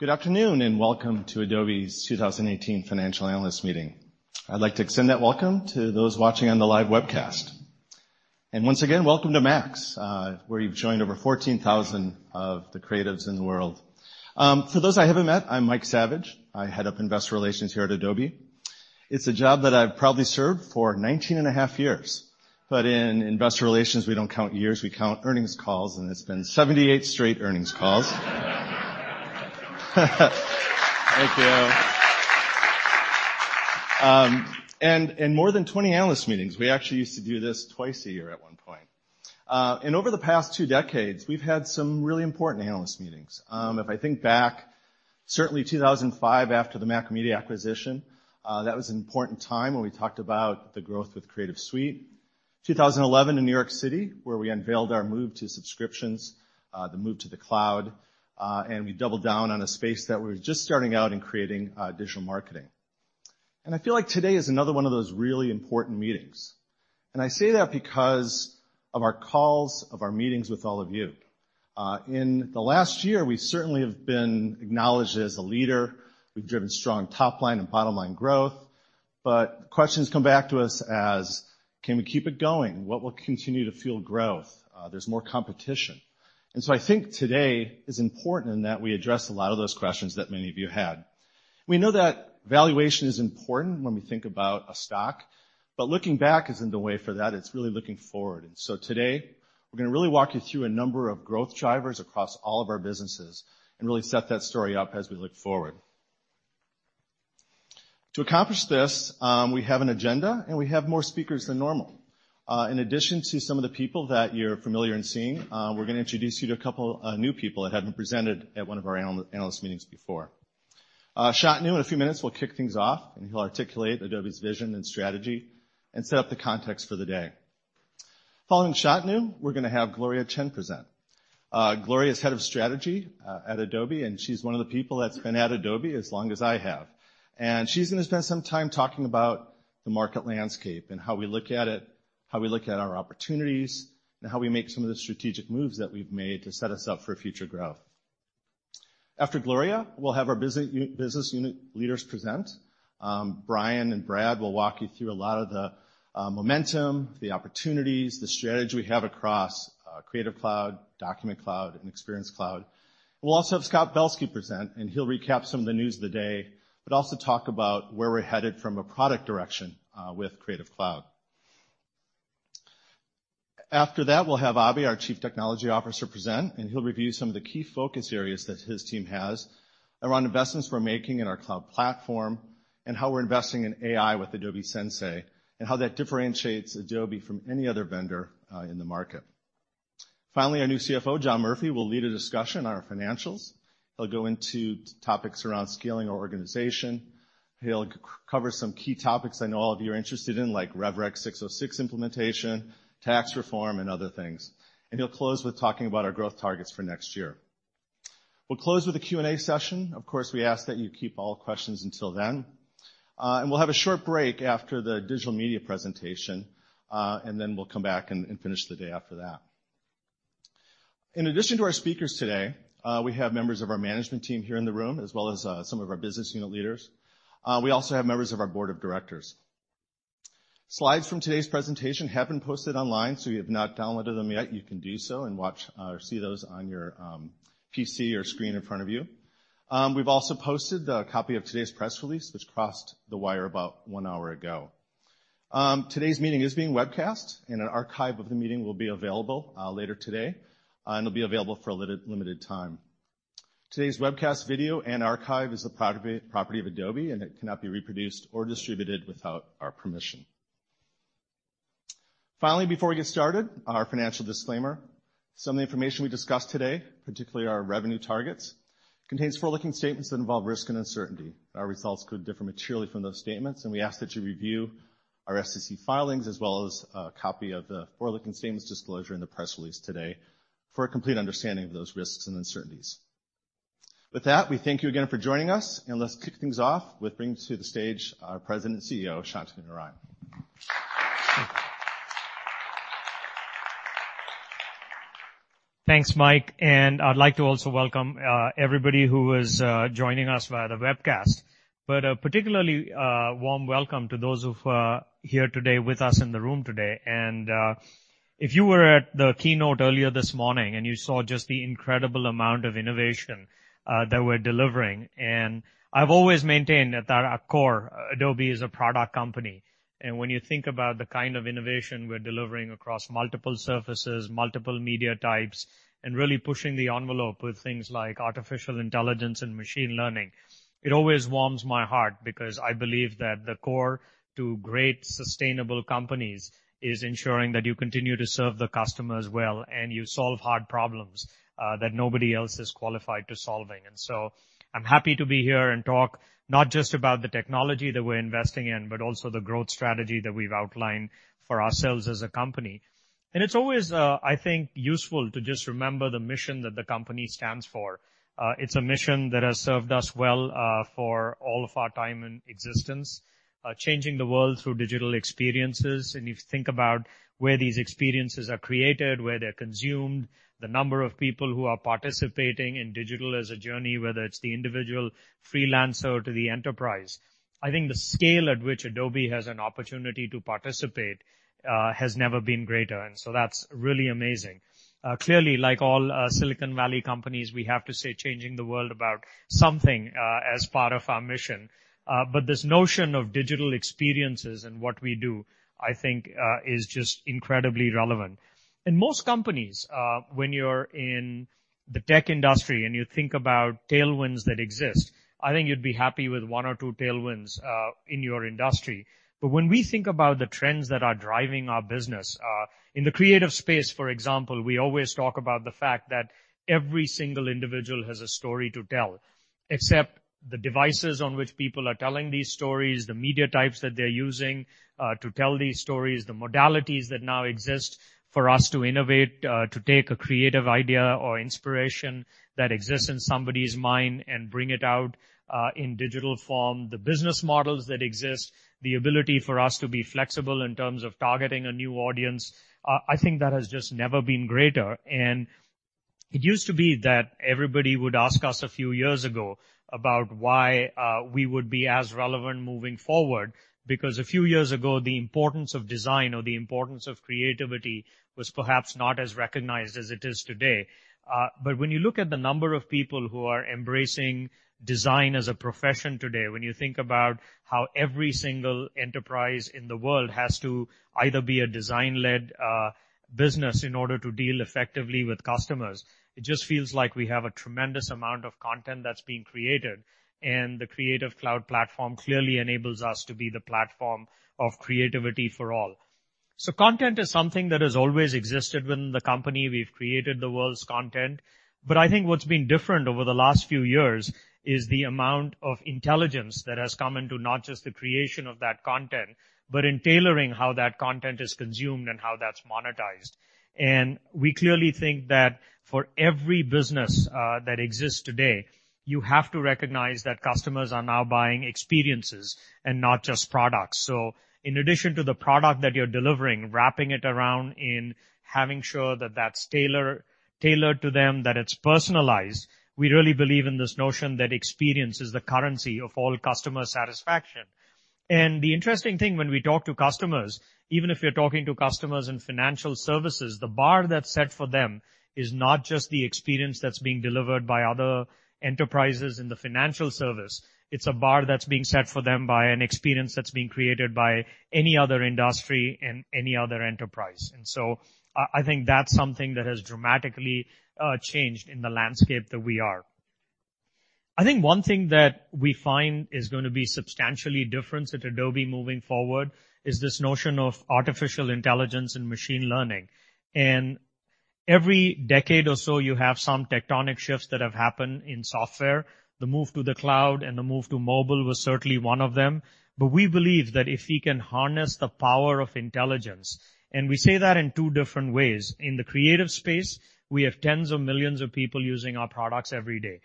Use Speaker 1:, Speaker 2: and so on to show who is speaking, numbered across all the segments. Speaker 1: Good afternoon, and welcome to Adobe's 2018 Financial Analyst Meeting. I'd like to extend that welcome to those watching on the live webcast. Once again, welcome to MAX, where you've joined over 14,000 of the creatives in the world. For those I haven't met, I'm Mike Saviage. I head up investor relations here at Adobe. It's a job that I've proudly served for 19 and a half years. In investor relations, we don't count years, we count earnings calls, and it's been 78 straight earnings calls. Thank you. More than 20 analyst meetings. We actually used to do this twice a year at one point. Over the past two decades, we've had some really important analyst meetings. If I think back, certainly 2005, after the Macromedia acquisition, that was an important time when we talked about the growth with Creative Suite. 2011 in New York City, where we unveiled our move to subscriptions, the move to the cloud, and we doubled down on a space that we were just starting out in creating digital marketing. I feel like today is another one of those really important meetings. I say that because of our calls, of our meetings with all of you. In the last year, we certainly have been acknowledged as a leader. We've driven strong top-line and bottom-line growth. Questions come back to us as, "Can we keep it going? What will continue to fuel growth? There's more competition." I think today is important in that we address a lot of those questions that many of you had. We know that valuation is important when we think about a stock, but looking back isn't the way for that, it's really looking forward. Today, we're going to really walk you through a number of growth drivers across all of our businesses and really set that story up as we look forward. To accomplish this, we have an agenda, and we have more speakers than normal. In addition to some of the people that you're familiar in seeing, we're going to introduce you to a couple new people that haven't presented at one of our analyst meetings before. Shantanu, in a few minutes, will kick things off, and he'll articulate Adobe's vision and strategy and set up the context for the day. Following Shantanu, we're going to have Gloria Chen present. Gloria is Head of Strategy at Adobe, and she's one of the people that's been at Adobe as long as I have. She's going to spend some time talking about the market landscape and how we look at it, how we look at our opportunities, and how we make some of the strategic moves that we've made to set us up for future growth. After Gloria, we'll have our business unit leaders present. Bryan and Brad will walk you through a lot of the momentum, the opportunities, the strategy we have across Creative Cloud, Document Cloud, and Experience Cloud. We'll also have Scott Belsky present, and he'll recap some of the news of the day, but also talk about where we're headed from a product direction with Creative Cloud. After that, we'll have Abhay, our Chief Technology Officer, present. He'll review some of the key focus areas that his team has around investments we're making in our cloud platform and how we're investing in AI with Adobe Sensei, and how that differentiates Adobe from any other vendor in the market. Finally, our new CFO, John Murphy, will lead a discussion on our financials. He'll go into topics around scaling our organization. He'll cover some key topics I know all of you are interested in, like ASC 606 implementation, tax reform, and other things. He'll close with talking about our growth targets for next year. We'll close with a Q&A session. Of course, we ask that you keep all questions until then. We'll have a short break after the Digital Media presentation, and then we'll come back and finish the day after that. In addition to our speakers today, we have members of our management team here in the room, as well as some of our business unit leaders. We also have members of our board of directors. Slides from today's presentation have been posted online, so if you have not downloaded them yet, you can do so and watch or see those on your PC or screen in front of you. We've also posted the copy of today's press release, which crossed the wire about one hour ago. Today's meeting is being webcast. An archive of the meeting will be available later today, and it'll be available for a limited time. Today's webcast video and archive is the property of Adobe. It cannot be reproduced or distributed without our permission. Finally, before we get started, our financial disclaimer. Some of the information we discuss today, particularly our revenue targets, contains forward-looking statements that involve risk and uncertainty. Our results could differ materially from those statements. We ask that you review our SEC filings as well as a copy of the forward-looking statements disclosure in the press release today for a complete understanding of those risks and uncertainties. With that, we thank you again for joining us. Let's kick things off with bringing to the stage our President and CEO, Shantanu Narayen.
Speaker 2: Thanks, Mike. I'd like to also welcome everybody who is joining us via the webcast. A particularly warm welcome to those who've here today with us in the room today. If you were at the keynote earlier this morning and you saw just the incredible amount of innovation that we're delivering. I've always maintained that at our core, Adobe is a product company. When you think about the kind of innovation we're delivering across multiple surfaces, multiple media types, and really pushing the envelope with things like artificial intelligence and machine learning, it always warms my heart because I believe that the core to great, sustainable companies is ensuring that you continue to serve the customers well, and you solve hard problems that nobody else is qualified to solving. I'm happy to be here and talk not just about the technology that we're investing in, but also the growth strategy that we've outlined for ourselves as a company. It's always, I think, useful to just remember the mission that the company stands for. It's a mission that has served us well for all of our time in existence, changing the world through digital experiences. If you think about where these experiences are created, where they're consumed, the number of people who are participating in digital as a journey, whether it's the individual freelancer to the enterprise, I think the scale at which Adobe has an opportunity to participate has never been greater. That's really amazing. Clearly, like all Silicon Valley companies, we have to say changing the world about something as part of our mission. This notion of digital experiences and what we do, I think, is just incredibly relevant. In most companies, when you're in the tech industry and you think about tailwinds that exist, I think you'd be happy with one or two tailwinds in your industry. When we think about the trends that are driving our business, in the creative space, for example, we always talk about the fact that every single individual has a story to tell, except the devices on which people are telling these stories, the media types that they're using to tell these stories, the modalities that now exist for us to innovate to take a creative idea or inspiration that exists in somebody's mind and bring it out in digital form, the business models that exist, the ability for us to be flexible in terms of targeting a new audience, I think that has just never been greater. It used to be that everybody would ask us a few years ago about why we would be as relevant moving forward, because a few years ago, the importance of design or the importance of creativity was perhaps not as recognized as it is today. When you look at the number of people who are embracing design as a profession today, when you think about how every single enterprise in the world has to either be a design-led business in order to deal effectively with customers, it just feels like we have a tremendous amount of content that's being created, and the Creative Cloud platform clearly enables us to be the platform of creativity for all. Content is something that has always existed within the company. We've created the world's content. I think what's been different over the last few years is the amount of intelligence that has come into not just the creation of that content, but in tailoring how that content is consumed and how that's monetized. We clearly think that for every business that exists today, you have to recognize that customers are now buying experiences and not just products. In addition to the product that you're delivering, wrapping it around and having sure that that's tailored to them, that it's personalized, we really believe in this notion that experience is the currency of all customer satisfaction. The interesting thing when we talk to customers, even if you're talking to customers in financial services, the bar that's set for them is not just the experience that's being delivered by other enterprises in the financial services. It's a bar that's being set for them by an experience that's being created by any other industry and any other enterprise. I think that's something that has dramatically changed in the landscape that we are. I think one thing that we find is going to be substantially different at Adobe moving forward is this notion of artificial intelligence and machine learning. Every decade or so, you have some tectonic shifts that have happened in software. The move to the cloud and the move to mobile was certainly one of them. We believe that if we can harness the power of intelligence, and we say that in two different ways. In the creative space, we have tens of millions of people using our products every day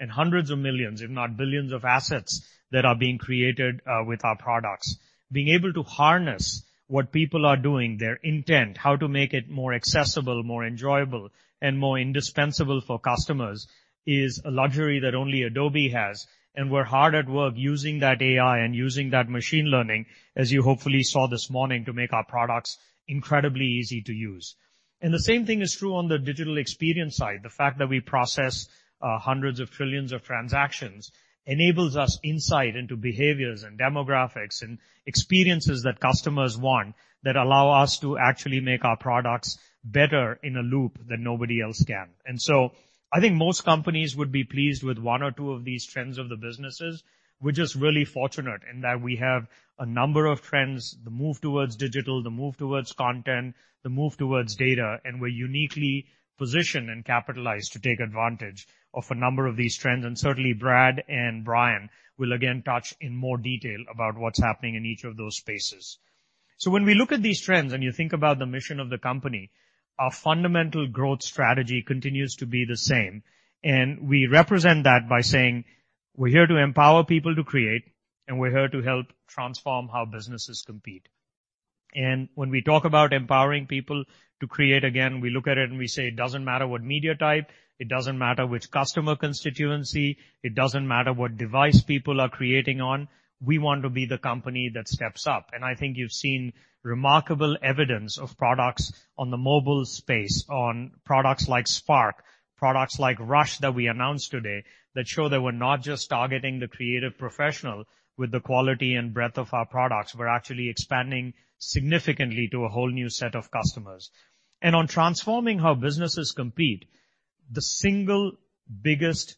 Speaker 2: and hundreds of millions, if not billions of assets that are being created with our products. Being able to harness what people are doing, their intent, how to make it more accessible, more enjoyable, and more indispensable for customers is a luxury that only Adobe has, and we're hard at work using that AI and using that machine learning, as you hopefully saw this morning, to make our products incredibly easy to use. The same thing is true on the digital experience side. The fact that we process hundreds of trillions of transactions enables us insight into behaviors and demographics and experiences that customers want that allow us to actually make our products better in a loop that nobody else can. I think most companies would be pleased with one or two of these trends of the businesses. We're just really fortunate in that we have a number of trends, the move towards digital, the move towards content, the move towards data, and we're uniquely positioned and capitalized to take advantage of a number of these trends. Certainly Brad and Bryan will again touch in more detail about what's happening in each of those spaces. When we look at these trends and you think about the mission of the company, our fundamental growth strategy continues to be the same, we represent that by saying we're here to empower people to create, we're here to help transform how businesses compete. When we talk about empowering people to create, again, we look at it and we say, it doesn't matter what media type, it doesn't matter which customer constituency, it doesn't matter what device people are creating on, we want to be the company that steps up. I think you've seen remarkable evidence of products on the mobile space, on products like Adobe Spark, products like Rush that we announced today, that show that we're not just targeting the creative professional with the quality and breadth of our products. We're actually expanding significantly to a whole new set of customers. On transforming how businesses compete, the single biggest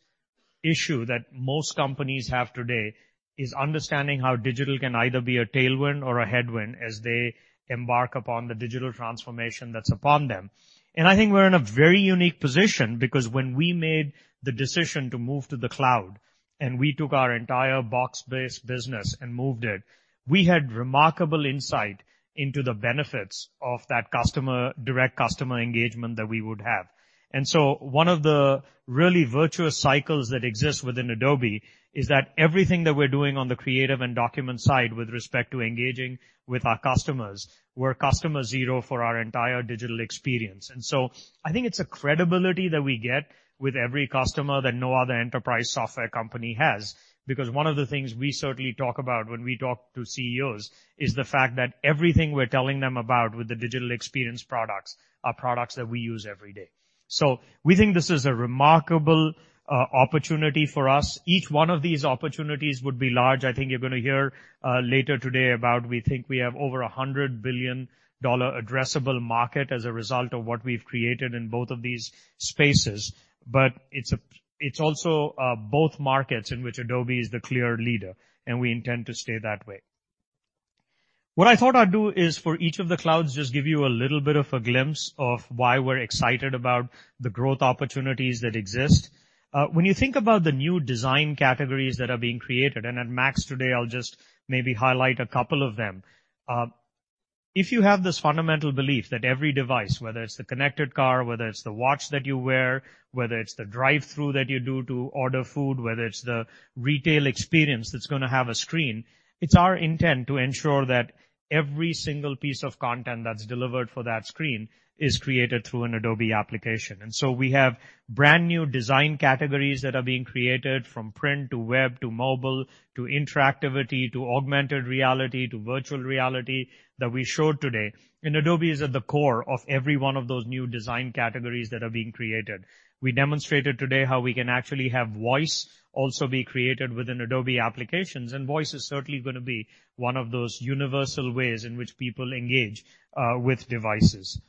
Speaker 2: issue that most companies have today is understanding how digital can either be a tailwind or a headwind as they embark upon the digital transformation that's upon them. I think we're in a very unique position because when we made the decision to move to the cloud, and we took our entire box-based business and moved it, we had remarkable insight into the benefits of that direct customer engagement that we would have. One of the really virtuous cycles that exist within Adobe is that everything that we're doing on the creative and document side with respect to engaging with our customers, we're customer zero for our entire digital experience. I think it's a credibility that we get with every customer that no other enterprise software company has, because one of the things we certainly talk about when we talk to CEOs is the fact that everything we're telling them about with the digital experience products are products that we use every day. We think this is a remarkable opportunity for us. Each one of these opportunities would be large. I think you're going to hear later today about, we think we have over $100 billion addressable market as a result of what we've created in both of these spaces. It's also both markets in which Adobe is the clear leader, and we intend to stay that way. What I thought I'd do is for each of the clouds, just give you a little bit of a glimpse of why we're excited about the growth opportunities that exist. When you think about the new design categories that are being created, and at Adobe MAX today, I'll just maybe highlight a couple of them. If you have this fundamental belief that every device, whether it's the connected car, whether it's the watch that you wear, whether it's the drive-through that you do to order food, whether it's the retail experience that's going to have a screen, it's our intent to ensure that every single piece of content that's delivered for that screen is created through an Adobe application. We have brand-new design categories that are being created from print to web to mobile to interactivity to augmented reality to virtual reality that we showed today. Adobe is at the core of every one of those new design categories that are being created. We demonstrated today how we can actually have voice also be created within Adobe applications, and voice is certainly going to be one of those universal ways in which people engage with devices.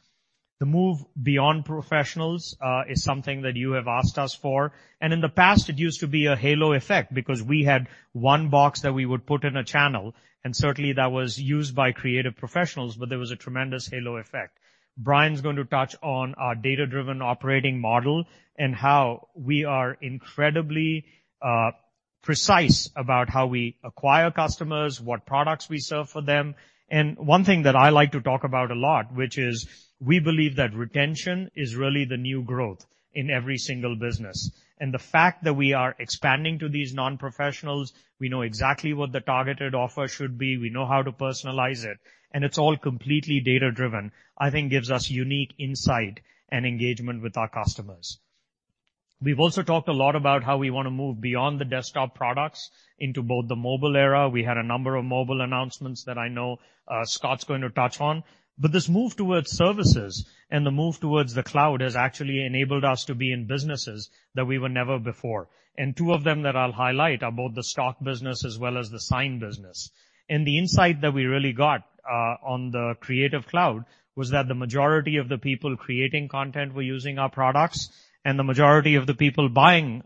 Speaker 2: The move beyond professionals is something that you have asked us for. In the past, it used to be a halo effect because we had one box that we would put in a channel, and certainly, that was used by creative professionals, but there was a tremendous halo effect. Bryan's going to touch on our Data-Driven Operating Model and how we are incredibly precise about how we acquire customers, what products we sell for them. One thing that I like to talk about a lot, which is we believe that retention is really the new growth in every single business. The fact that we are expanding to these non-professionals, we know exactly what the targeted offer should be, we know how to personalize it, and it's all completely data-driven, I think gives us unique insight and engagement with our customers. We've also talked a lot about how we want to move beyond the desktop products into both the mobile era. We had a number of mobile announcements that I know Scott's going to touch on. This move towards services and the move towards the cloud has actually enabled us to be in businesses that we were never before. Two of them that I'll highlight are both the Stock business as well as the Sign business. The insight that we really got on the Creative Cloud was that the majority of the people creating content were using our products, and the majority of the people buying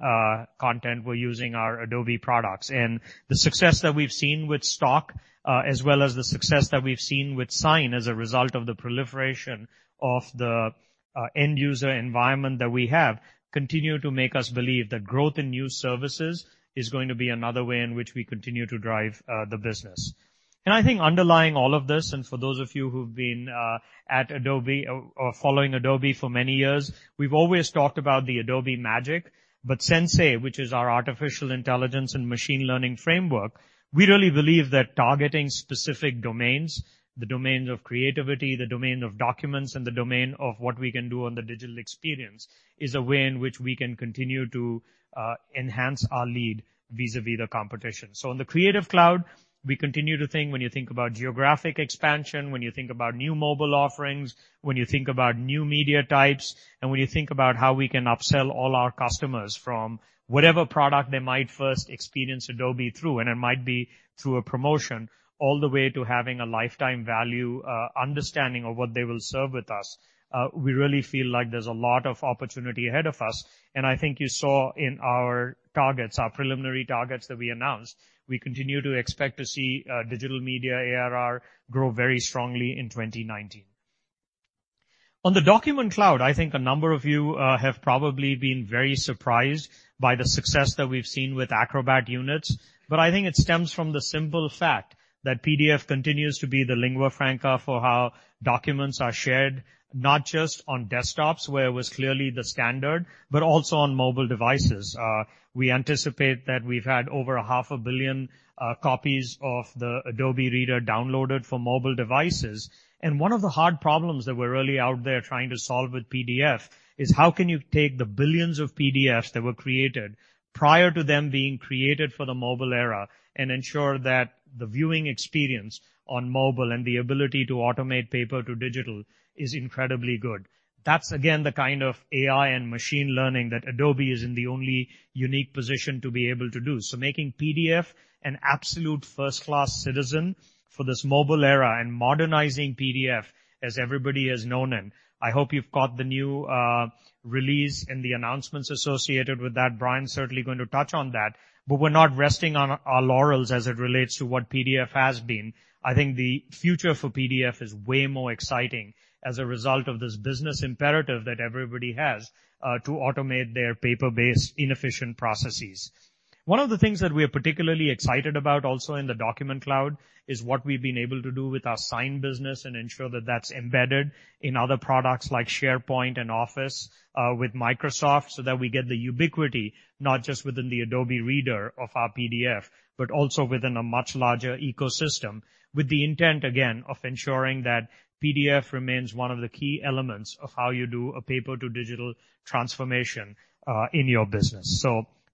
Speaker 2: content were using our Adobe products. The success that we've seen with Stock, as well as the success that we've seen with Sign as a result of the proliferation of the end-user environment that we have, continue to make us believe that growth in new services is going to be another way in which we continue to drive the business. I think underlying all of this, and for those of you who've been at Adobe or following Adobe for many years, we've always talked about the Adobe Magic, but Sensei, which is our artificial intelligence and machine learning framework, we really believe that targeting specific domains, the domain of creativity, the domain of documents, and the domain of what we can do on the Digital Experience, is a way in which we can continue to enhance our lead vis-à-vis the competition. In the Creative Cloud, we continue to think when you think about geographic expansion, when you think about new mobile offerings, when you think about new media types, when you think about how we can upsell all our customers from whatever product they might first experience Adobe through, it might be through a promotion, all the way to having a lifetime value understanding of what they will serve with us. We really feel like there's a lot of opportunity ahead of us. I think you saw in our targets, our preliminary targets that we announced, we continue to expect to see Digital Media ARR grow very strongly in 2019. On the Document Cloud, I think a number of you have probably been very surprised by the success that we've seen with Acrobat units. I think it stems from the simple fact that PDF continues to be the lingua franca for how documents are shared, not just on desktops, where it was clearly the standard, but also on mobile devices. We anticipate that we've had over a half a billion copies of the Acrobat Reader downloaded for mobile devices. One of the hard problems that we're really out there trying to solve with PDF is how can you take the billions of PDFs that were created prior to them being created for the mobile era and ensure that the viewing experience on mobile and the ability to automate paper to digital is incredibly good. That's, again, the kind of AI and machine learning that Adobe is in the only unique position to be able to do. Making PDF an absolute first-class citizen for this mobile era and modernizing PDF as everybody has known it. I hope you've got the new release and the announcements associated with that. Bryan's certainly going to touch on that, we're not resting on our laurels as it relates to what PDF has been. I think the future for PDF is way more exciting as a result of this business imperative that everybody has to automate their paper-based inefficient processes. One of the things that we are particularly excited about also in the Document Cloud is what we've been able to do with our Sign business and ensure that that's embedded in other products like SharePoint and Office with Microsoft, that we get the ubiquity, not just within the Acrobat Reader of our PDF, but also within a much larger ecosystem, with the intent, again, of ensuring that PDF remains one of the key elements of how you do a paper to digital transformation in your business.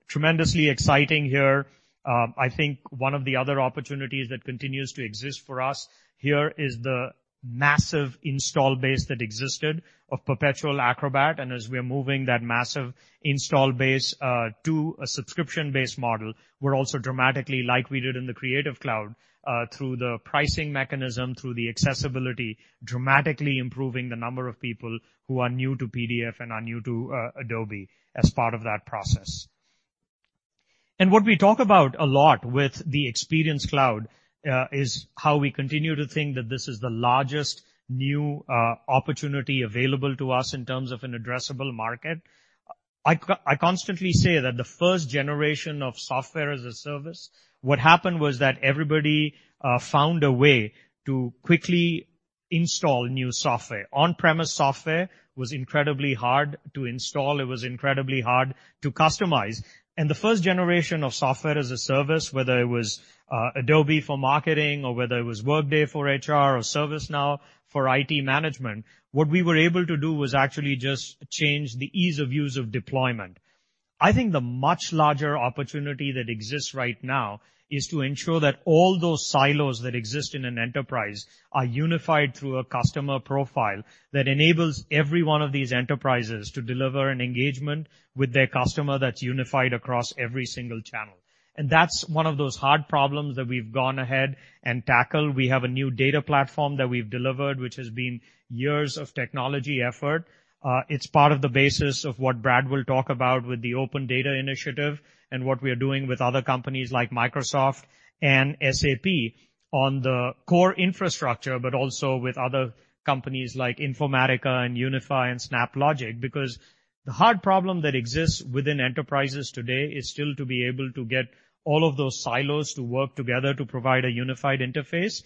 Speaker 2: Tremendously exciting here. I think one of the other opportunities that continues to exist for us here is the massive install base that existed of perpetual Acrobat, as we're moving that massive install base to a subscription-based model, we're also dramatically, like we did in the Creative Cloud, through the pricing mechanism, through the accessibility, dramatically improving the number of people who are new to PDF and are new to Adobe as part of that process. What we talk about a lot with the Experience Cloud is how we continue to think that this is the largest new opportunity available to us in terms of an addressable market. I constantly say that the first generation of software as a service, what happened was that everybody found a way to quickly install new software. On-premise software was incredibly hard to install. It was incredibly hard to customize. The first generation of software as a service, whether it was Adobe for marketing or whether it was Workday for HR or ServiceNow for IT management, what we were able to do was actually just change the ease of use of deployment. I think the much larger opportunity that exists right now is to ensure that all those silos that exist in an enterprise are unified through a customer profile that enables every one of these enterprises to deliver an engagement with their customer that's unified across every single channel. That's one of those hard problems that we've gone ahead and tackled. We have a new data platform that we've delivered, which has been years of technology effort. It's part of the basis of what Brad will talk about with the Open Data Initiative and what we are doing with other companies like Microsoft and SAP on the core infrastructure, but also with other companies like Informatica and Unify and SnapLogic. The hard problem that exists within enterprises today is still to be able to get all of those silos to work together to provide a unified interface.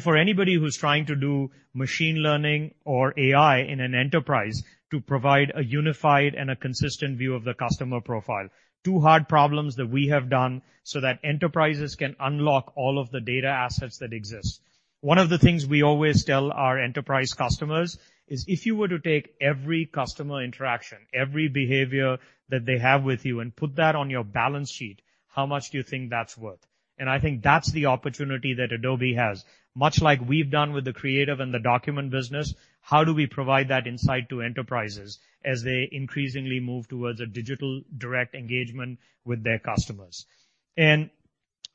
Speaker 2: For anybody who's trying to do machine learning or AI in an enterprise to provide a unified and a consistent view of the customer profile, two hard problems that we have done so that enterprises can unlock all of the data assets that exist. One of the things we always tell our enterprise customers is if you were to take every customer interaction, every behavior that they have with you and put that on your balance sheet, how much do you think that's worth? I think that's the opportunity that Adobe has. Much like we've done with the creative and the document business, how do we provide that insight to enterprises as they increasingly move towards a digital direct engagement with their customers?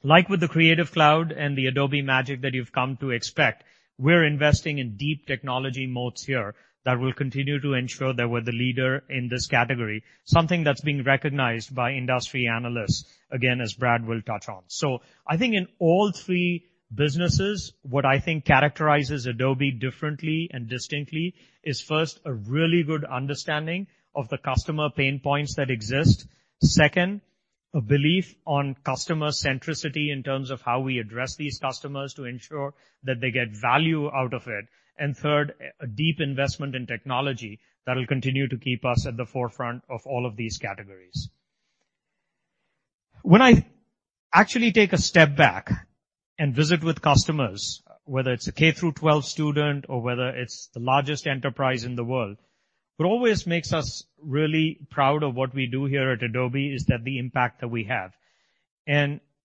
Speaker 2: Like with the Creative Cloud and the Adobe magic that you've come to expect, we're investing in deep technology moats here that will continue to ensure that we're the leader in this category, something that's being recognized by industry analysts, again, as Brad will touch on. I think in all three businesses, what I think characterizes Adobe differently and distinctly is first, a really good understanding of the customer pain points that exist. Second, a belief on customer centricity in terms of how we address these customers to ensure that they get value out of it. Third, a deep investment in technology that will continue to keep us at the forefront of all of these categories. When I actually take a step back and visit with customers, whether it's a K through 12 student or whether it's the largest enterprise in the world, what always makes us really proud of what we do here at Adobe is that the impact that we have.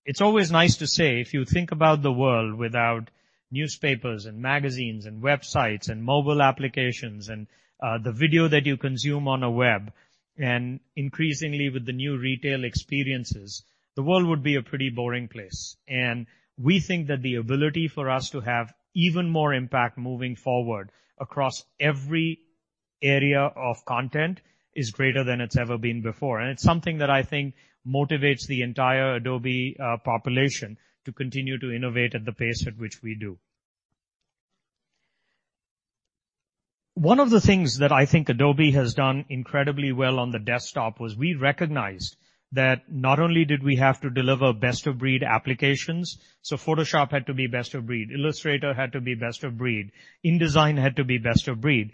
Speaker 2: It's always nice to say, if you think about the world without newspapers and magazines and websites and mobile applications and the video that you consume on a web, and increasingly with the new retail experiences, the world would be a pretty boring place. We think that the ability for us to have even more impact moving forward across every area of content is greater than it's ever been before. It's something that I think motivates the entire Adobe population to continue to innovate at the pace at which we do. One of the things that I think Adobe has done incredibly well on the desktop was we recognized that not only did we have to deliver best-of-breed applications, so Photoshop had to be best of breed, Illustrator had to be best of breed, InDesign had to be best of breed.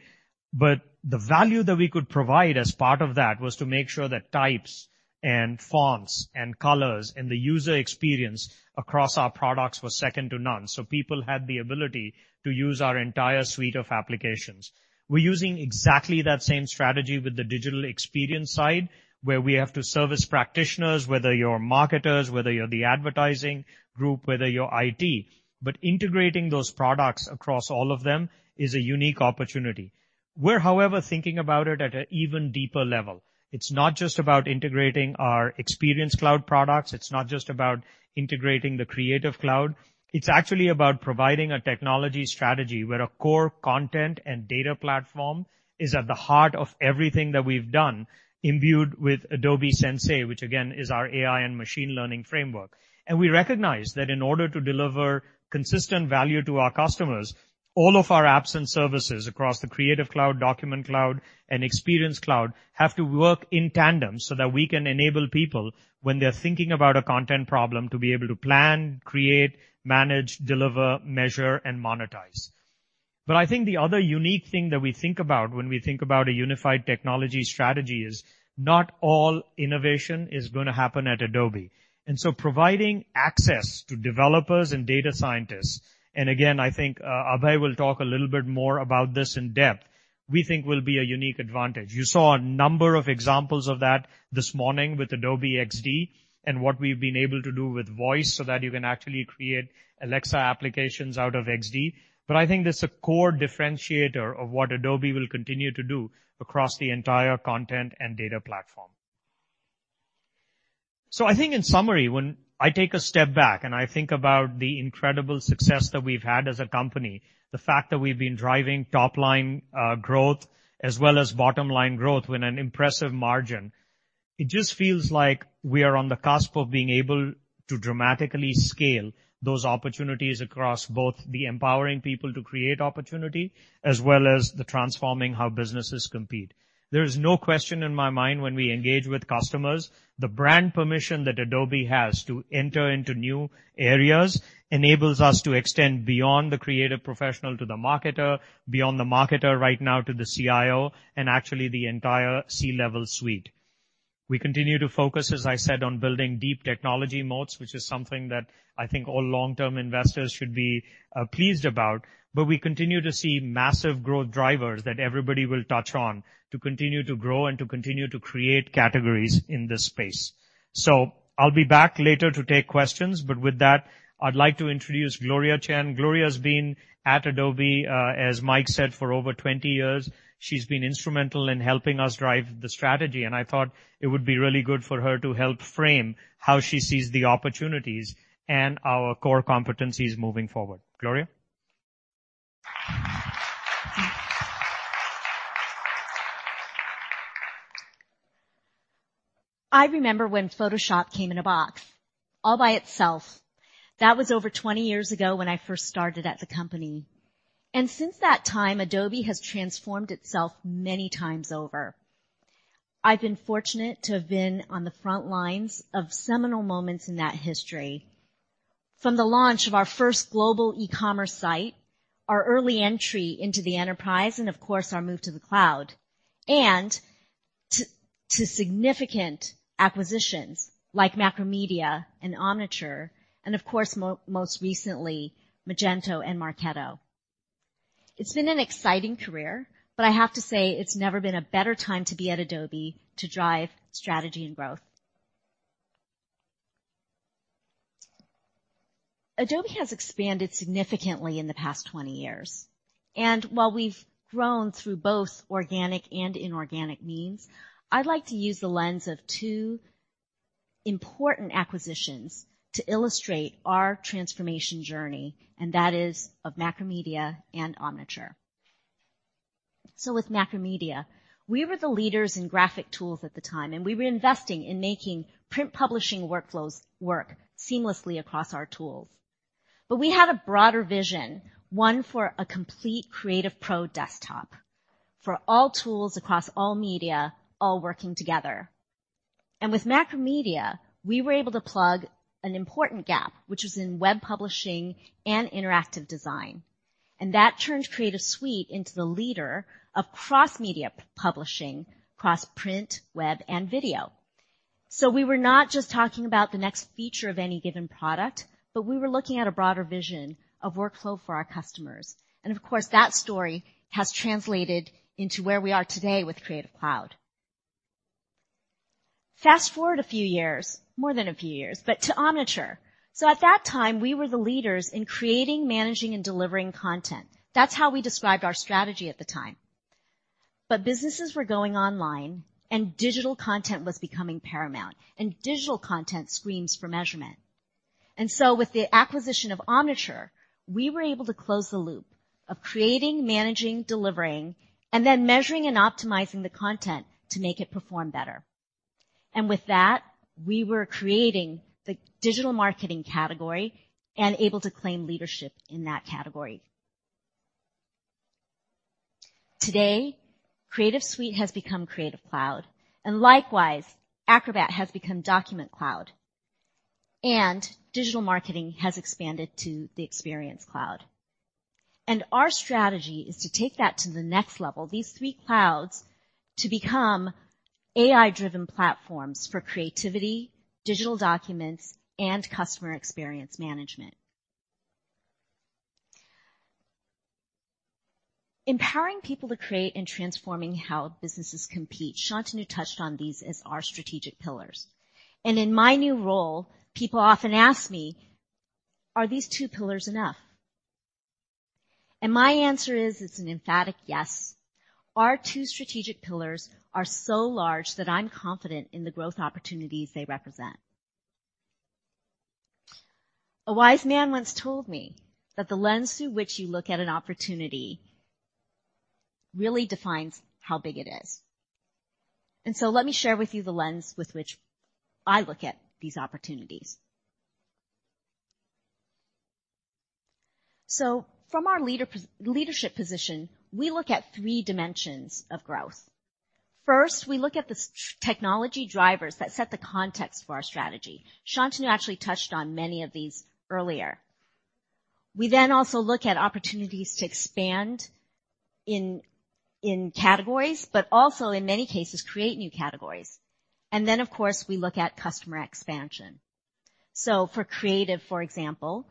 Speaker 2: The value that we could provide as part of that was to make sure that types and fonts and colors and the user experience across our products were second to none. People had the ability to use our entire suite of applications. We're using exactly that same strategy with the digital experience side, where we have to service practitioners, whether you're marketers, whether you're the advertising group, whether you're IT. Integrating those products across all of them is a unique opportunity. We're, however, thinking about it at an even deeper level. It's not just about integrating our Experience Cloud products. It's not just about integrating the Creative Cloud. It's actually about providing a technology strategy where a core content and data platform is at the heart of everything that we've done, imbued with Adobe Sensei, which again is our AI and machine learning framework. We recognize that in order to deliver consistent value to our customers, all of our apps and services across the Creative Cloud, Document Cloud, and Experience Cloud have to work in tandem so that we can enable people when they're thinking about a content problem, to be able to plan, create, manage, deliver, measure, and monetize. I think the other unique thing that we think about when we think about a unified technology strategy is not all innovation is going to happen at Adobe. Providing access to developers and data scientists, and again, I think Abhay will talk a little bit more about this in depth, we think will be a unique advantage. You saw a number of examples of that this morning with Adobe XD and what we've been able to do with voice so that you can actually create Alexa applications out of XD. I think that's a core differentiator of what Adobe will continue to do across the entire content and data platform. I think in summary, when I take a step back and I think about the incredible success that we've had as a company, the fact that we've been driving top-line growth as well as bottom-line growth with an impressive margin, it just feels like we are on the cusp of being able to dramatically scale those opportunities across both the empowering people to create opportunity as well as the transforming how businesses compete. There is no question in my mind when we engage with customers, the brand permission that Adobe has to enter into new areas enables us to extend beyond the creative professional to the marketer, beyond the marketer right now to the CIO, and actually the entire C-level suite. We continue to focus, as I said, on building deep technology moats, which is something that I think all long-term investors should be pleased about. We continue to see massive growth drivers that everybody will touch on to continue to grow and to continue to create categories in this space. I'll be back later to take questions, but with that, I'd like to introduce Gloria Chen. Gloria's been at Adobe, as Mike said, for over 20 years. She's been instrumental in helping us drive the strategy, and I thought it would be really good for her to help frame how she sees the opportunities and our core competencies moving forward. Gloria?
Speaker 3: I remember when Photoshop came in a box all by itself. That was over 20 years ago when I first started at the company. Since that time, Adobe has transformed itself many times over. I've been fortunate to have been on the front lines of seminal moments in that history. From the launch of our first global e-commerce site, our early entry into the enterprise, and of course, our move to the cloud, and to significant acquisitions like Macromedia and Omniture, and of course, most recently, Magento and Marketo. It's been an exciting career, but I have to say it's never been a better time to be at Adobe to drive strategy and growth. Adobe has expanded significantly in the past 20 years, and while we've grown through both organic and inorganic means, I'd like to use the lens of two important acquisitions to illustrate our transformation journey, and that is of Macromedia and Omniture. With Macromedia, we were the leaders in graphic tools at the time, and we were investing in making print publishing workflows work seamlessly across our tools. We had a broader vision, one for a complete creative pro desktop. For all tools across all media, all working together. With Macromedia, we were able to plug an important gap, which was in web publishing and interactive design. That turned Creative Suite into the leader of cross-media publishing, cross-print, web, and video. We were not just talking about the next feature of any given product, but we were looking at a broader vision of workflow for our customers. Of course, that story has translated into where we are today with Creative Cloud. Fast-forward a few years, more than a few years, but to Omniture. At that time, we were the leaders in creating, managing, and delivering content. That's how we described our strategy at the time. Businesses were going online, and digital content was becoming paramount, and digital content screams for measurement. With the acquisition of Omniture, we were able to close the loop of creating, managing, delivering, and then measuring and optimizing the content to make it perform better. With that, we were creating the digital marketing category and able to claim leadership in that category. Today, Creative Suite has become Creative Cloud, likewise, Acrobat has become Document Cloud. Digital marketing has expanded to the Experience Cloud. Our strategy is to take that to the next level, these three clouds, to become AI-driven platforms for creativity, digital documents, and customer experience management. Empowering people to create and transforming how businesses compete. Shantanu touched on these as our strategic pillars. In my new role, people often ask me, "Are these two pillars enough?" My answer is, it's an emphatic yes. Our two strategic pillars are so large that I'm confident in the growth opportunities they represent. A wise man once told me that the lens through which you look at an opportunity really defines how big it is. Let me share with you the lens with which I look at these opportunities. From our leadership position, we look at three dimensions of growth. First, we look at the technology drivers that set the context for our strategy. Shantanu actually touched on many of these earlier. We also look at opportunities to expand in categories, but also in many cases, create new categories. Of course, we look at customer expansion. For Creative, for example,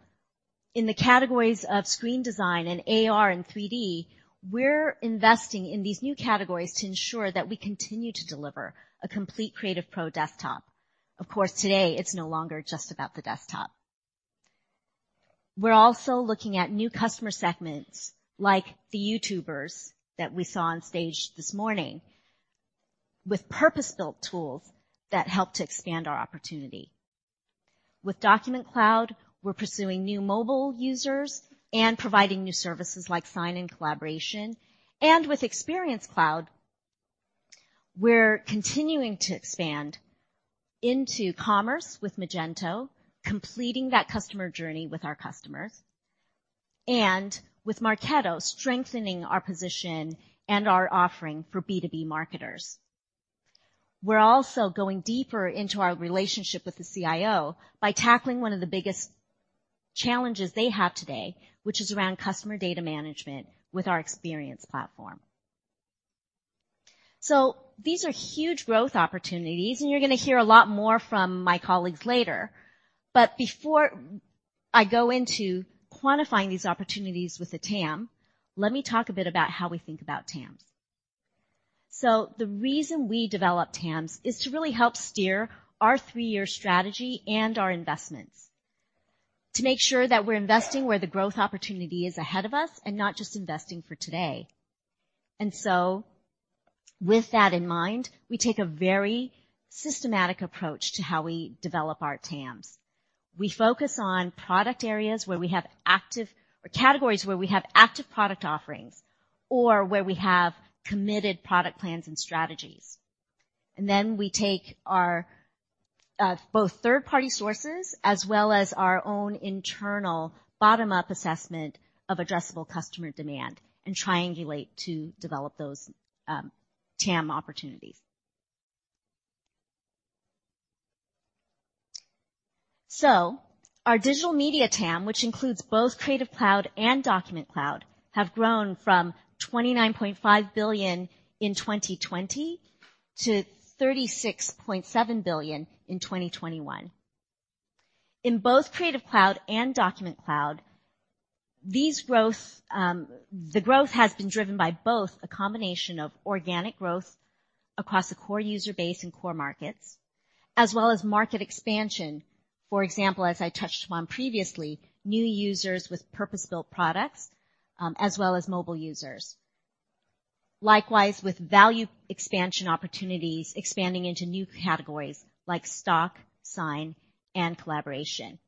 Speaker 3: in the categories of screen design and AR and 3D, we're investing in these new categories to ensure that we continue to deliver a complete Creative Pro desktop. Of course, today, it's no longer just about the desktop. We're also looking at new customer segments like the YouTubers that we saw on stage this morning, with purpose-built tools that help to expand our opportunity. With Document Cloud, we're pursuing new mobile users and providing new services like sign-in collaboration. With Experience Cloud, we're continuing to expand into commerce with Magento, completing that customer journey with our customers. With Marketo, strengthening our position and our offering for B2B marketers. We're also going deeper into our relationship with the CIO by tackling one of the biggest challenges they have today, which is around customer data management with our Experience Platform. These are huge growth opportunities, and you're going to hear a lot more from my colleagues later. Before I go into quantifying these opportunities with the TAM, let me talk a bit about how we think about TAMs. The reason we develop TAMs is to really help steer our three-year strategy and our investments to make sure that we're investing where the growth opportunity is ahead of us and not just investing for today. With that in mind, we take a very systematic approach to how we develop our TAMs. We focus on product areas where we have active categories, where we have active product offerings, or where we have committed product plans and strategies. We take our both third-party sources as well as our own internal bottom-up assessment of addressable customer demand and triangulate to develop those TAM opportunities. Our digital media TAM, which includes both Creative Cloud and Document Cloud, have grown from $29.5 billion in 2020 to $36.7 billion in 2021. In both Creative Cloud and Document Cloud, the growth has been driven by both a combination of organic growth across the core user base and core markets, as well as market expansion. For example, as I touched upon previously, new users with purpose-built products, as well as mobile users. Likewise, with value expansion opportunities expanding into new categories like Stock, Sign, and collaboration.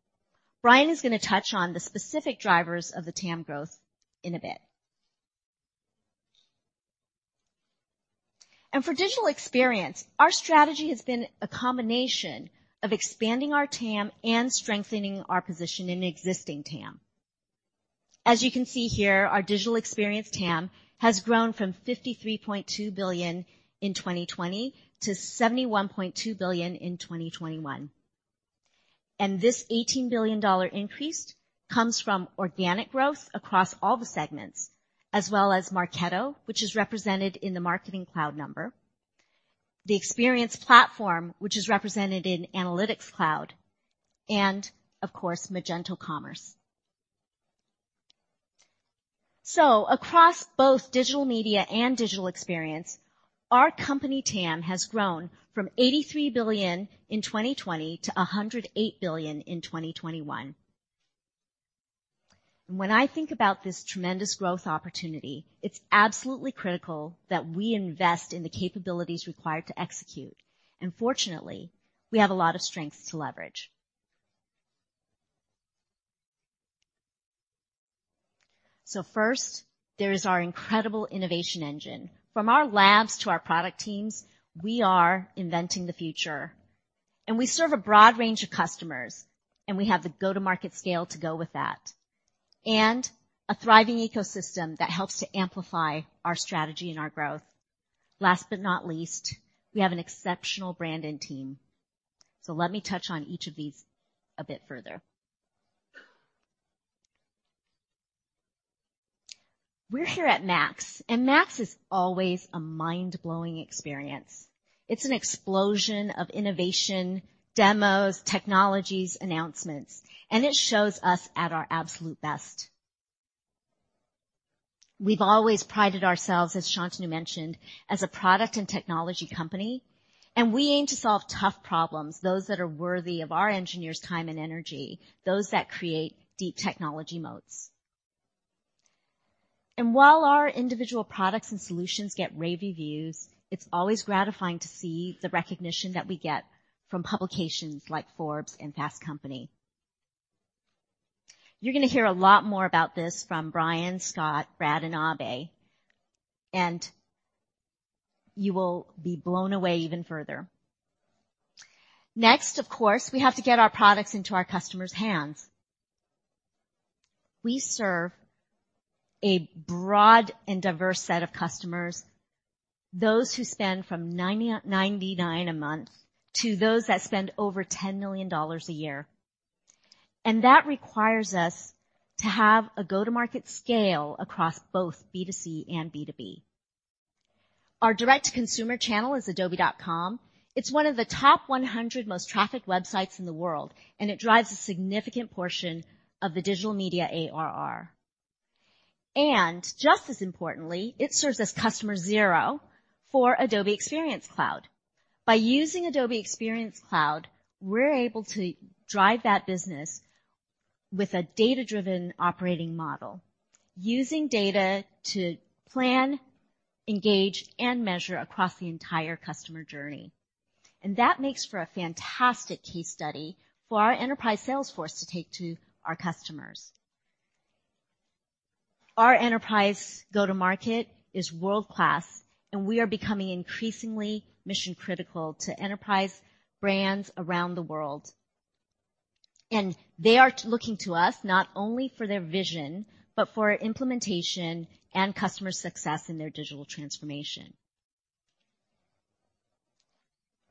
Speaker 3: Bryan is going to touch on the specific drivers of the TAM growth in a bit. For digital experience, our strategy has been a combination of expanding our TAM and strengthening our position in existing TAM. As you can see here, our digital experience TAM has grown from $53.2 billion in 2020 to $71.2 billion in 2021. This $18 billion increase comes from organic growth across all the segments, as well as Marketo, which is represented in the Marketing Cloud number, the Experience Platform, which is represented in Analytics Cloud, and, of course, Magento Commerce. Across both digital media and digital experience, our company TAM has grown from $83 billion in 2020 to $108 billion in 2021. When I think about this tremendous growth opportunity, it's absolutely critical that we invest in the capabilities required to execute. Fortunately, we have a lot of strengths to leverage. First, there is our incredible innovation engine. From our labs to our product teams, we are inventing the future. We serve a broad range of customers, and we have the go-to-market scale to go with that, and a thriving ecosystem that helps to amplify our strategy and our growth. Last but not least, we have an exceptional brand and team. Let me touch on each of these a bit further. We're here at MAX, and MAX is always a mind-blowing experience. It's an explosion of innovation, demos, technologies, announcements, and it shows us at our absolute best. We've always prided ourselves, as Shantanu mentioned, as a product and technology company, and we aim to solve tough problems, those that are worthy of our engineers' time and energy, those that create deep technology moats. While our individual products and solutions get rave reviews, it's always gratifying to see the recognition that we get from publications like Forbes and Fast Company. You're going to hear a lot more about this from Bryan, Scott, Brad, and Abhay, and you will be blown away even further. Next, of course, we have to get our products into our customers' hands. We serve a broad and diverse set of customers, those who spend from $9.99 a month to those that spend over $10 million a year. That requires us to have a go-to-market scale across both B2C and B2B. Our direct-to-consumer channel is adobe.com. It's one of the top 100 most trafficked websites in the world, and it drives a significant portion of the digital media ARR. Just as importantly, it serves as customer zero for Adobe Experience Cloud. By using Adobe Experience Cloud, we're able to drive that business with a Data-Driven Operating Model using data to plan, engage, and measure across the entire customer journey. That makes for a fantastic case study for our enterprise sales force to take to our customers. Our enterprise go-to-market is world-class, and we are becoming increasingly mission-critical to enterprise brands around the world. They are looking to us not only for their vision, but for implementation and customer success in their digital transformation.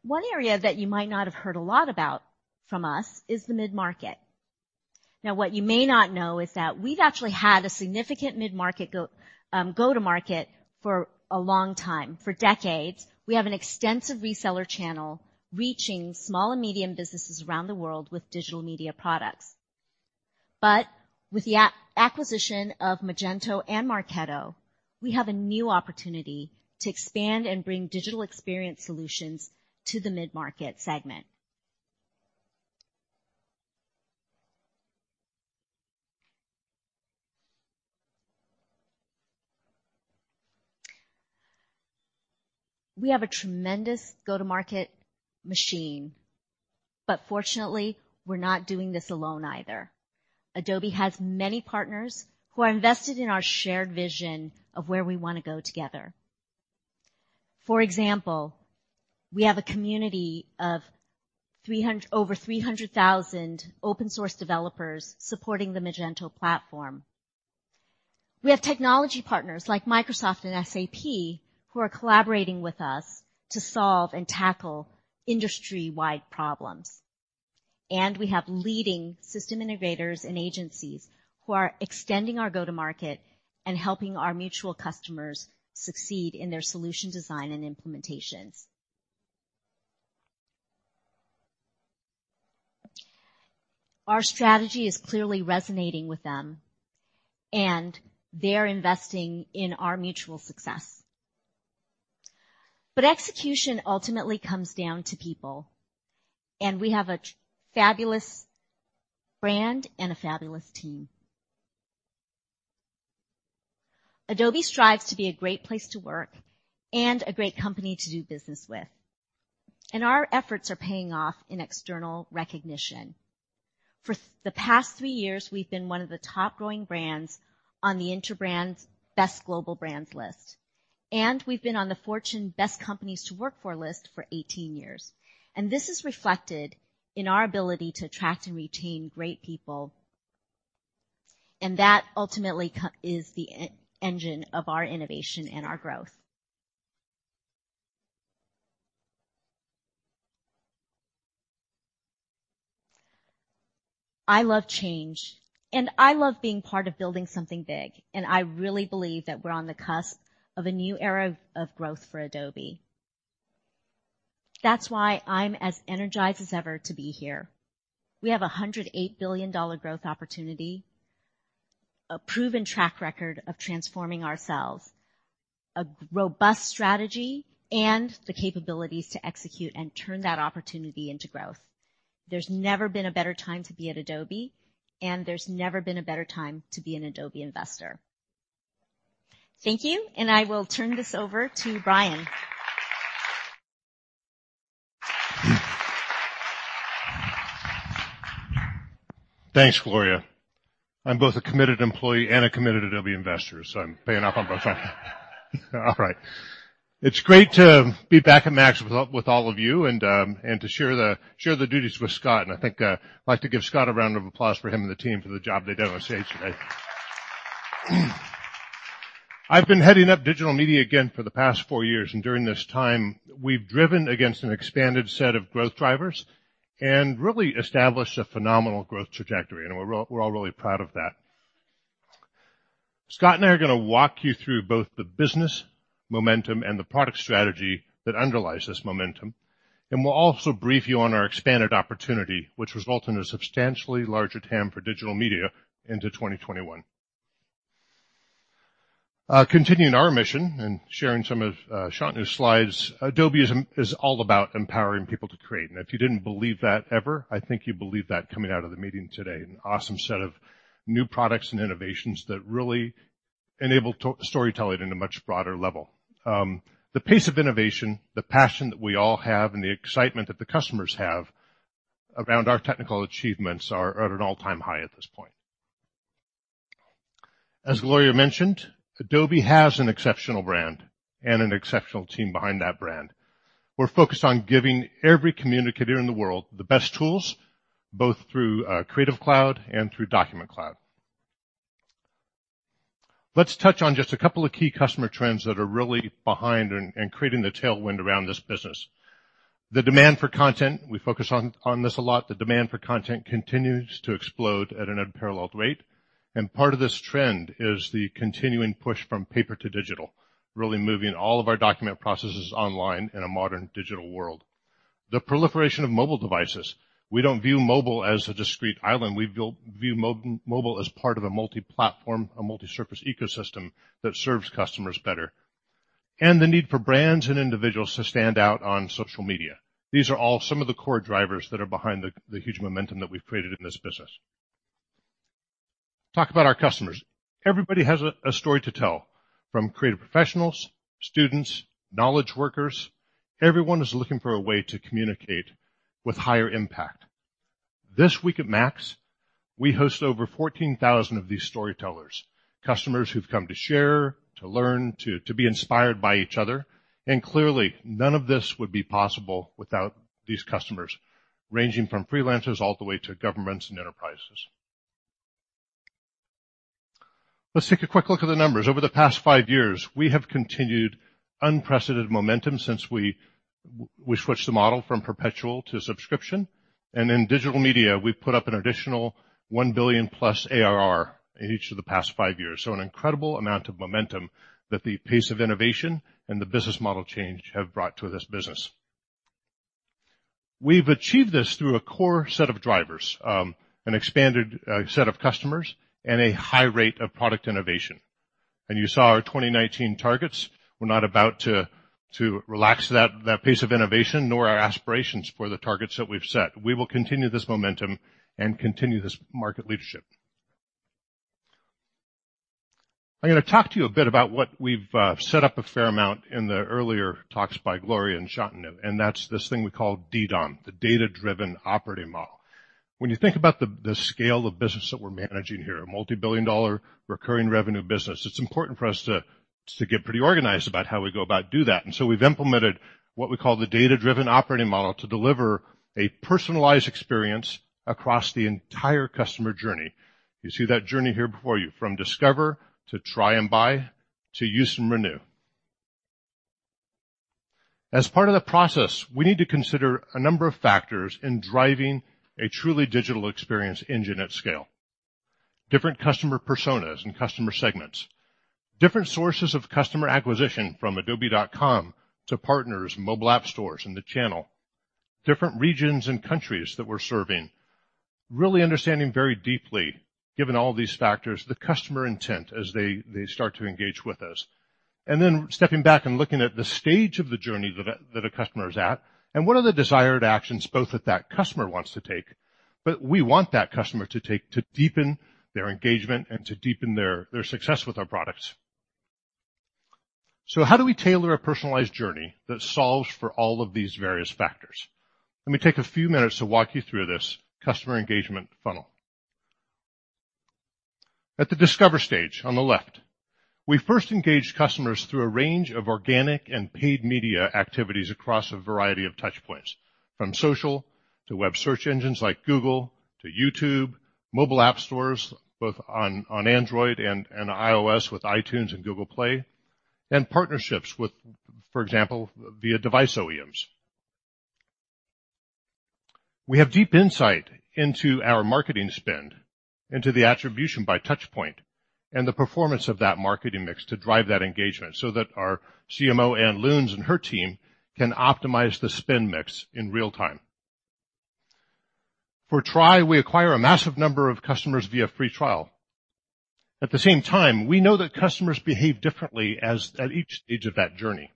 Speaker 3: One area that you might not have heard a lot about from us is the mid-market. What you may not know is that we've actually had a significant mid-market go-to-market for a long time, for decades. We have an extensive reseller channel reaching small and medium businesses around the world with digital media products. With the acquisition of Magento and Marketo, we have a new opportunity to expand and bring digital experience solutions to the mid-market segment. We have a tremendous go-to-market machine, fortunately, we're not doing this alone either. Adobe has many partners who are invested in our shared vision of where we want to go together. For example, we have a community of over 300,000 open-source developers supporting the Magento platform. We have technology partners like Microsoft and SAP who are collaborating with us to solve and tackle industry-wide problems. We have leading system integrators and agencies who are extending our go-to-market and helping our mutual customers succeed in their solution design and implementations. Our strategy is clearly resonating with them, they're investing in our mutual success. Execution ultimately comes down to people, we have a fabulous brand and a fabulous team. Adobe strives to be a great place to work and a great company to do business with, our efforts are paying off in external recognition. For the past three years, we've been one of the top growing brands on the Interbrand's Best Global Brands list, we've been on the Fortune Best Companies to Work For list for 18 years. This is reflected in our ability to attract and retain great people, that ultimately is the engine of our innovation and our growth. I love change, I love being part of building something big, I really believe that we're on the cusp of a new era of growth for Adobe. That's why I'm as energized as ever to be here. We have a $108 billion growth opportunity, a proven track record of transforming ourselves, a robust strategy, the capabilities to execute and turn that opportunity into growth. There's never been a better time to be at Adobe, there's never been a better time to be an Adobe investor. Thank you, I will turn this over to Bryan.
Speaker 4: Thanks, Gloria. I'm both a committed employee and a committed Adobe investor, I'm paying off on both sides. All right. It's great to be back at MAX with all of you and to share the duties with Scott. I think I'd like to give Scott a round of applause for him and the team for the job they've done on stage today. I've been heading up digital media again for the past four years, during this time, we've driven against an expanded set of growth drivers and really established a phenomenal growth trajectory, we're all really proud of that. Scott and I are going to walk you through both the business momentum and the product strategy that underlies this momentum, we'll also brief you on our expanded opportunity, which results in a substantially larger TAM for digital media into 2021. Continuing our mission and sharing some of Shantanu's slides, Adobe is all about empowering people to create. If you didn't believe that ever, I think you believe that coming out of the meeting today. An awesome set of new products and innovations that really enable storytelling in a much broader level. The pace of innovation, the passion that we all have, and the excitement that the customers have around our technical achievements are at an all-time high at this point. As Gloria mentioned, Adobe has an exceptional brand and an exceptional team behind that brand. We're focused on giving every communicator in the world the best tools, both through Creative Cloud and through Document Cloud. Let's touch on just a couple of key customer trends that are really behind and creating the tailwind around this business. The demand for content, we focus on this a lot. The demand for content continues to explode at an unparalleled rate, part of this trend is the continuing push from paper to digital, really moving all of our document processes online in a modern digital world. The proliferation of mobile devices. We don't view mobile as a discrete island. We view mobile as part of a multi-platform, a multi-surface ecosystem that serves customers better. The need for brands and individuals to stand out on social media. These are all some of the core drivers that are behind the huge momentum that we've created in this business. Talk about our customers. Everybody has a story to tell, from creative professionals, students, knowledge workers. Everyone is looking for a way to communicate with higher impact. This week at MAX, we host over 14,000 of these storytellers, customers who've come to share, to learn, to be inspired by each other. Clearly, none of this would be possible without these customers, ranging from freelancers all the way to governments and enterprises. Let's take a quick look at the numbers. Over the past five years, we have continued unprecedented momentum since we switched the model from perpetual to subscription. In digital media, we've put up an additional $1 billion plus ARR in each of the past five years. An incredible amount of momentum that the pace of innovation and the business model change have brought to this business. We've achieved this through a core set of drivers, an expanded set of customers, and a high rate of product innovation. You saw our 2019 targets. We're not about to relax that pace of innovation, nor our aspirations for the targets that we've set. We will continue this momentum and continue this market leadership. I'm going to talk to you a bit about what we've set up a fair amount in the earlier talks by Gloria and Shantanu, that's this thing we call DDOM, the Data-Driven Operating Model. When you think about the scale of business that we're managing here, a multi-billion-dollar recurring revenue business, it's important for us to get pretty organized about how we go about do that. We've implemented what we call the Data-Driven Operating Model to deliver a personalized experience across the entire customer journey. You see that journey here before you, from discover to try and buy, to use and renew. As part of the process, we need to consider a number of factors in driving a truly digital experience engine at scale. Different customer personas and customer segments. Different sources of customer acquisition from adobe.com to partners, mobile app stores, and the channel. Different regions and countries that we're serving. Really understanding very deeply, given all these factors, the customer intent as they start to engage with us. Stepping back and looking at the stage of the journey that a customer is at and what are the desired actions both that customer wants to take, but we want that customer to take to deepen their engagement and to deepen their success with our products. How do we tailor a personalized journey that solves for all of these various factors? Let me take a few minutes to walk you through this customer engagement funnel. At the discover stage on the left, we first engage customers through a range of organic and paid media activities across a variety of touch points, from social to web search engines like Google, to YouTube, mobile app stores, both on Android and iOS with iTunes and Google Play, and partnerships with, for example, via device OEMs. We have deep insight into our marketing spend, into the attribution by touch point, and the performance of that marketing mix to drive that engagement so that our CMO, Ann Lewnes, and her team can optimize the spend mix in real time. For try, we acquire a massive number of customers via free trial. At the same time, we know that customers behave differently at each stage of that journey.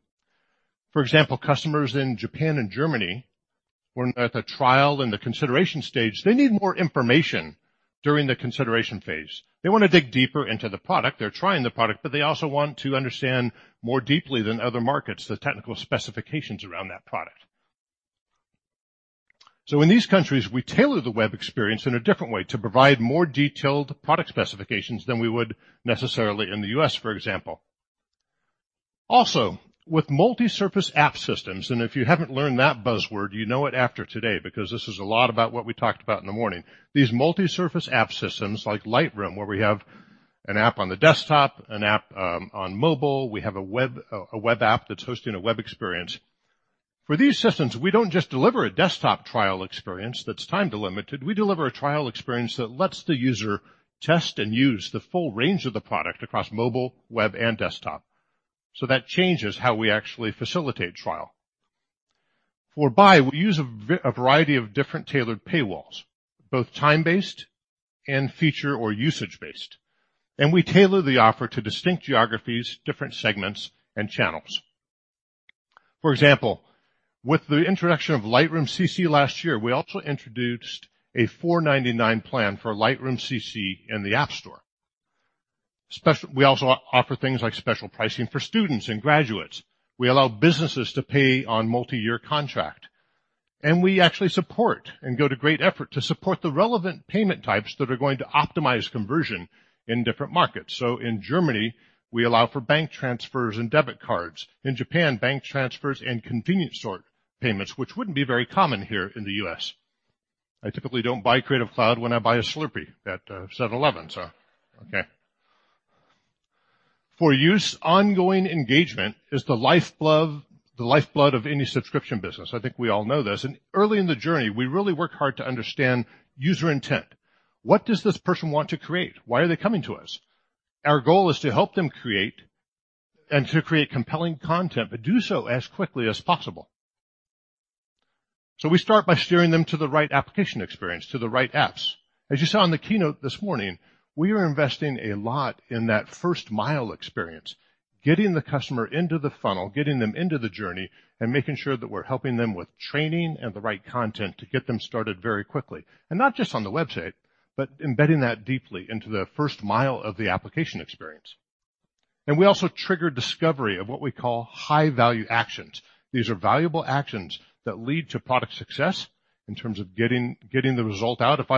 Speaker 4: For example, customers in Japan and Germany, when at the trial and the consideration stage, they need more information during the consideration phase. They want to dig deeper into the product. They're trying the product, but they also want to understand more deeply than other markets, the technical specifications around that product. In these countries, we tailor the web experience in a different way to provide more detailed product specifications than we would necessarily in the U.S., for example. With multi-surface app systems, and if you haven't learned that buzzword, you know it after today because this is a lot about what we talked about in the morning. These multi-surface app systems like Lightroom, where we have an app on the desktop, an app on mobile, we have a web app that's hosting a web experience. For these systems, we don't just deliver a desktop trial experience that's time delimited. We deliver a trial experience that lets the user test and use the full range of the product across mobile, web, and desktop. That changes how we actually facilitate trial. For buy, we use a variety of different tailored paywalls, both time-based and feature or usage-based. We tailor the offer to distinct geographies, different segments, and channels. For example, with the introduction of Lightroom CC last year, we also introduced a $4.99 plan for Lightroom CC in the App Store. We also offer things like special pricing for students and graduates. We allow businesses to pay on multi-year contract, and we actually support and go to great effort to support the relevant payment types that are going to optimize conversion in different markets. In Germany, we allow for bank transfers and debit cards. In Japan, bank transfers and convenience store payments, which wouldn't be very common here in the U.S. I typically don't buy Creative Cloud when I buy a Slurpee at 7-Eleven, okay. For use, ongoing engagement is the lifeblood of any subscription business. I think we all know this. Early in the journey, we really work hard to understand user intent. What does this person want to create? Why are they coming to us? Our goal is to help them create and to create compelling content, but do so as quickly as possible. We start by steering them to the right application experience, to the right apps. As you saw in the keynote this morning, we are investing a lot in that first-mile experience, getting the customer into the funnel, getting them into the journey, and making sure that we're helping them with training and the right content to get them started very quickly. Not just on the website, but embedding that deeply into the first mile of the application experience. We also trigger discovery of what we call high-value actions. These are valuable actions that lead to product success in terms of getting the result out. If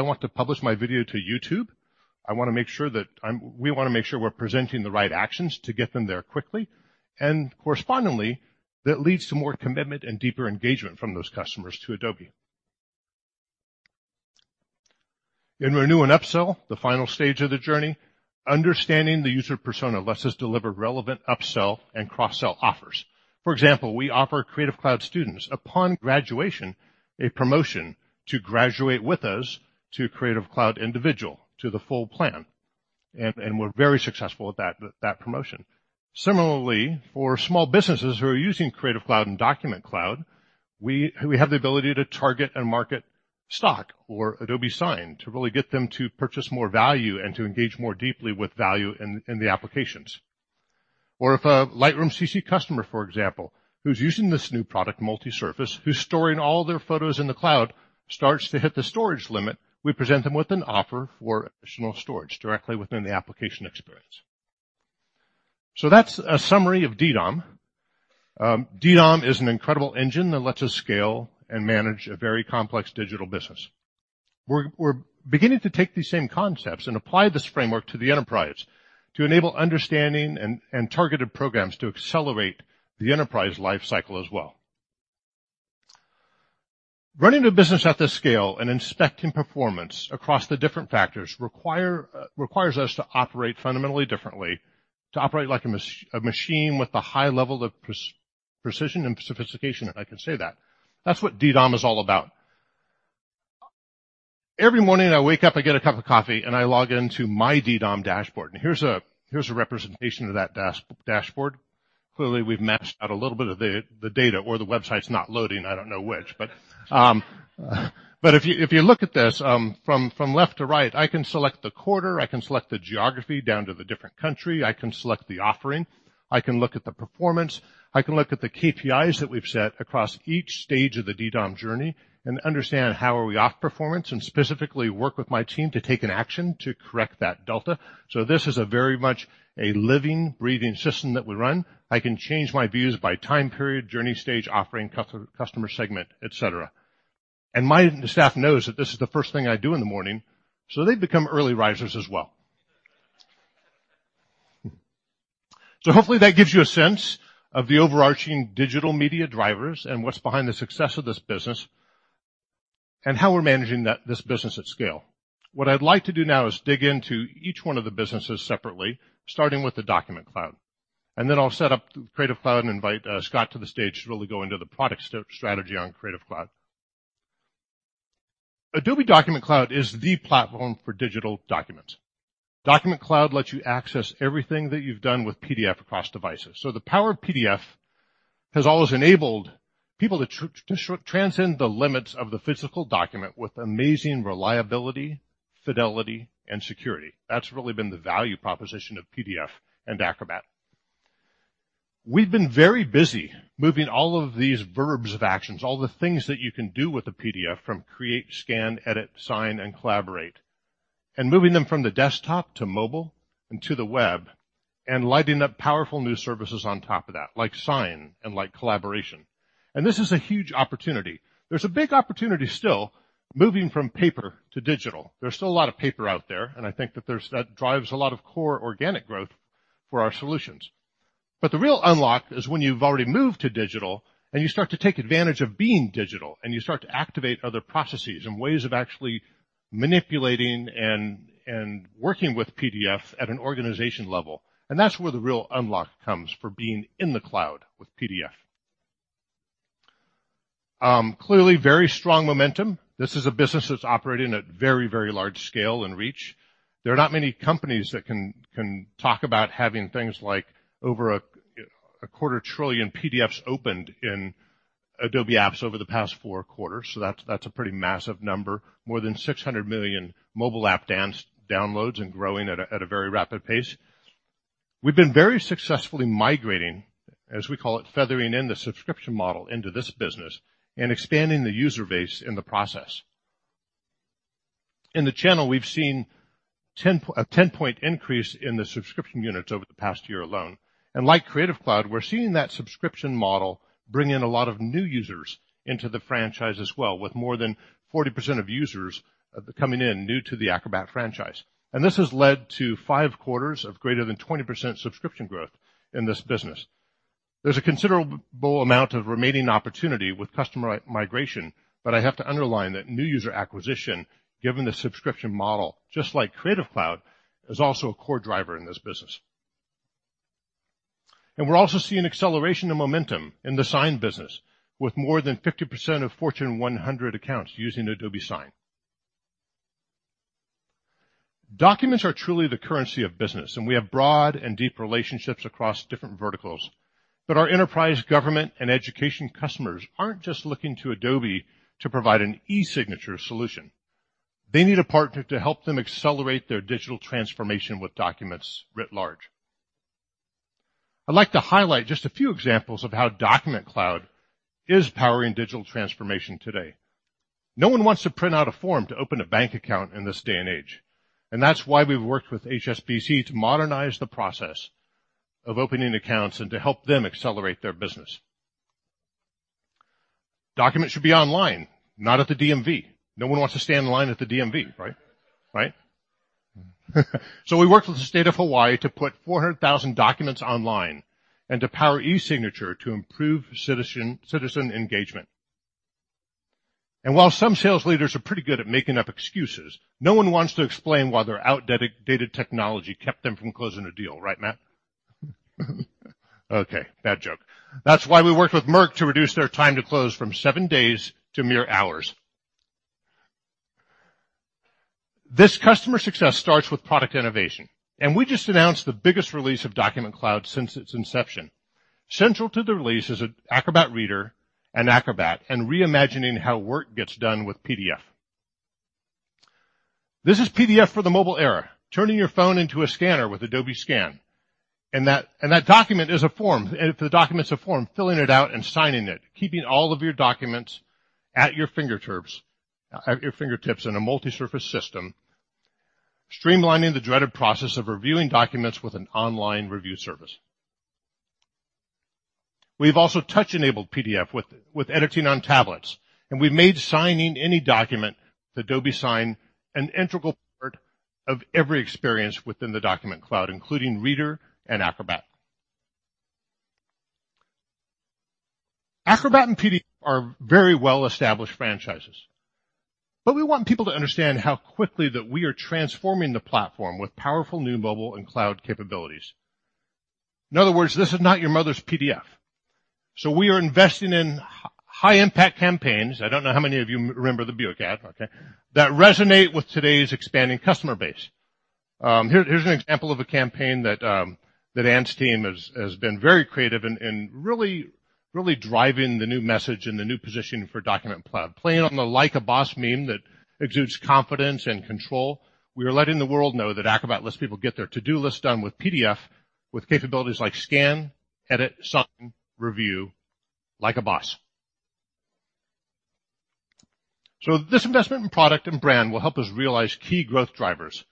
Speaker 4: I want to publish my video to YouTube, we want to make sure we're presenting the right actions to get them there quickly, correspondingly, that leads to more commitment and deeper engagement from those customers to Adobe. In renew and upsell, the final stage of the journey, understanding the user persona lets us deliver relevant upsell and cross-sell offers. For example, we offer Creative Cloud students, upon graduation, a promotion to graduate with us to Creative Cloud individual, to the full plan, and we're very successful with that promotion. Similarly, for small businesses who are using Creative Cloud and Document Cloud, we have the ability to target and market Stock or Adobe Sign to really get them to purchase more value and to engage more deeply with value in the applications. If a Lightroom CC customer, for example, who's using this new product, multi-surface, who's storing all their photos in the cloud, starts to hit the storage limit, we present them with an offer for additional storage directly within the application experience. That's a summary of DDOM. DDOM is an incredible engine that lets us scale and manage a very complex digital business. We're beginning to take these same concepts and apply this framework to the enterprise to enable understanding and targeted programs to accelerate the enterprise life cycle as well. Running a business at this scale and inspecting performance across the different factors requires us to operate fundamentally differently, to operate like a machine with a high level of precision and sophistication, if I can say that. That's what DDOM is all about. Every morning I wake up, I get a cup of coffee, and I log into my DDOM dashboard, here's a representation of that dashboard. Clearly, we've mashed out a little bit of the data or the website's not loading, I don't know which. If you look at this, from left to right, I can select the quarter, I can select the geography down to the different country, I can select the offering, I can look at the performance, I can look at the KPIs that we've set across each stage of the DDOM journey and understand how are we off performance and specifically work with my team to take an action to correct that delta. This is a very much a living, breathing system that we run. I can change my views by time period, journey stage, offering, customer segment, et cetera. My staff knows that this is the first thing I do in the morning, so they've become early risers as well. Hopefully that gives you a sense of the overarching digital media drivers and what's behind the success of this business and how we're managing this business at scale. What I'd like to do now is dig into each one of the businesses separately, starting with the Document Cloud. Then I'll set up Creative Cloud and invite Scott to the stage to really go into the product strategy on Creative Cloud. Adobe Document Cloud is the platform for digital documents. Document Cloud lets you access everything that you've done with PDF across devices. The power of PDF has always enabled people to transcend the limits of the physical document with amazing reliability, fidelity, and security. That's really been the value proposition of PDF and Acrobat. We've been very busy moving all of these verbs of actions, all the things that you can do with a PDF from create, scan, edit, sign, and collaborate, and moving them from the desktop to mobile and to the web, and lighting up powerful new services on top of that, like Sign and like Collaboration. This is a huge opportunity. There's a big opportunity still moving from paper to digital. There's still a lot of paper out there, and I think that drives a lot of core organic growth for our solutions. The real unlock is when you've already moved to digital and you start to take advantage of being digital, and you start to activate other processes and ways of actually manipulating and working with PDF at an organization level. That's where the real unlock comes for being in the cloud with PDF. Clearly, very strong momentum. This is a business that's operating at very, very large scale and reach. There are not many companies that can talk about having things like over a quarter trillion PDFs opened in Adobe apps over the past four quarters, that's a pretty massive number. More than 600 million mobile app downloads and growing at a very rapid pace. We've been very successfully migrating, as we call it, feathering in the subscription model into this business and expanding the user base in the process. In the channel, we've seen a 10-point increase in the subscription units over the past year alone. Like Creative Cloud, we're seeing that subscription model bring in a lot of new users into the franchise as well, with more than 40% of users coming in new to the Acrobat franchise. This has led to five quarters of greater than 20% subscription growth in this business. There's a considerable amount of remaining opportunity with customer migration, but I have to underline that new user acquisition, given the subscription model, just like Creative Cloud, is also a core driver in this business. We're also seeing acceleration and momentum in the Sign business, with more than 50% of Fortune 100 accounts using Adobe Sign. Documents are truly the currency of business, and we have broad and deep relationships across different verticals. Our enterprise, government, and education customers aren't just looking to Adobe to provide an e-signature solution. They need a partner to help them accelerate their digital transformation with documents writ large. I'd like to highlight just a few examples of how Document Cloud is powering digital transformation today. No one wants to print out a form to open a bank account in this day and age. That's why we've worked with HSBC to modernize the process of opening accounts and to help them accelerate their business. Documents should be online, not at the DMV. No one wants to stand in line at the DMV, right? Right? We worked with the State of Hawaii to put 400,000 documents online and to power e-signature to improve citizen engagement. While some sales leaders are pretty good at making up excuses, no one wants to explain why their outdated technology kept them from closing a deal. Right, Matt? Okay, bad joke. That's why we worked with Merck to reduce their time to close from seven days to mere hours. This customer success starts with product innovation, and we just announced the biggest release of Document Cloud since its inception. Central to the release is Acrobat Reader and Acrobat and reimagining how work gets done with PDF. This is PDF for the mobile era, turning your phone into a scanner with Adobe Scan. That document is a form. If the document's a form, filling it out and signing it, keeping all of your documents at your fingertips in a multi-surface system, streamlining the dreaded process of reviewing documents with an online review service. We've also touch-enabled PDF with editing on tablets, and we've made signing any document with Adobe Sign an integral part of every experience within the Document Cloud, including Reader and Acrobat. Acrobat and PDF are very well-established franchises, we want people to understand how quickly that we are transforming the platform with powerful new mobile and cloud capabilities. In other words, this is not your mother's PDF. We are investing in high-impact campaigns, I don't know how many of you remember the [Beucat, okay, that resonate with today's expanding customer base. Here's an example of a campaign that Ann's team has been very creative in really driving the new message and the new positioning for Document Cloud. Playing on the Like a Boss meme that exudes confidence and control, we are letting the world know that Acrobat lets people get their to-do list done with PDF, with capabilities like scan, edit, sign, review, like a boss. This investment in product and brand will help us realize key growth drivers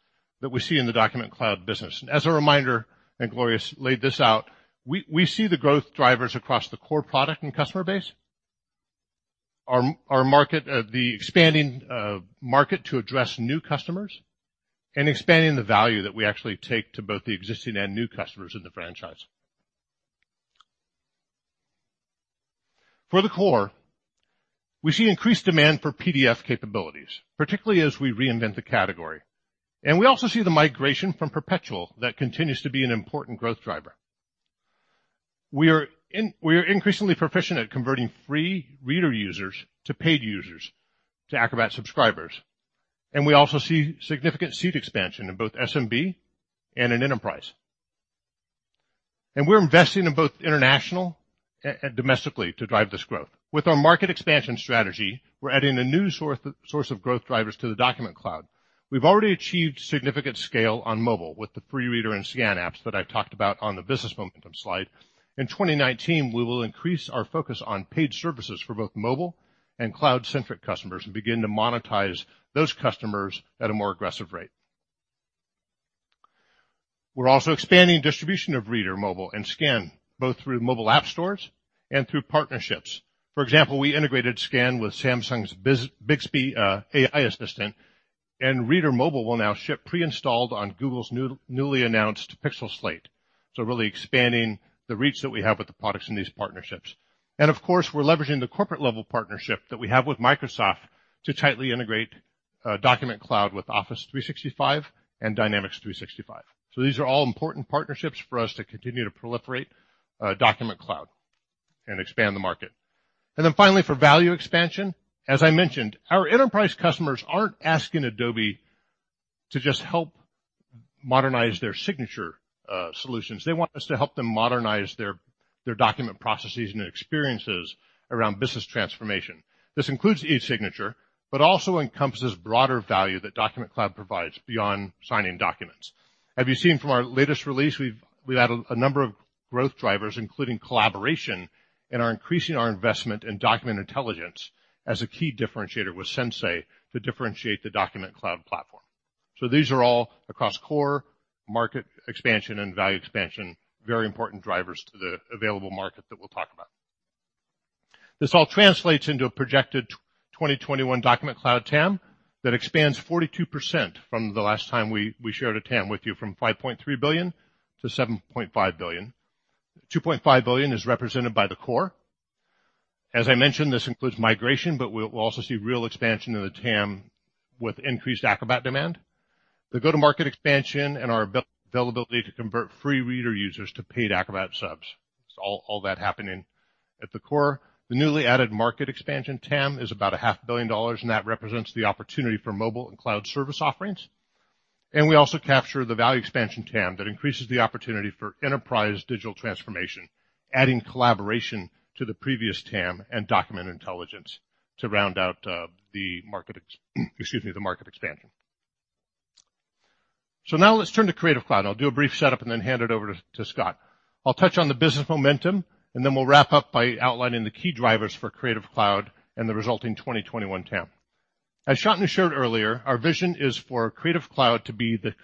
Speaker 4: that we see in the Document Cloud business. As a reminder, Gloria's laid this out, we see the growth drivers across the core product and customer base, the expanding market to address new customers, and expanding the value that we actually take to both the existing and new customers in the franchise. For the core, we see increased demand for PDF capabilities, particularly as we reinvent the category. We also see the migration from perpetual that continues to be an important growth driver. We are increasingly proficient at converting free Reader users to paid users, to Acrobat subscribers. We also see significant seat expansion in both SMB and in enterprise. We're investing in both international. Domestically to drive this growth. With our market expansion strategy, we're adding a new source of growth drivers to the Document Cloud. We've already achieved significant scale on mobile with the free Reader and Scan apps that I talked about on the business momentum slide. In 2019, we will increase our focus on paid services for both mobile and cloud-centric customers and begin to monetize those customers at a more aggressive rate. We're also expanding distribution of Reader mobile and Scan, both through mobile app stores and through partnerships. For example, we integrated Scan with Samsung's Bixby AI Assistant, and Reader mobile will now ship pre-installed on Google's newly announced Pixel Slate. Really expanding the reach that we have with the products in these partnerships. Of course, we're leveraging the corporate-level partnership that we have with Microsoft to tightly integrate Document Cloud with Office 365 and Dynamics 365. These are all important partnerships for us to continue to proliferate Document Cloud and expand the market. Then finally, for value expansion, as I mentioned, our enterprise customers aren't asking Adobe to just help modernize their signature solutions. They want us to help them modernize their document processes and experiences around business transformation. This includes e-signature, but also encompasses broader value that Document Cloud provides beyond signing documents. As you've seen from our latest release, we've added a number of growth drivers, including collaboration, and are increasing our investment in document intelligence as a key differentiator with Sensei to differentiate the Document Cloud platform. These are all across core, market expansion, and value expansion, very important drivers to the available market that we'll talk about. This all translates into a projected 2021 Document Cloud TAM that expands 42% from the last time we shared a TAM with you, from $5.3 billion-$7.5 billion. $2.5 billion is represented by the core. As I mentioned, this includes migration, but we'll also see real expansion in the TAM with increased Acrobat demand. The go-to-market expansion and our availability to convert free Reader users to paid Acrobat subs. All that happening at the core. The newly added market expansion TAM is about a half billion dollars, and that represents the opportunity for mobile and cloud service offerings. We also capture the value expansion TAM that increases the opportunity for enterprise digital transformation, adding collaboration to the previous TAM and document intelligence to round out the market expansion. Now let's turn to Creative Cloud. I'll do a brief setup and then hand it over to Scott. I'll touch on the business momentum, and then we'll wrap up by outlining the key drivers for Creative Cloud and the resulting 2021 TAM. As Shantanu shared earlier, our vision is for Creative Cloud to be the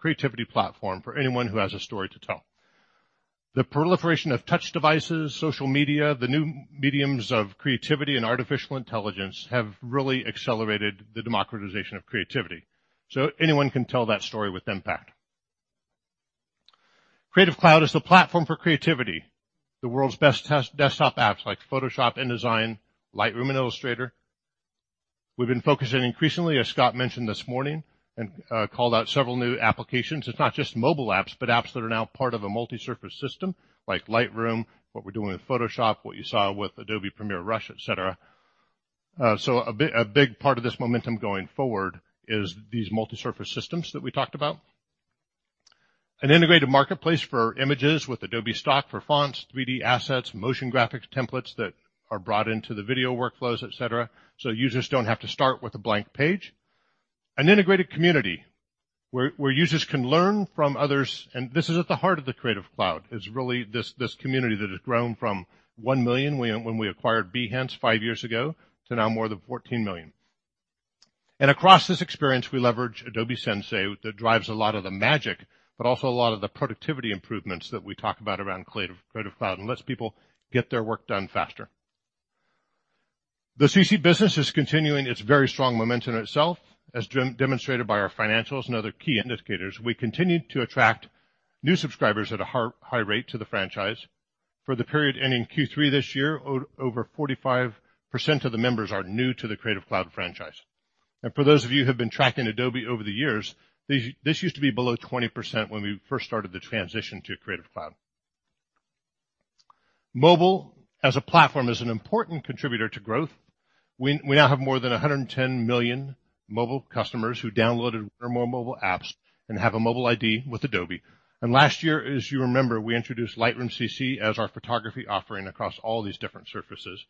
Speaker 4: creativity platform for anyone who has a story to tell. The proliferation of touch devices, social media, the new mediums of creativity and artificial intelligence have really accelerated the democratization of creativity. Anyone can tell that story with impact. Creative Cloud is the platform for creativity. The world's best desktop apps like Photoshop, InDesign, Lightroom, and Illustrator. We've been focusing increasingly, as Scott mentioned this morning and called out several new applications. It's not just mobile apps, but apps that are now part of a multi-surface system like Lightroom, what we're doing with Photoshop, what you saw with Adobe Premiere Rush, et cetera. A big part of this momentum going forward is these multi-surface systems that we talked about. An integrated marketplace for images with Adobe Stock for fonts, 3D assets, motion graphics templates that are brought into the video workflows, et cetera, so users don't have to start with a blank page. An integrated community where users can learn from others, and this is at the heart of the Creative Cloud, is really this community that has grown from one million when we acquired Behance five years ago to now more than 14 million. Across this experience, we leverage Adobe Sensei that drives a lot of the magic, but also a lot of the productivity improvements that we talk about around Creative Cloud and lets people get their work done faster. The CC business is continuing its very strong momentum itself, as demonstrated by our financials and other key indicators. We continue to attract new subscribers at a high rate to the franchise. For the period ending Q3 this year, over 45% of the members are new to the Creative Cloud franchise. For those of you who have been tracking Adobe over the years, this used to be below 20% when we first started the transition to Creative Cloud. Mobile as a platform is an important contributor to growth. We now have more than 110 million mobile customers who downloaded one or more mobile apps and have a mobile ID with Adobe. Last year, as you remember, we introduced Lightroom CC as our photography offering across all these different surfaces.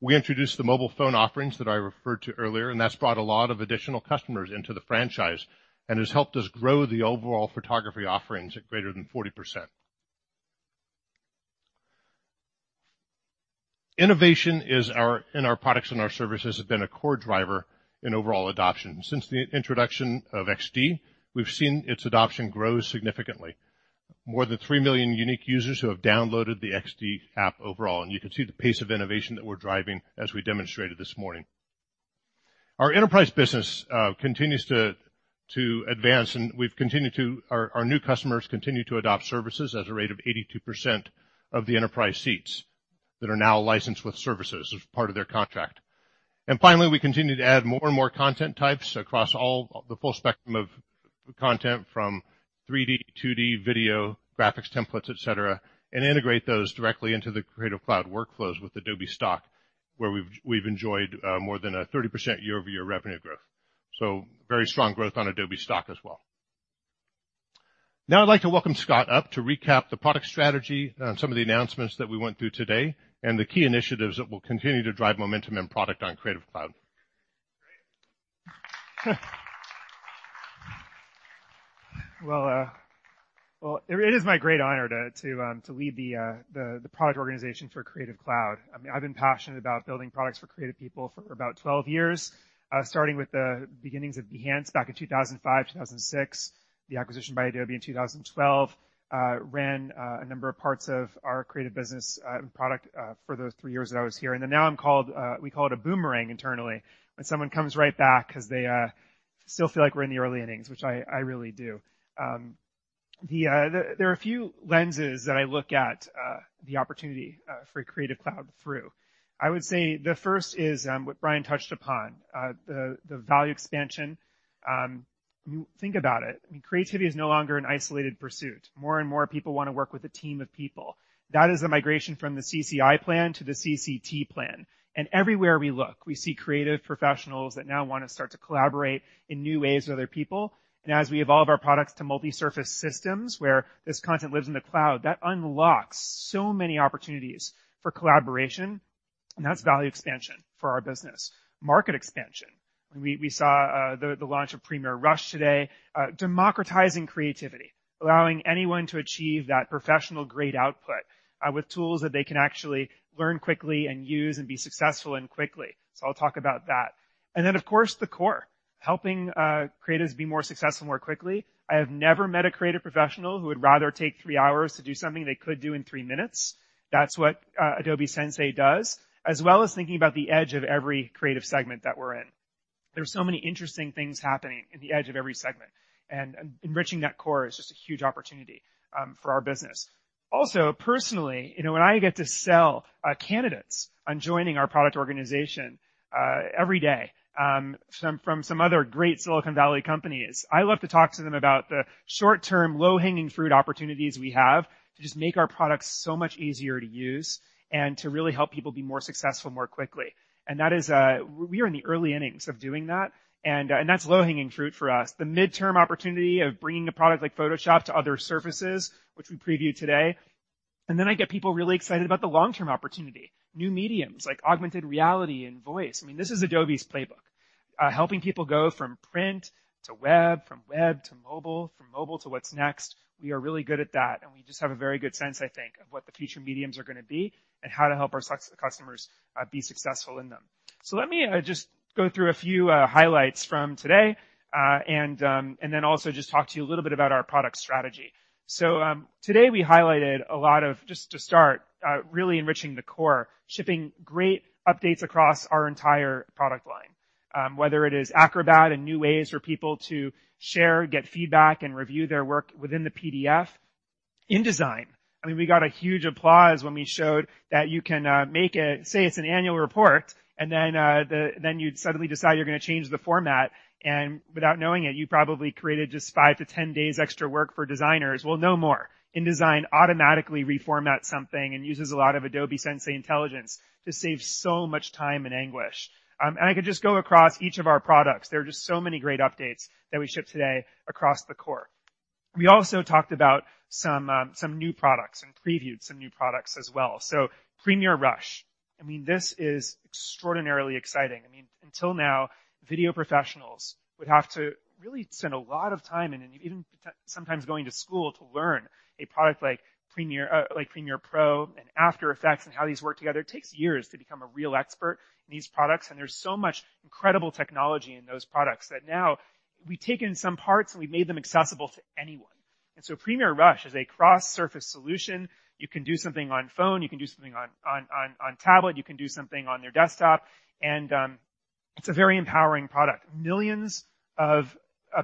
Speaker 4: We introduced the mobile phone offerings that I referred to earlier, and that's brought a lot of additional customers into the franchise and has helped us grow the overall photography offerings at greater than 40%. Innovation in our products and our services have been a core driver in overall adoption. Since the introduction of XD, we've seen its adoption grow significantly. More than three million unique users who have downloaded the XD app overall, you can see the pace of innovation that we're driving as we demonstrated this morning. Our enterprise business continues to advance, and our new customers continue to adopt services at a rate of 82% of the enterprise seats that are now licensed with services as part of their contract. Finally, we continue to add more and more content types across the full spectrum of content from 3D, 2D, video, graphics templates, et cetera, and integrate those directly into the Creative Cloud workflows with Adobe Stock, where we've enjoyed more than a 30% year-over-year revenue growth. Very strong growth on Adobe Stock as well. I'd like to welcome Scott up to recap the product strategy on some of the announcements that we went through today and the key initiatives that will continue to drive momentum and product on Creative Cloud.
Speaker 5: Great. It is my great honor to lead the product organization for Creative Cloud. I've been passionate about building products for creative people for about 12 years, starting with the beginnings of Behance back in 2005, 2006, the acquisition by Adobe in 2012, ran a number of parts of our creative business product for the 3 years that I was here. Now we call it a boomerang internally, when someone comes right back because they still feel like we're in the early innings, which I really do. There are a few lenses that I look at the opportunity for Creative Cloud through. I would say the first is what Bryan touched upon, the value expansion. Think about it. Creativity is no longer an isolated pursuit. More and more people want to work with a team of people. That is a migration from the CCI plan to the CCT plan. Everywhere we look, we see creative professionals that now want to start to collaborate in new ways with other people. As we evolve our products to multi-surface systems where this content lives in the cloud, that unlocks so many opportunities for collaboration, and that's value expansion for our business. Market expansion. We saw the launch of Premiere Rush today. Democratizing creativity, allowing anyone to achieve that professional-grade output with tools that they can actually learn quickly and use and be successful and quickly. I'll talk about that. Of course, the core, helping creatives be more successful more quickly. I have never met a creative professional who would rather take 3 hours to do something they could do in 3 minutes. That's what Adobe Sensei does, as well as thinking about the edge of every creative segment that we're in. There are so many interesting things happening in the edge of every segment, enriching that core is just a huge opportunity for our business. Personally, when I get to sell candidates on joining our product organization every day from some other great Silicon Valley companies, I love to talk to them about the short-term, low-hanging fruit opportunities we have to just make our products so much easier to use and to really help people be more successful more quickly. We are in the early innings of doing that, and that's low-hanging fruit for us. The mid-term opportunity of bringing a product like Photoshop to other surfaces, which we previewed today. I get people really excited about the long-term opportunity, new mediums like augmented reality and voice. This is Adobe's playbook. Helping people go from print to web, from web to mobile, from mobile to what's next. We are really good at that, and we just have a very good sense, I think, of what the future mediums are going to be and how to help our customers be successful in them. Let me just go through a few highlights from today, and then also just talk to you a little bit about our product strategy. Today we highlighted a lot of, just to start, really enriching the core, shipping great updates across our entire product line, whether it is Acrobat and new ways for people to share, get feedback, and review their work within the PDF. InDesign. We got a huge applause when we showed that you can make a, say, it's an annual report, and then you'd suddenly decide you're going to change the format, and without knowing it, you probably created just 5 to 10 days extra work for designers. Well, no more. InDesign automatically reformats something and uses a lot of Adobe Sensei intelligence to save so much time and anguish. I could just go across each of our products. There are just so many great updates that we shipped today across the core. We also talked about some new products and previewed some new products as well. Premiere Rush, this is extraordinarily exciting. Until now, video professionals would have to really spend a lot of time and even sometimes going to school to learn a product like Premiere Pro and After Effects and how these work together. It takes years to become a real expert in these products, and there's so much incredible technology in those products that now we've taken some parts, and we've made them accessible to anyone. Premiere Rush is a cross-surface solution. You can do something on phone, you can do something on tablet, you can do something on your desktop, and it's a very empowering product. Millions of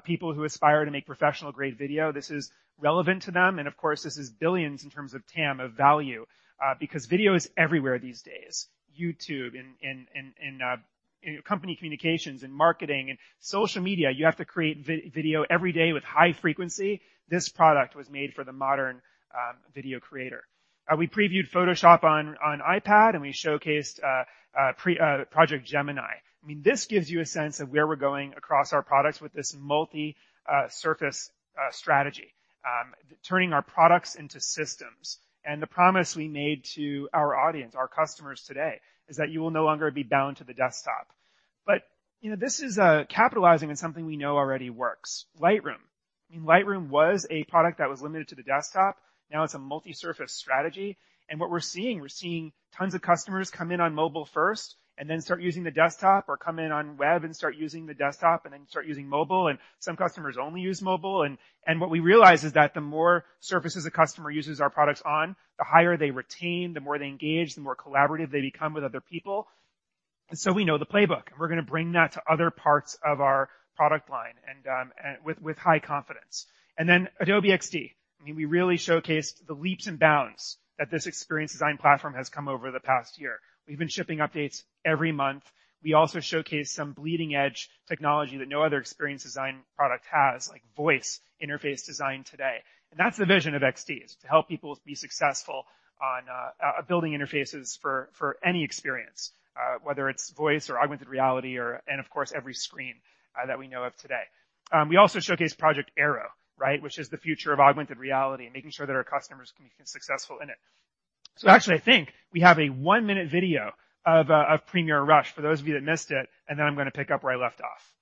Speaker 5: people who aspire to make professional-grade video, this is relevant to them, and of course, this is billions in terms of TAM of value, because video is everywhere these days, YouTube and company communications and marketing and social media. You have to create video every day with high frequency. This product was made for the modern video creator. We previewed Photoshop on iPad, and we showcased Project Gemini. This gives you a sense of where we're going across our products with this multi-surface strategy, turning our products into systems. The promise we made to our audience, our customers today, is that you will no longer be bound to the desktop. This is capitalizing on something we know already works. Lightroom. Lightroom was a product that was limited to the desktop. Now it's a multi-surface strategy. What we're seeing, we're seeing tons of customers come in on mobile first and then start using the desktop or come in on web and start using the desktop and then start using mobile. Some customers only use mobile. What we realized is that the more surfaces a customer uses our products on, the higher they retain, the more they engage, the more collaborative they become with other people. We know the playbook, we're going to bring that to other parts of our product line with high confidence. Adobe XD. We really showcased the leaps and bounds that this experience design platform has come over the past year. We've been shipping updates every month. We also showcased some bleeding edge technology that no other experience design product has, like voice interface design today. That's the vision of Adobe XD, is to help people be successful on building interfaces for any experience, whether it's voice or augmented reality, and of course, every screen that we know of today. We also showcased Project Aero, which is the future of augmented reality and making sure that our customers can be successful in it. Actually, I think we have a one-minute video of Premiere Rush for those of you that missed it, then I'm going to pick up where I left off.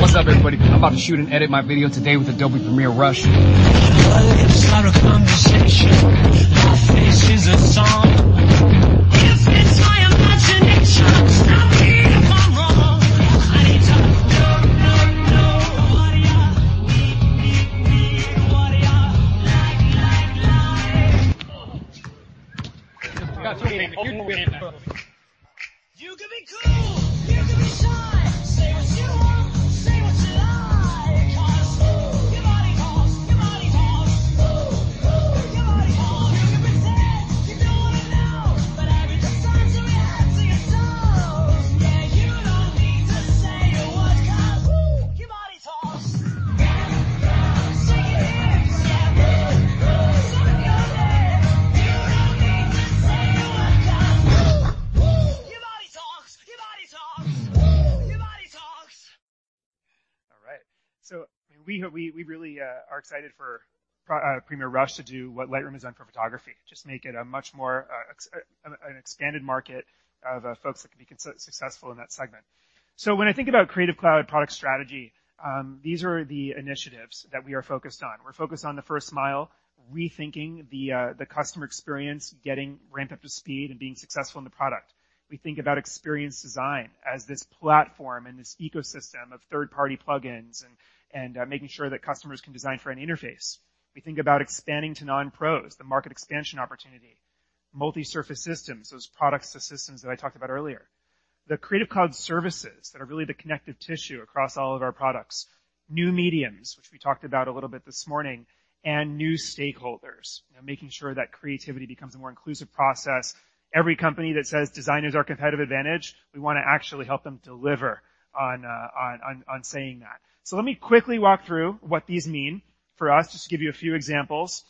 Speaker 6: What's up, everybody? I'm about to shoot and edit my video today with Adobe Premiere Rush. Her lips start a conversation. Her face is a song. If it's Yeah. Ooh, ooh. Say it loud. You don't need to say a word 'cause ooh. Your body talks, your body talks. Ooh, your body talks.
Speaker 5: We really are excited for Premiere Rush to do what Lightroom has done for photography. Just make it a much more expanded market of folks that can be successful in that segment. When I think about Creative Cloud product strategy, these are the initiatives that we are focused on. We're focused on the first mile, rethinking the customer experience, getting ramped up to speed, and being successful in the product. We think about experience design as this platform and this ecosystem of third-party plugins, and making sure that customers can design for any interface. We think about expanding to non-pros, the market expansion opportunity. Multi-surface systems, those products to systems that I talked about earlier. The Creative Cloud services that are really the connective tissue across all of our products. New mediums, which we talked about a little bit this morning, and new stakeholders. Making sure that creativity becomes a more inclusive process. Every company that says design is our competitive advantage, we want to actually help them deliver on saying that. Let me quickly walk through what these mean for us, just to give you a few examples.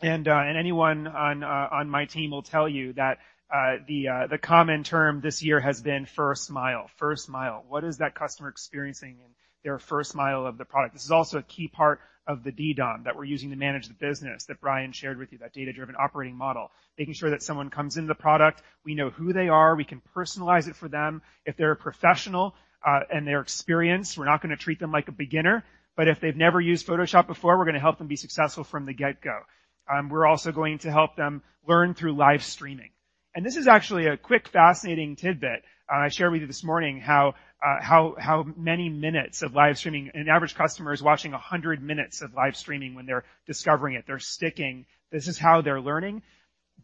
Speaker 5: Anyone on my team will tell you that the common term this year has been first mile. First mile. What is that customer experiencing in their first mile of the product? This is also a key part of the DDOM that we're using to manage the business that Bryan shared with you, that Data-Driven Operating Model. Making sure that someone comes into the product, we know who they are, we can personalize it for them. If they're a professional, and they're experienced, we're not going to treat them like a beginner. If they've never used Photoshop before, we're going to help them be successful from the get-go. We're also going to help them learn through live streaming. This is actually a quick, fascinating tidbit I shared with you this morning, how many minutes of live streaming. An average customer is watching 100 minutes of live streaming when they're discovering it. They're sticking. This is how they're learning.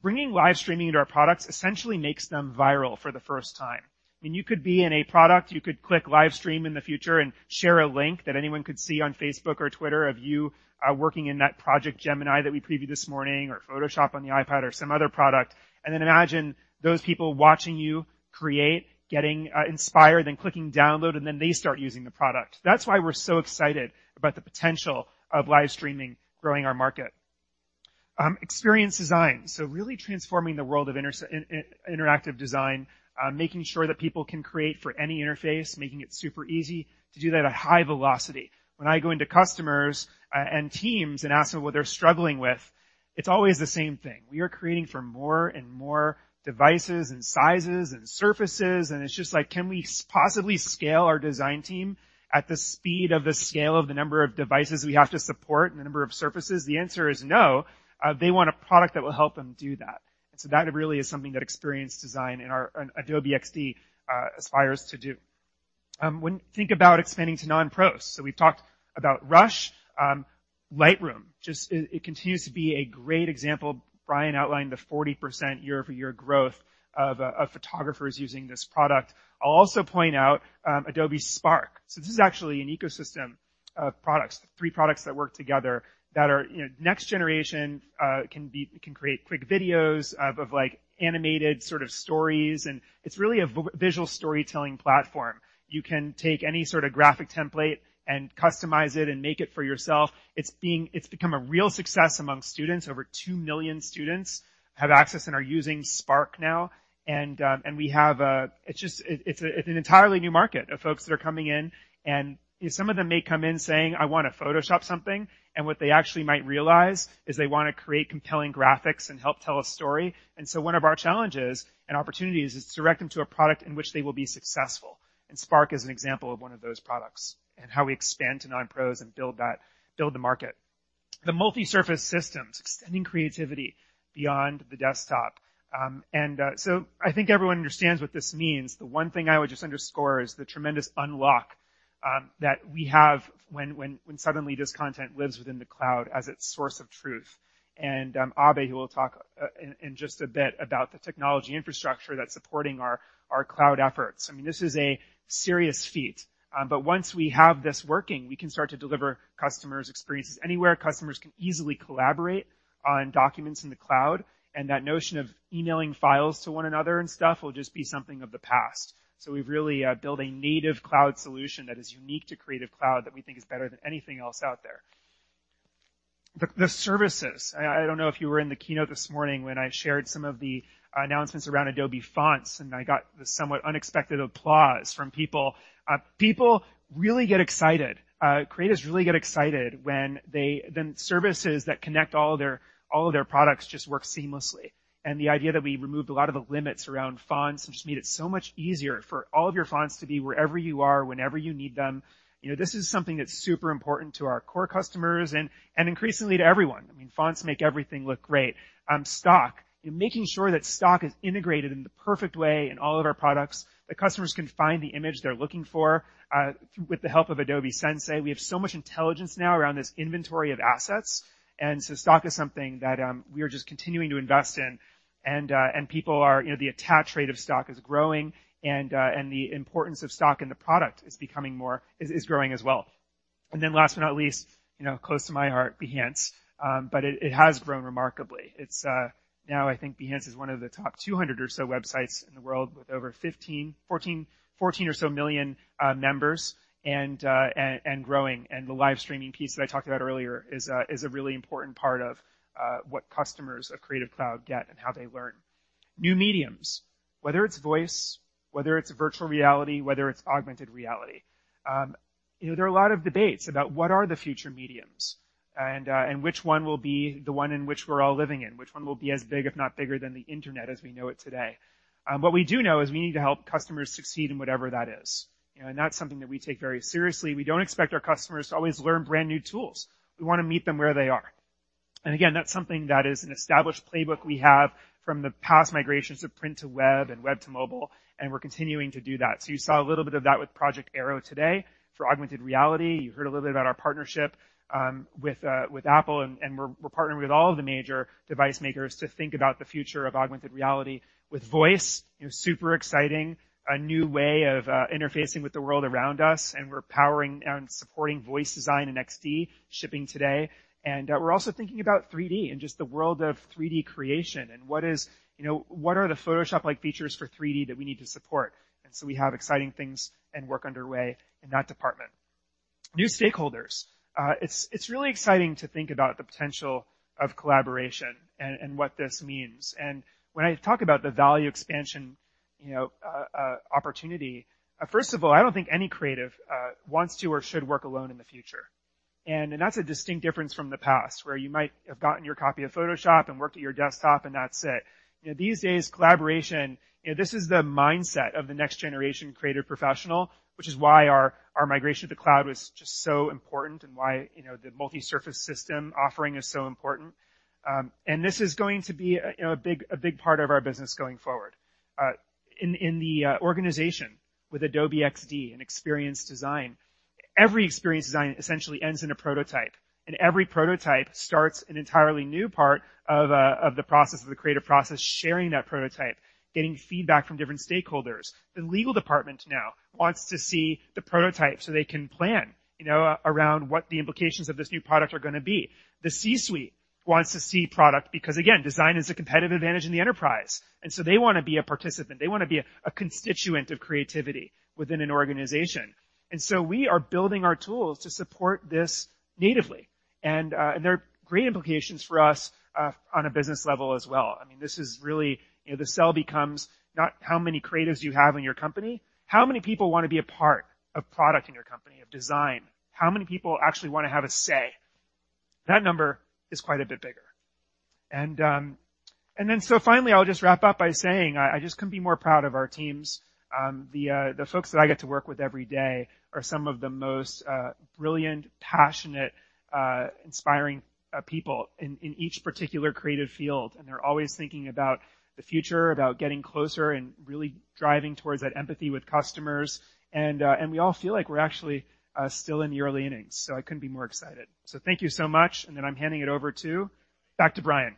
Speaker 5: Bringing live streaming into our products essentially makes them viral for the first time. You could be in a product, you could click Live Stream in the future and share a link that anyone could see on Facebook or Twitter of you working in that Project Gemini that we previewed this morning, or Photoshop on the iPad or some other product. Imagine those people watching you create, getting inspired, then clicking download, and then they start using the product. That's why we're so excited about the potential of live streaming growing our market. Experience design. Really transforming the world of interactive design. Making sure that people can create for any interface, making it super easy to do that at high velocity. When I go into customers and teams and ask them what they're struggling with, it's always the same thing. We are creating for more and more devices and sizes and surfaces, and it's just like, can we possibly scale our design team at the speed of the scale of the number of devices we have to support and the number of surfaces? The answer is no. They want a product that will help them do that. That really is something that experience design and our Adobe XD aspires to do. When you think about expanding to non-pros. We've talked about Rush. Lightroom, it continues to be a great example. Bryan outlined the 40% year-over-year growth of photographers using this product. I'll also point out Adobe Spark. This is actually an ecosystem of products, three products that work together that are next generation, can create quick videos of animated sort of stories, and it's really a visual storytelling platform. You can take any sort of graphic template and customize it and make it for yourself. It's become a real success among students. Over two million students have access and are using Spark now. It's an entirely new market of folks that are coming in, and some of them may come in saying, "I want to Photoshop something." What they actually might realize is they want to create compelling graphics and help tell a story. One of our challenges and opportunities is to direct them to a product in which they will be successful. Spark is an example of one of those products, and how we expand to non-pros and build the market. The multi-surface systems, extending creativity beyond the desktop. I think everyone understands what this means. The one thing I would just underscore is the tremendous unlock that we have when suddenly this content lives within the cloud as its source of truth. Abhay, who will talk in just a bit about the technology infrastructure that's supporting our cloud efforts. This is a serious feat. Once we have this working, we can start to deliver customers experiences anywhere. Customers can easily collaborate on documents in the cloud, and that notion of emailing files to one another and stuff will just be something of the past. We've really built a native cloud solution that is unique to Creative Cloud that we think is better than anything else out there. The services. I don't know if you were in the keynote this morning when I shared some of the announcements around Adobe Fonts, and I got this somewhat unexpected applause from people. People really get excited, creatives really get excited when services that connect all of their products just work seamlessly. The idea that we removed a lot of the limits around fonts, which made it so much easier for all of your fonts to be wherever you are, whenever you need them. This is something that's super important to our core customers and increasingly to everyone. I mean, fonts make everything look great. Stock. Making sure that Stock is integrated in the perfect way in all of our products, that customers can find the image they're looking for, with the help of Adobe Sensei. We have so much intelligence now around this inventory of assets, and so Stock is something that we are just continuing to invest in. The attach rate of Stock is growing, and the importance of Stock in the product is growing as well. Last but not least, close to my heart, Behance. It has grown remarkably. Now I think Behance is one of the top 200 or so websites in the world, with over 14 or so million members and growing. The live streaming piece that I talked about earlier is a really important part of what customers of Creative Cloud get and how they learn. New mediums. Whether it's voice, whether it's virtual reality, whether it's augmented reality. There are a lot of debates about what are the future mediums, and which one will be the one in which we're all living in, which one will be as big, if not bigger, than the internet as we know it today. What we do know is we need to help customers succeed in whatever that is. That's something that we take very seriously. We don't expect our customers to always learn brand-new tools. We want to meet them where they are. Again, that's something that is an established playbook we have from the past migrations of print to web and web to mobile, and we're continuing to do that. You saw a little bit of that with Project Aero today for augmented reality. You heard a little bit about our partnership with Apple, and we're partnering with all of the major device makers to think about the future of augmented reality. With voice, super exciting. A new way of interfacing with the world around us, and we're powering and supporting voice design in Adobe XD, shipping today. We're also thinking about 3D and just the world of 3D creation and what are the Photoshop-like features for 3D that we need to support. We have exciting things and work underway in that department. New stakeholders. It's really exciting to think about the potential of collaboration and what this means. When I talk about the value expansion opportunity, first of all, I don't think any creative wants to or should work alone in the future. That's a distinct difference from the past, where you might have gotten your copy of Photoshop and worked at your desktop, and that's it. These days, collaboration, this is the mindset of the next-generation creative professional, which is why our migration to the cloud was just so important and why the multi-surface system offering is so important. This is going to be a big part of our business going forward. In the organization with Adobe XD and experience design, every experience design essentially ends in a prototype. Every prototype starts an entirely new part of the creative process, sharing that prototype, getting feedback from different stakeholders. The legal department now wants to see the prototype so they can plan around what the implications of this new product are going to be. The C-suite wants to see product because, again, design is a competitive advantage in the enterprise, so they want to be a participant. They want to be a constituent of creativity within an organization. We are building our tools to support this natively. There are great implications for us on a business level as well. The sell becomes not how many creatives you have in your company, how many people want to be a part of product in your company, of design? How many people actually want to have a say? That number is quite a bit bigger. Finally, I'll just wrap up by saying I just couldn't be more proud of our teams. The folks that I get to work with every day are some of the most brilliant, passionate, inspiring people in each particular creative field. They're always thinking about the future, about getting closer, and really driving towards that empathy with customers. We all feel like we're actually still in the early innings, so I couldn't be more excited. Thank you so much, and then I'm handing it over to back to Bryan.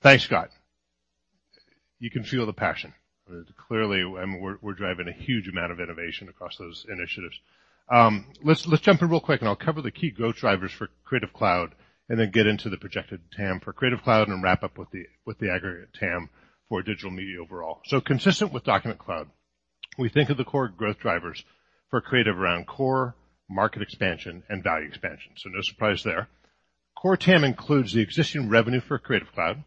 Speaker 4: Thanks, Scott. You can feel the passion. Clearly, we're driving a huge amount of innovation across those initiatives. Let's jump in real quick. I'll cover the key growth drivers for Creative Cloud and then get into the projected TAM for Creative Cloud and wrap up with the aggregate TAM for digital media overall. Consistent with Document Cloud, we think of the core growth drivers for Creative around core, market expansion, and value expansion. No surprise there. Core TAM includes the existing revenue for Creative Cloud,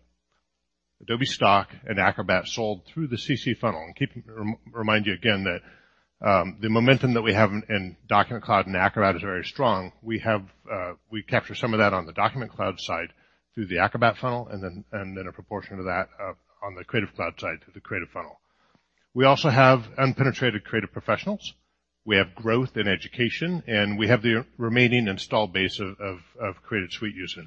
Speaker 4: Adobe Stock, and Acrobat sold through the CC funnel. Remind you again that the momentum that we have in Document Cloud and Acrobat is very strong. We capture some of that on the Document Cloud side through the Acrobat funnel, and then a proportion of that on the Creative Cloud side through the Creative funnel. We also have unpenetrated creative professionals. We have growth in education, we have the remaining installed base of Creative Suite users,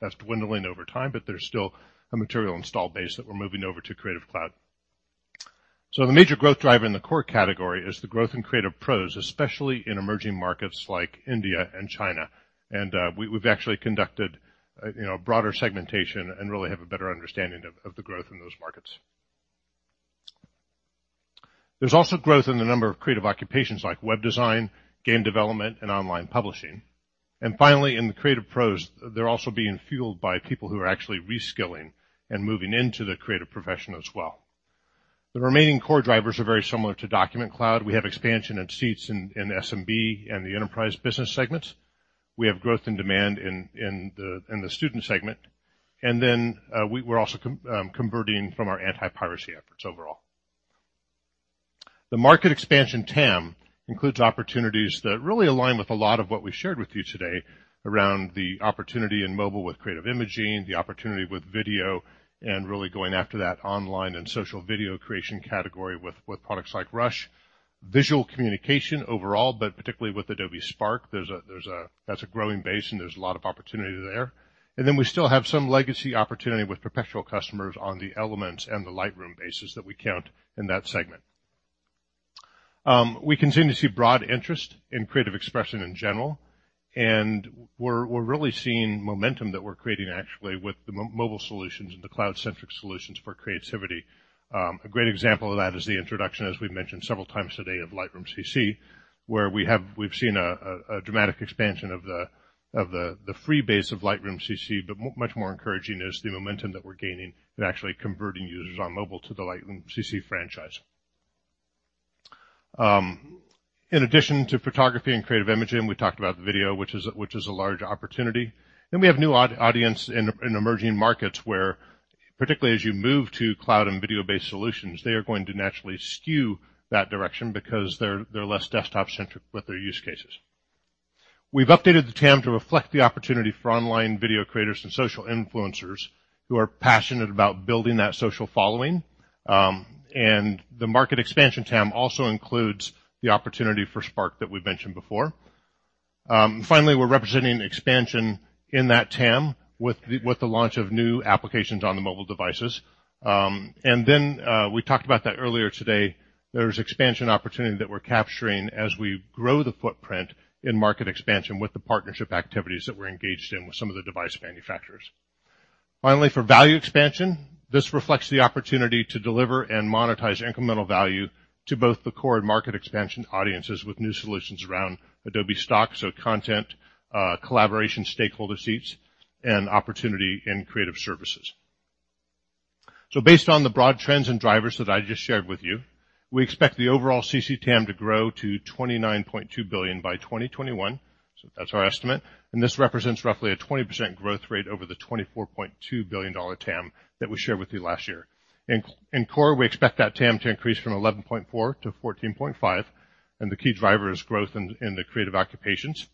Speaker 4: that's dwindling over time, but there's still a material installed base that we're moving over to Creative Cloud. The major growth driver in the core category is the growth in creative pros, especially in emerging markets like India and China. We've actually conducted a broader segmentation and really have a better understanding of the growth in those markets. There's also growth in the number of creative occupations like web design, game development, and online publishing. Finally, in the creative pros, they're also being fueled by people who are actually re-skilling and moving into the creative profession as well. The remaining core drivers are very similar to Document Cloud. We have expansion and seats in SMB and the enterprise business segments. We have growth and demand in the student segment. We're also converting from our anti-piracy efforts overall. The market expansion TAM includes opportunities that really align with a lot of what we shared with you today around the opportunity in mobile with creative imaging, the opportunity with video, and really going after that online and social video creation category with products like Rush. Visual communication overall, but particularly with Adobe Spark, that's a growing base, there's a lot of opportunity there. We still have some legacy opportunity with perpetual customers on the elements and the Lightroom bases that we count in that segment. We continue to see broad interest in creative expression in general, we're really seeing momentum that we're creating actually with the mobile solutions and the cloud-centric solutions for creativity. A great example of that is the introduction, as we've mentioned several times today, of Lightroom CC, where we've seen a dramatic expansion of the free base of Lightroom CC. Much more encouraging is the momentum that we're gaining in actually converting users on mobile to the Lightroom CC franchise. In addition to photography and creative imaging, we talked about the video, which is a large opportunity. We have new audience in emerging markets where, particularly as you move to cloud and video-based solutions, they are going to naturally skew that direction because they're less desktop-centric with their use cases. We've updated the TAM to reflect the opportunity for online video creators and social influencers who are passionate about building that social following. The market expansion TAM also includes the opportunity for Spark that we've mentioned before. Finally, we're representing expansion in that TAM with the launch of new applications on the mobile devices. We talked about that earlier today, there's expansion opportunity that we're capturing as we grow the footprint in market expansion with the partnership activities that we're engaged in with some of the device manufacturers. Finally, for value expansion, this reflects the opportunity to deliver and monetize incremental value to both the core and market expansion audiences with new solutions around Adobe Stock. Content, collaboration, stakeholder seats, and opportunity in creative services. Based on the broad trends and drivers that I just shared with you, we expect the overall CC TAM to grow to $29.2 billion by 2021. That's our estimate. This represents roughly a 20% growth rate over the $24.2 billion TAM that we shared with you last year. In core, we expect that TAM to increase from $11.4 billion to $14.5 billion, the key driver is growth in the creative occupations.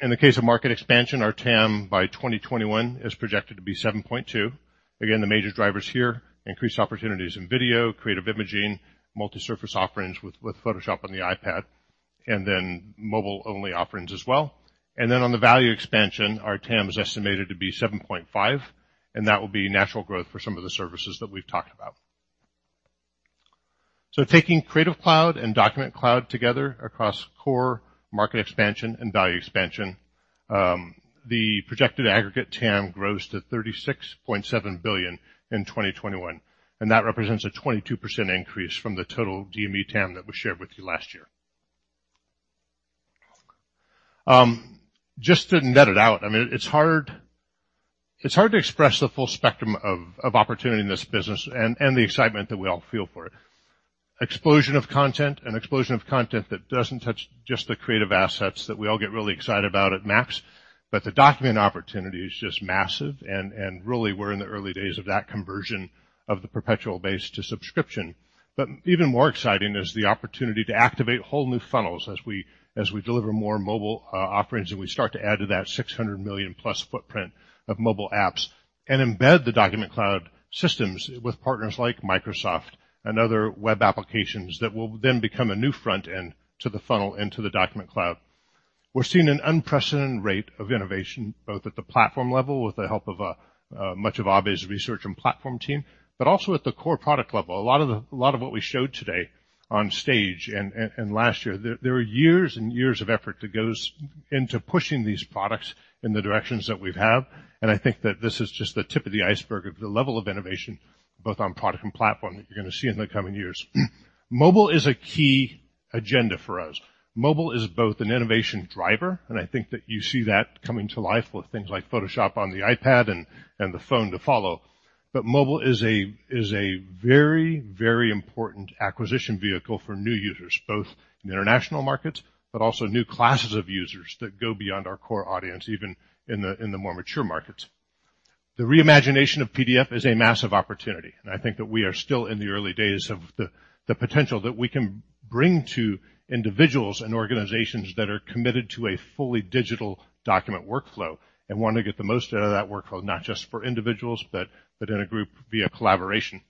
Speaker 4: In the case of market expansion, our TAM by 2021 is projected to be $7.2 billion. The major drivers here, increased opportunities in video, creative imaging, multi-surface offerings with Photoshop on the iPad, mobile-only offerings as well. On the value expansion, our TAM is estimated to be $7.5 billion, that will be natural growth for some of the services that we've talked about. Taking Creative Cloud and Document Cloud together across core, market expansion, and value expansion the projected aggregate TAM grows to $36.7 billion in 2021. That represents a 22% increase from the total DME TAM that was shared with you last year. Just to net it out, it's hard to express the full spectrum of opportunity in this business and the excitement that we all feel for it. An explosion of content that doesn't touch just the creative assets that we all get really excited about at MAX, but the document opportunity is just massive, really, we're in the early days of that conversion of the perpetual base to subscription. Even more exciting is the opportunity to activate whole new funnels as we deliver more mobile offerings, we start to add to that 600-million-plus footprint of mobile apps, embed the Document Cloud systems with partners like Microsoft and other web applications that will become a new front end to the funnel into the Document Cloud. We're seeing an unprecedented rate of innovation, both at the platform level with the help of much of Abhay's research and platform team, also at the core product level. A lot of what we showed today on stage and last year, there are years and years of effort that goes into pushing these products in the directions that we've have, I think that this is just the tip of the iceberg of the level of innovation, both on product and platform, that you're going to see in the coming years. Mobile is a key agenda for us. Mobile is both an innovation driver, I think that you see that coming to life with things like Photoshop on the iPad and the phone to follow. Mobile is a very, very important acquisition vehicle for new users, both in the international markets, also new classes of users that go beyond our core audience, even in the more mature markets. The re-imagination of PDF is a massive opportunity, I think that we are still in the early days of the potential that we can bring to individuals and organizations that are committed to a fully digital document workflow, want to get the most out of that workflow, not just for individuals, in a group via collaboration.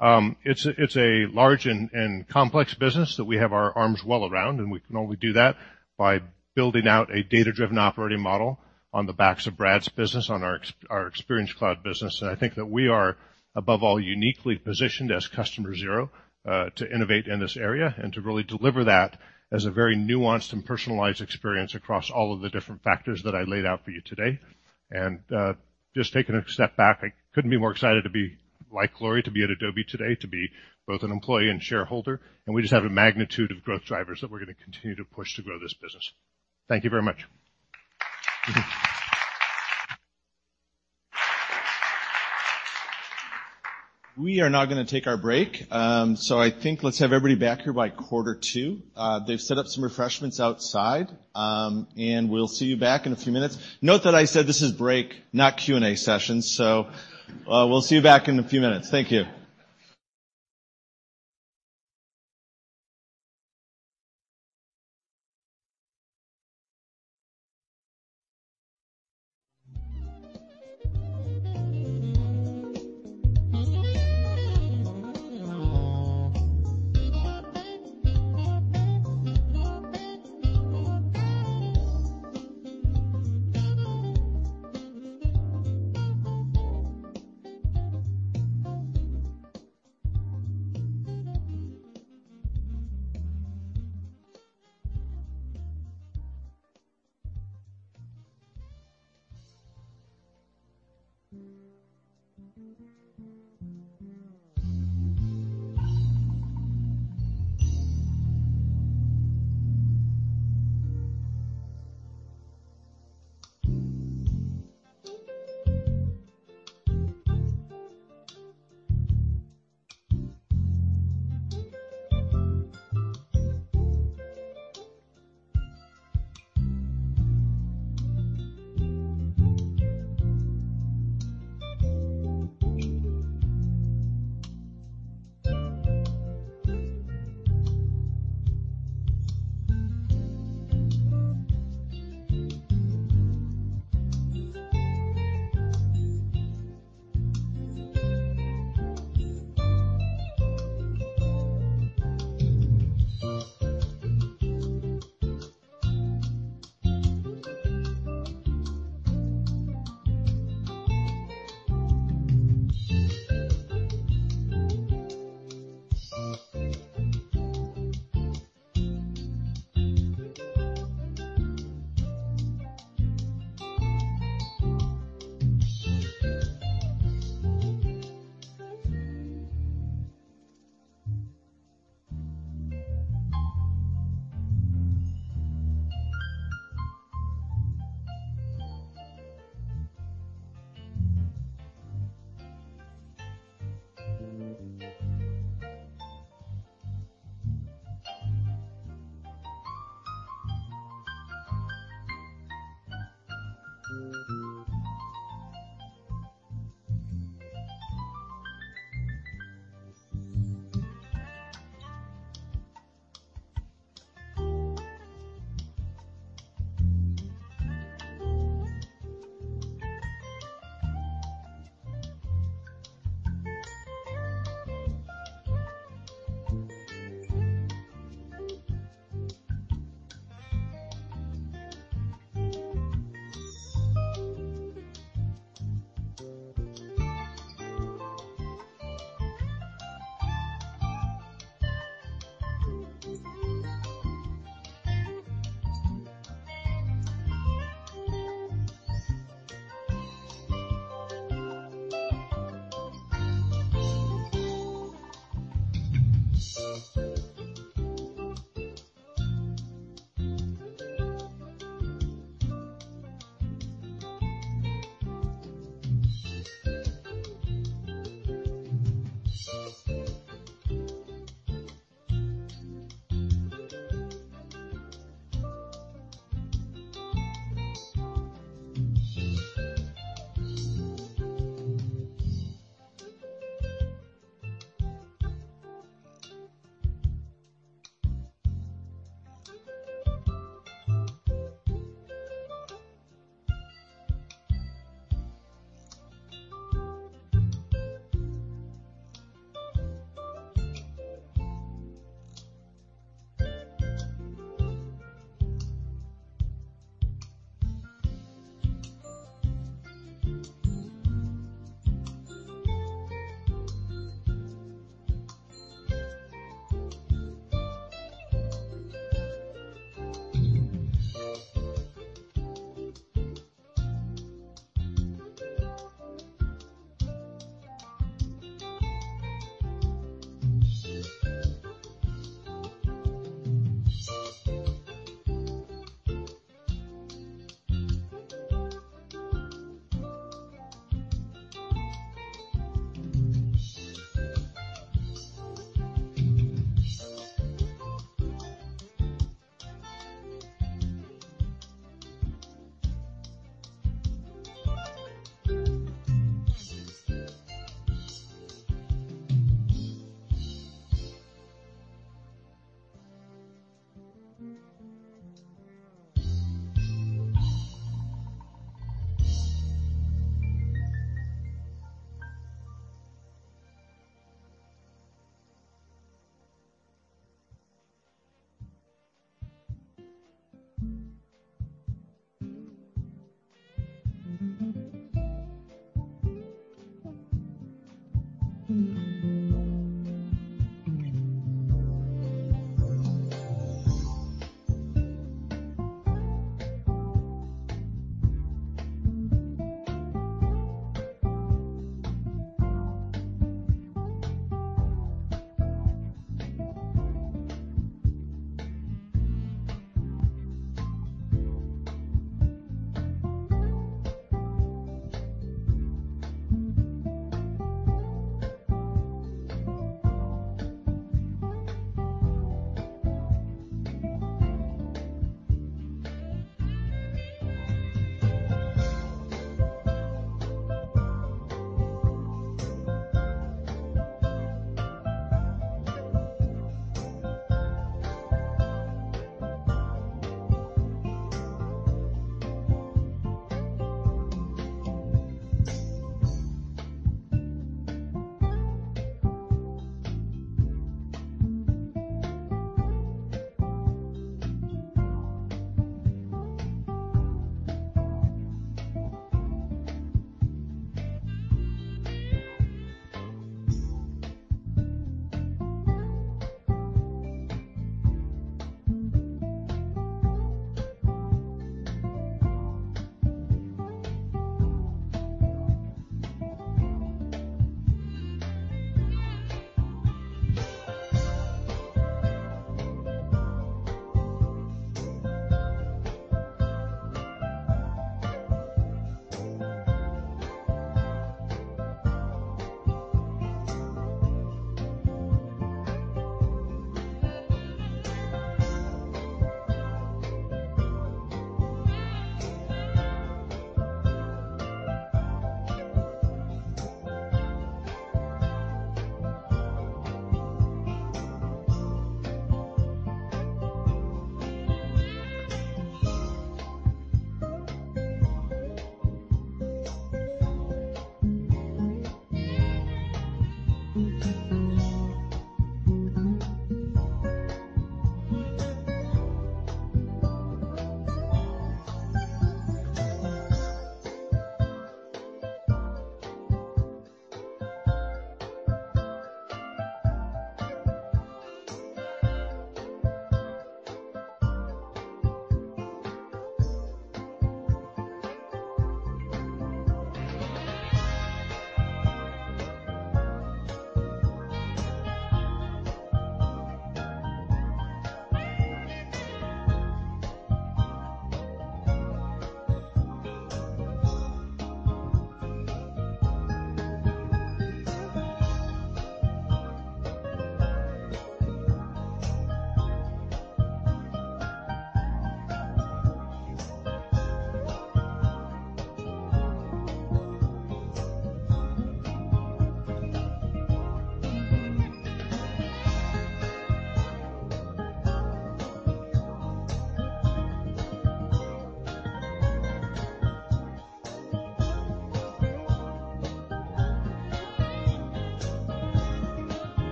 Speaker 4: It's a large and complex business that we have our arms well around, we can only do that by building out a Data-Driven Operating Model on the backs of Brad's business, on our Experience Cloud business. I think that we are, above all, uniquely positioned as customer zero to innovate in this area and to really deliver that as a very nuanced and personalized experience across all of the different factors that I laid out for you today. Just taking a step back, I couldn't be more excited to be like Gloria to be at Adobe today to be both an employee and shareholder. We just have a magnitude of growth drivers that we're going to continue to push to grow this business. Thank you very much.
Speaker 1: We are now going to take our break. I think let's have everybody back here by quarter to. They've set up some refreshments outside. We'll see you back in a few minutes. Note that I said this is break, not Q&A session. We'll see you back in a few minutes. Thank you.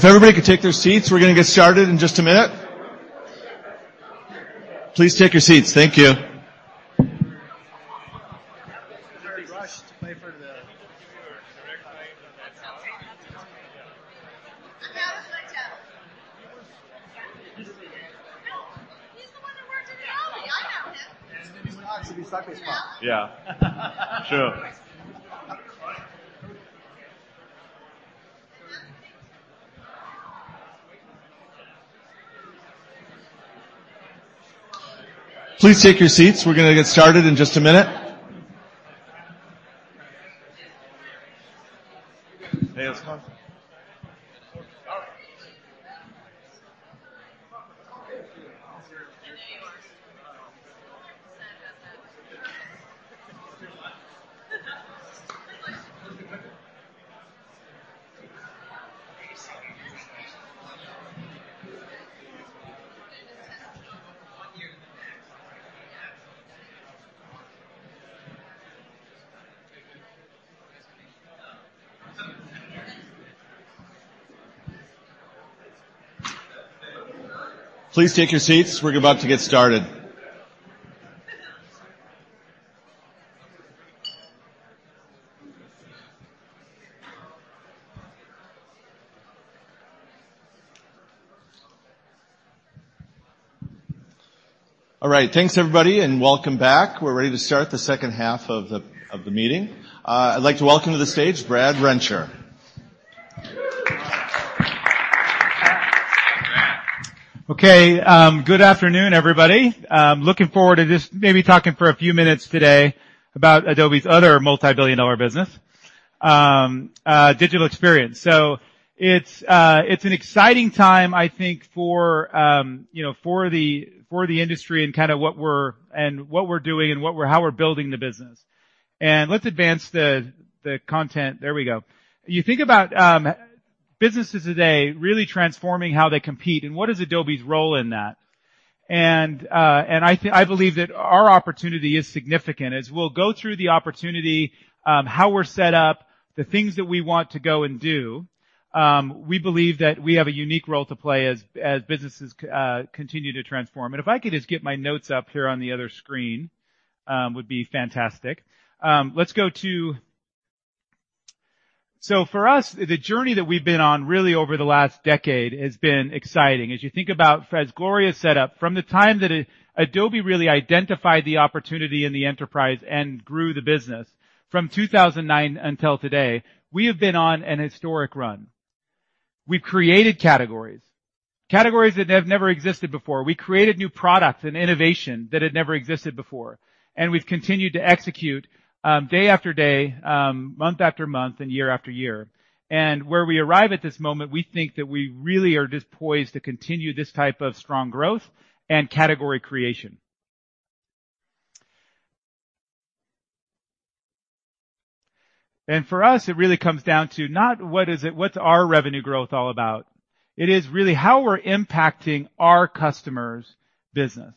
Speaker 1: If everybody could take their seats, we're going to get started in just a minute. Please take your seats. Thank you. That was my joke.
Speaker 2: Yeah.
Speaker 1: No, he's the one that worked at Adobe. I know him.
Speaker 2: Yeah, it's going to be Scott. Be quiet Scott.
Speaker 1: Yeah. Yeah. Sure. Please take your seats. We're going to get started in just a minute. Hey, what's going on?
Speaker 2: All right.
Speaker 1: There you are. Sorry about that. Please take your seats. We're about to get started. All right, thanks everybody, and welcome back. We're ready to start the second half of the meeting. I'd like to welcome to the stage Brad Rencher.
Speaker 7: Okay. Good afternoon, everybody. Looking forward to just maybe talking for a few minutes today about Adobe's other multi-billion dollar business, Digital Experience. It's an exciting time, I think, for the industry and what we're doing and how we're building the business. Let's advance the content. There we go. You think about businesses today really transforming how they compete, and what is Adobe's role in that? I believe that our opportunity is significant as we'll go through the opportunity, how we're set up, the things that we want to go and do. We believe that we have a unique role to play as businesses continue to transform. If I could just get my notes up here on the other screen, would be fantastic. For us, the journey that we've been on really over the last decade has been exciting. As you think about, as Gloria set up, from the time that Adobe really identified the opportunity in the enterprise and grew the business from 2009 until today, we have been on an historic run. We've created categories that have never existed before. We created new products and innovation that had never existed before, and we've continued to execute, day after day, month after month, and year after year. Where we arrive at this moment, we think that we really are just poised to continue this type of strong growth and category creation. For us, it really comes down to not what is it, what's our revenue growth all about? It is really how we're impacting our customers' business.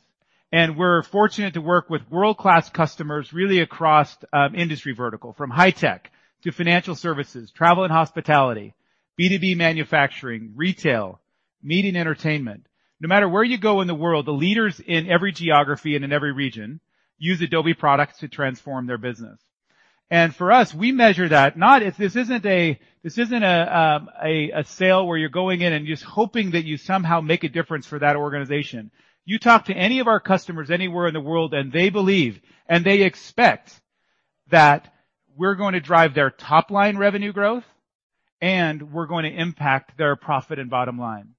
Speaker 7: We're fortunate to work with world-class customers, really across industry vertical, from high tech to financial services, travel and hospitality, B2B manufacturing, retail, media and entertainment. No matter where you go in the world, the leaders in every geography and in every region use Adobe products to transform their business. For us, we measure that, this isn't a sale where you're going in and just hoping that you somehow make a difference for that organization. You talk to any of our customers anywhere in the world, and they believe, and they expect that we're going to drive their top-line revenue growth, and we're going to impact their profit and bottom line.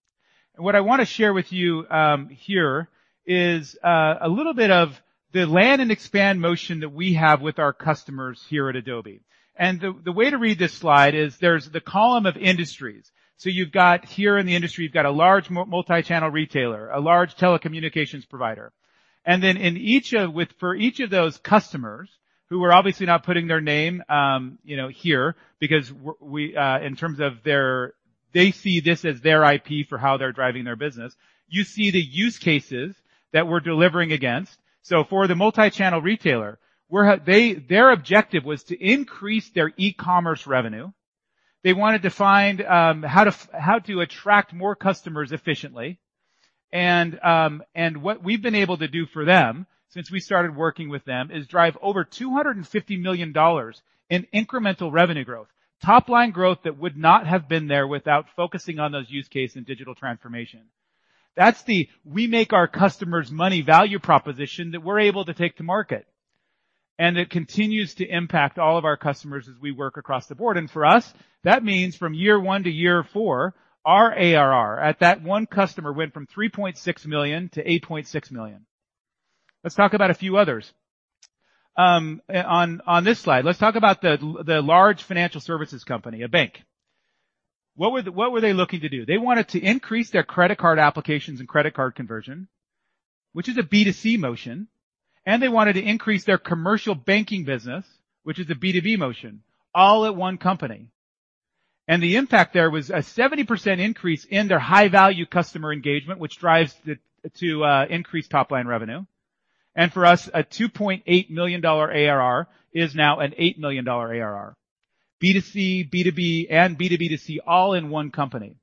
Speaker 7: What I want to share with you here is a little bit of the land and expand motion that we have with our customers here at Adobe. The way to read this slide is there's the column of industries. You've got here in the industry, you've got a large multi-channel retailer, a large telecommunications provider. For each of those customers who are obviously not putting their name here because in terms of their They see this as their IP for how they're driving their business. You see the use cases that we're delivering against. For the multi-channel retailer, their objective was to increase their e-commerce revenue. They wanted to find how to attract more customers efficiently. What we've been able to do for them since we started working with them is drive over $250 million in incremental revenue growth, top-line growth that would not have been there without focusing on those use cases in digital transformation. That's the we make our customers money value proposition that we're able to take to market, and it continues to impact all of our customers as we work across the board. For us, that means from year one to year four, our ARR at that one customer went from $3.6 million to $8.6 million. Let's talk about a few others. On this slide, let's talk about the large financial services company, a bank. What were they looking to do? They wanted to increase their credit card applications and credit card conversion, which is a B2C motion, and they wanted to increase their commercial banking business, which is a B2B motion, all at one company. The impact there was a 70% increase in their high-value customer engagement, which drives to increase top-line revenue. For us, a $2.8 million ARR is now an $8 million ARR. B2C, B2B, and B2B2C all in one company.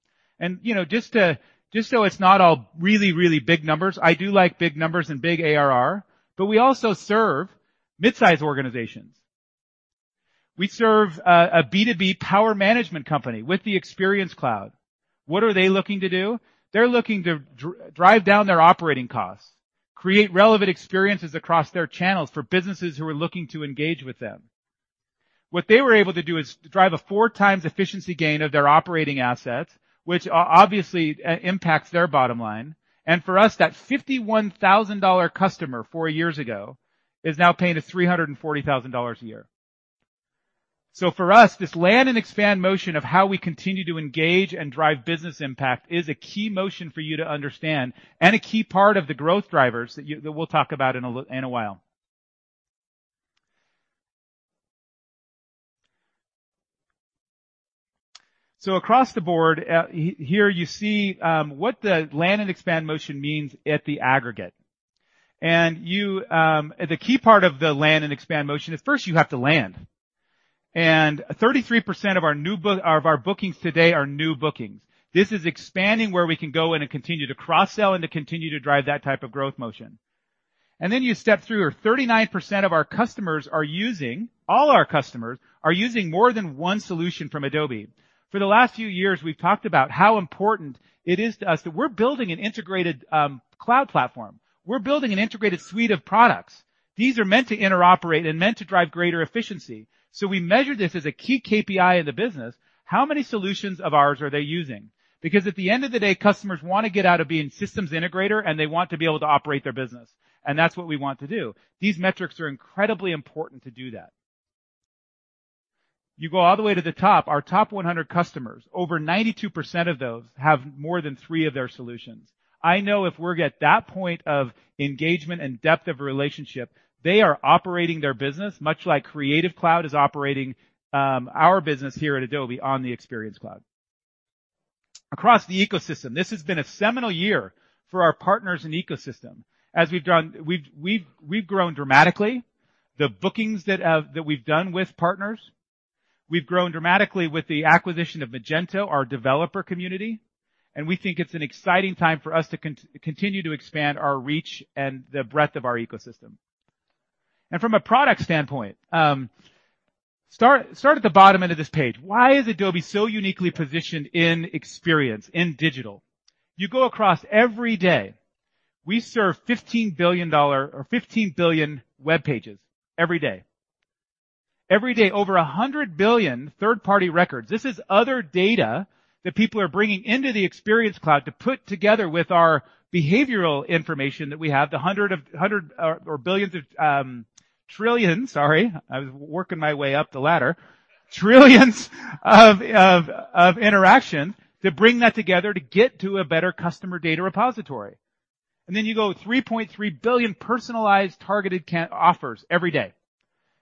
Speaker 7: Just so it's not all really, really big numbers. I do like big numbers and big ARR, but we also serve midsize organizations. We serve a B2B power management company with the Experience Cloud. What are they looking to do? They're looking to drive down their operating costs, create relevant experiences across their channels for businesses who are looking to engage with them. What they were able to do is drive a 4x efficiency gain of their operating assets, which obviously impacts their bottom line. For us, that $51,000 customer four years ago is now paying us $340,000 a year. For us, this land and expand motion of how we continue to engage and drive business impact is a key motion for you to understand, and a key part of the growth drivers that we'll talk about in a while. Across the board, here you see what the land and expand motion means at the aggregate. The key part of the land and expand motion is first you have to land. 33% of our bookings today are new bookings. This is expanding where we can go in and continue to cross-sell and to continue to drive that type of growth motion. You step through, or 39% of our customers are using, all our customers are using more than one solution from Adobe. For the last few years, we've talked about how important it is to us that we're building an integrated cloud platform. We're building an integrated suite of products. These are meant to interoperate and meant to drive greater efficiency. We measure this as a key KPI in the business, how many solutions of ours are they using? Because at the end of the day, customers want to get out of being systems integrator, and they want to be able to operate their business, and that's what we want to do. These metrics are incredibly important to do that. You go all the way to the top, our top 100 customers, over 92% of those have more than three of their solutions. I know if we're at that point of engagement and depth of a relationship, they are operating their business, much like Creative Cloud is operating our business here at Adobe on the Experience Cloud. Across the ecosystem, this has been a seminal year for our partners and ecosystem. As we've grown dramatically, the bookings that we've done with partners, we've grown dramatically with the acquisition of Magento, our developer community, and we think it's an exciting time for us to continue to expand our reach and the breadth of our ecosystem. From a product standpoint, start at the bottom end of this page. Why is Adobe so uniquely positioned in experience, in digital? You go across every day, we serve 15 billion webpages every day. Every day, over 100 billion third-party records. This is other data that people are bringing into the Experience Cloud to put together with our behavioral information that we have, the trillions, sorry. I was working my way up the ladder. Trillions of interactions to bring that together to get to a better customer data repository. You go 3.3 billion personalized, targeted offers every day.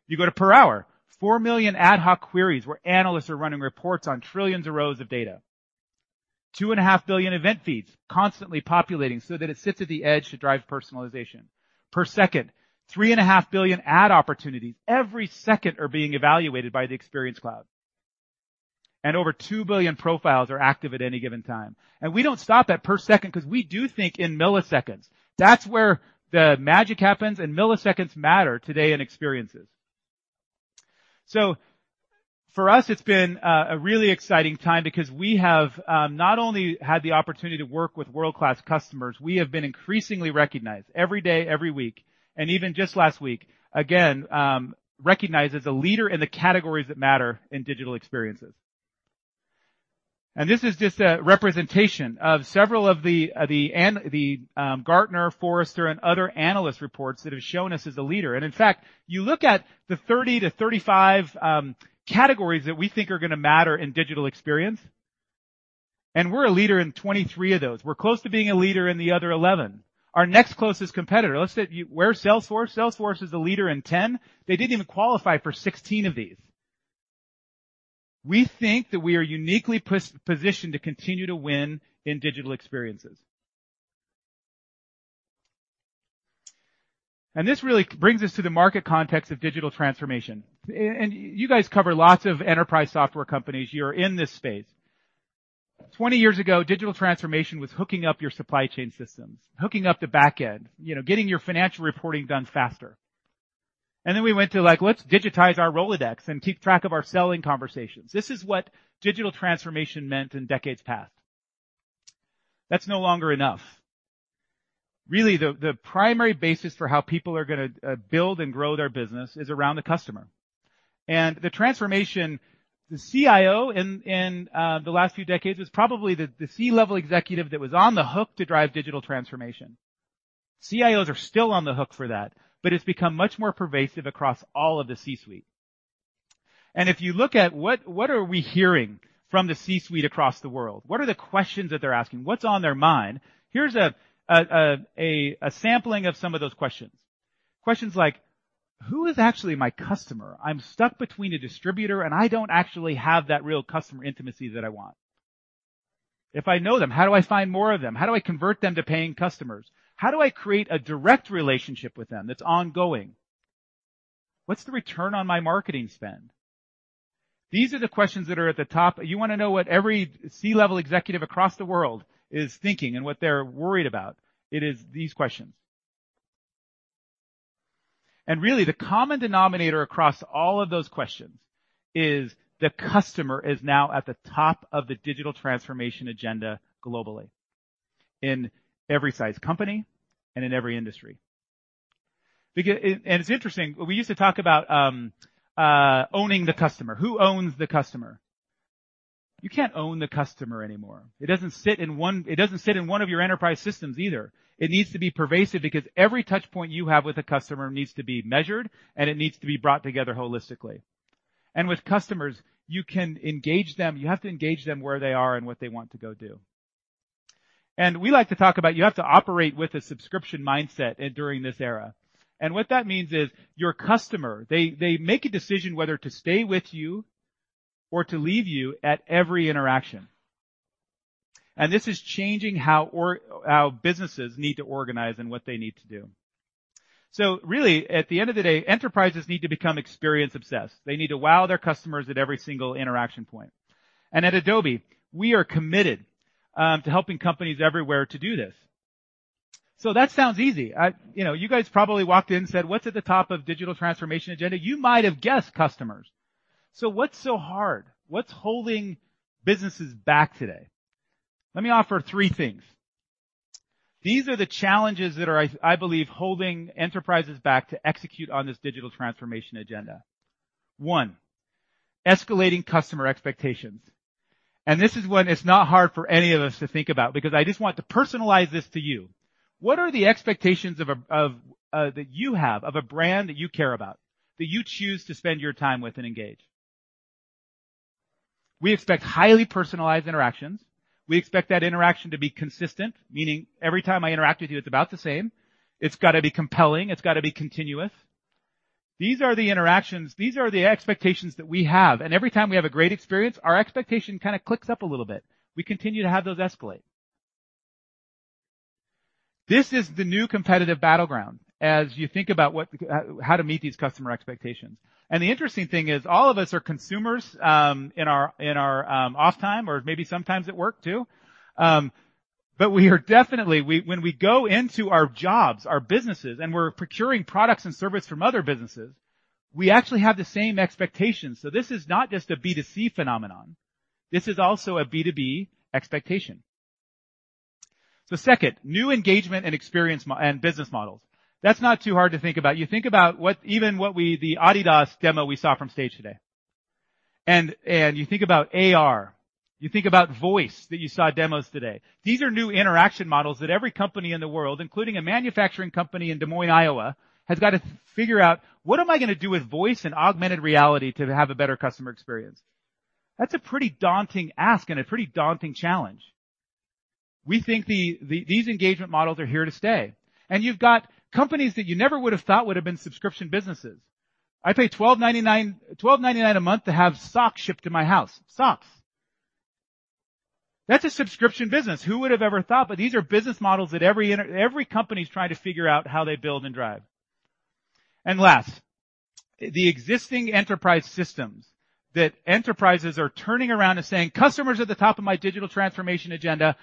Speaker 7: You go to per hour, 4 million ad hoc queries where analysts are running reports on trillions of rows of data. 2.5 billion event feeds constantly populating so that it sits at the edge to drive personalization. Per second, 3.5 billion ad opportunities every second are being evaluated by the Experience Cloud. Over 2 billion profiles are active at any given time. We don't stop at per second because we do think in milliseconds. That's where the magic happens, and milliseconds matter today in experiences. For us, it's been a really exciting time because we have not only had the opportunity to work with world-class customers, we have been increasingly recognized every day, every week, and even just last week, again, recognized as a leader in the categories that matter in digital experiences. This is just a representation of several of the Gartner, Forrester, and other analyst reports that have shown us as a leader. In fact, you look at the 30-35 categories that we think are going to matter in digital experience, and we're a leader in 23 of those. We're close to being a leader in the other 11. Our next closest competitor, where's Salesforce? Salesforce is a leader in 10. They didn't even qualify for 16 of these. We think that we are uniquely positioned to continue to win in digital experiences. This really brings us to the market context of digital transformation. You guys cover lots of enterprise software companies. You're in this space. 20 years ago, digital transformation was hooking up your supply chain systems, hooking up the back end, getting your financial reporting done faster. We went to like, "Let's digitize our Rolodex and keep track of our selling conversations." This is what digital transformation meant in decades past. That's no longer enough. Really, the primary basis for how people are going to build and grow their business is around the customer. The transformation, the CIO in the last few decades was probably the C-level executive that was on the hook to drive digital transformation. CIOs are still on the hook for that, but it's become much more pervasive across all of the C-suite. If you look at what are we hearing from the C-suite across the world, what are the questions that they're asking? What's on their mind? Here's a sampling of some of those questions. Questions like, who is actually my customer? I'm stuck between a distributor, and I don't actually have that real customer intimacy that I want. If I know them, how do I find more of them? How do I convert them to paying customers? How do I create a direct relationship with them that's ongoing? What's the return on my marketing spend? These are the questions that are at the top. You want to know what every C-level executive across the world is thinking and what they're worried about, it is these questions. Really, the common denominator across all of those questions is the customer is now at the top of the digital transformation agenda globally, in every size company and in every industry. It's interesting, we used to talk about owning the customer. Who owns the customer? You can't own the customer anymore. It doesn't sit in one of your enterprise systems either. It needs to be pervasive because every touch point you have with a customer needs to be measured, and it needs to be brought together holistically. With customers, you can engage them. You have to engage them where they are and what they want to go do. We like to talk about you have to operate with a subscription mindset during this era. What that means is your customer, they make a decision whether to stay with you or to leave you at every interaction. This is changing how businesses need to organize and what they need to do. Really, at the end of the day, enterprises need to become experience-obsessed. They need to wow their customers at every single interaction point. At Adobe, we are committed to helping companies everywhere to do this. That sounds easy. You guys probably walked in and said, "What's at the top of digital transformation agenda?" You might have guessed customers. What's so hard? What's holding businesses back today? Let me offer three things. These are the challenges that are, I believe, holding enterprises back to execute on this digital transformation agenda. One, escalating customer expectations. This is one that's not hard for any of us to think about because I just want to personalize this to you. What are the expectations that you have of a brand that you care about, that you choose to spend your time with and engage? We expect highly personalized interactions. We expect that interaction to be consistent, meaning every time I interact with you, it's about the same. It's got to be compelling. It's got to be continuous. These are the interactions, these are the expectations that we have. Every time we have a great experience, our expectation kind of clicks up a little bit. We continue to have those escalate. This is the new competitive battleground as you think about how to meet these customer expectations. The interesting thing is all of us are consumers in our off time or maybe sometimes at work too. We are definitely, when we go into our jobs, our businesses, and we're procuring products and service from other businesses, we actually have the same expectations. This is not just a B2C phenomenon. This is also a B2B expectation. Second, new engagement and experience and business models. That's not too hard to think about. You think about even the Adidas demo we saw from stage today. You think about AR, you think about voice that you saw demos today. These are new interaction models that every company in the world, including a manufacturing company in Des Moines, Iowa, has got to figure out, what am I going to do with voice and augmented reality to have a better customer experience? That's a pretty daunting ask and a pretty daunting challenge. We think these engagement models are here to stay. You've got companies that you never would have thought would have been subscription businesses. I pay $12.99 a month to have socks shipped to my house. Socks. That's a subscription business. Who would have ever thought? These are business models that every company is trying to figure out how they build and drive. Last, the existing enterprise systems that enterprises are turning around and saying, "Customer's at the top of my digital transformation agenda."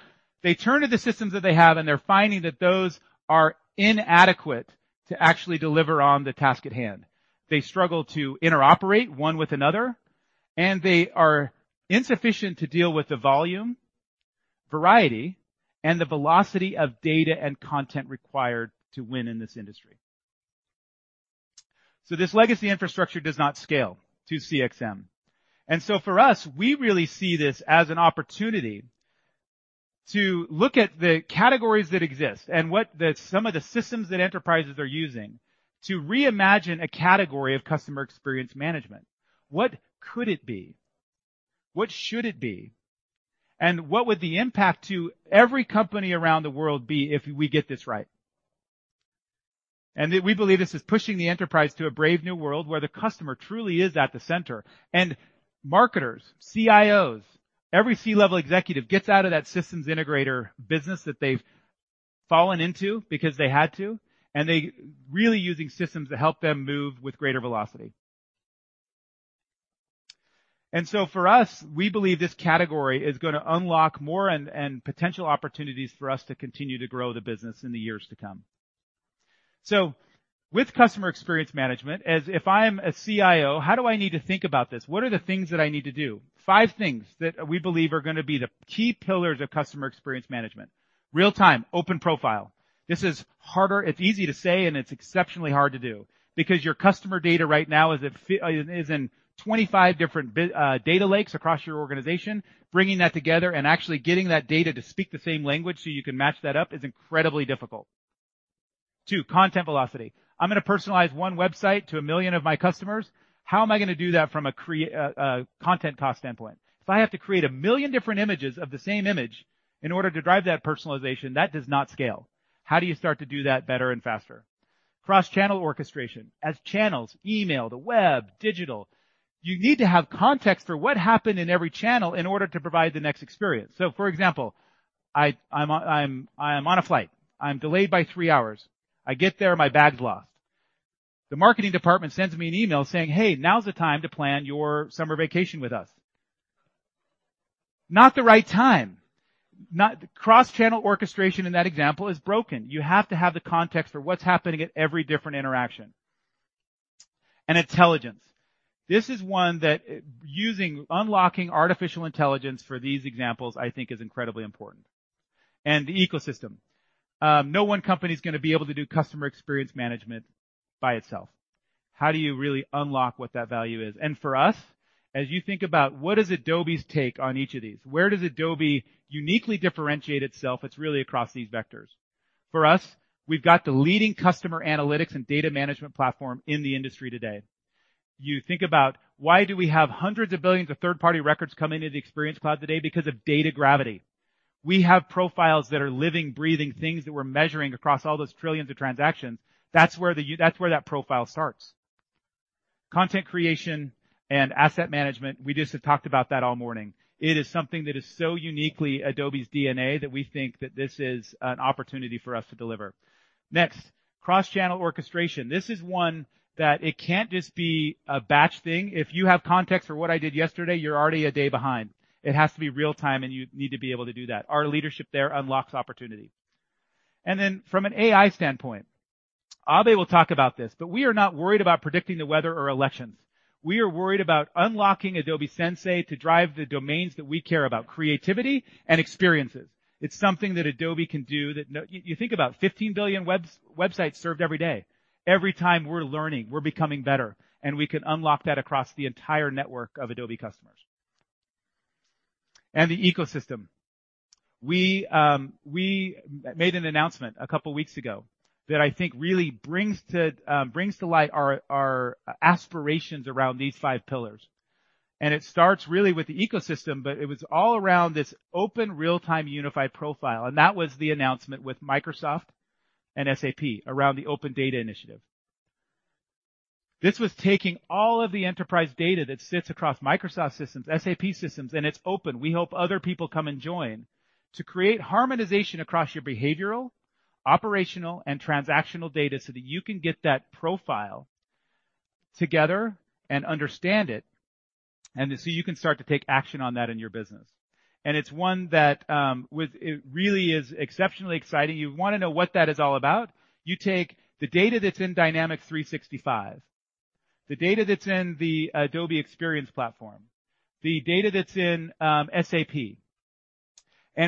Speaker 7: They turn to the systems that they have, and they're finding that those are inadequate to actually deliver on the task at hand. They struggle to interoperate one with another, and they are insufficient to deal with the volume, variety, and the velocity of data and content required to win in this industry. This legacy infrastructure does not scale to CXM. For us, we really see this as an opportunity to look at the categories that exist and some of the systems that enterprises are using to reimagine a category of Customer Experience Management. What could it be? What should it be? What would the impact to every company around the world be if we get this right? We believe this is pushing the enterprise to a brave new world where the customer truly is at the center. Marketers, CIOs, every C-level executive gets out of that systems integrator business that they've fallen into because they had to, and they're really using systems to help them move with greater velocity. For us, we believe this category is going to unlock more and potential opportunities for us to continue to grow the business in the years to come. With Customer Experience Management, if I am a CIO, how do I need to think about this? What are the things that I need to do? Five things that we believe are going to be the key pillars of Customer Experience Management. Real-time Open Profile. This is harder. It's easy to say, and it's exceptionally hard to do because your customer data right now is in 25 different data lakes across your organization. Bringing that together and actually getting that data to speak the same language so you can match that up is incredibly difficult. 2. Content Velocity. I'm going to personalize one website to 1 million of my customers. How am I going to do that from a content cost standpoint? If I have to create 1 million different images of the same image in order to drive that personalization, that does not scale. How do you start to do that better and faster? Cross-Channel Orchestration. As channels, email, the web, digital, you need to have context for what happened in every channel in order to provide the next experience. For example, I'm on a flight. I'm delayed by three hours. I get there, my bag's lost. The marketing department sends me an email saying, "Hey, now's the time to plan your summer vacation with us." Not the right time. Cross-Channel Orchestration in that example is broken. You have to have the context for what's happening at every different interaction. Intelligence. This is one that unlocking Artificial Intelligence for these examples, I think is incredibly important. The ecosystem. No one company's going to be able to do Customer Experience Management by itself. How do you really unlock what that value is? For us, as you think about what is Adobe's take on each of these, where does Adobe uniquely differentiate itself, it's really across these vectors. For us, we've got the leading customer analytics and data management platform in the industry today. You think about why do we have hundreds of billions of third-party records come into the Experience Cloud today? Because of data gravity. We have profiles that are living, breathing things that we're measuring across all those trillions of transactions. That's where that profile starts. Content creation and asset management, we just have talked about that all morning. It is something that is so uniquely Adobe's DNA that we think that this is an opportunity for us to deliver. Next, cross-channel orchestration. This is one that it can't just be a batch thing. If you have context for what I did yesterday, you're already a day behind. It has to be real time, and you need to be able to do that. Our leadership there unlocks opportunity. From an AI standpoint, Abhay will talk about this, but we are not worried about predicting the weather or elections. We are worried about unlocking Adobe Sensei to drive the domains that we care about, creativity and experiences. It's something that Adobe can do that, you think about 15 billion websites served every day. Every time we're learning, we're becoming better, and we can unlock that across the entire network of Adobe customers. The ecosystem. It starts really with the ecosystem, but it was all around this open real-time unified profile, and that was the announcement with Microsoft and SAP around the Open Data Initiative. This was taking all of the enterprise data that sits across Microsoft systems, SAP systems, and it's open. We hope other people come and join to create harmonization across your behavioral, operational, and transactional data so that you can get that profile together and understand it, so you can start to take action on that in your business. It's one that really is exceptionally exciting. You want to know what that is all about? You take the data that's in Dynamics 365, the data that's in the Adobe Experience Platform, the data that's in SAP.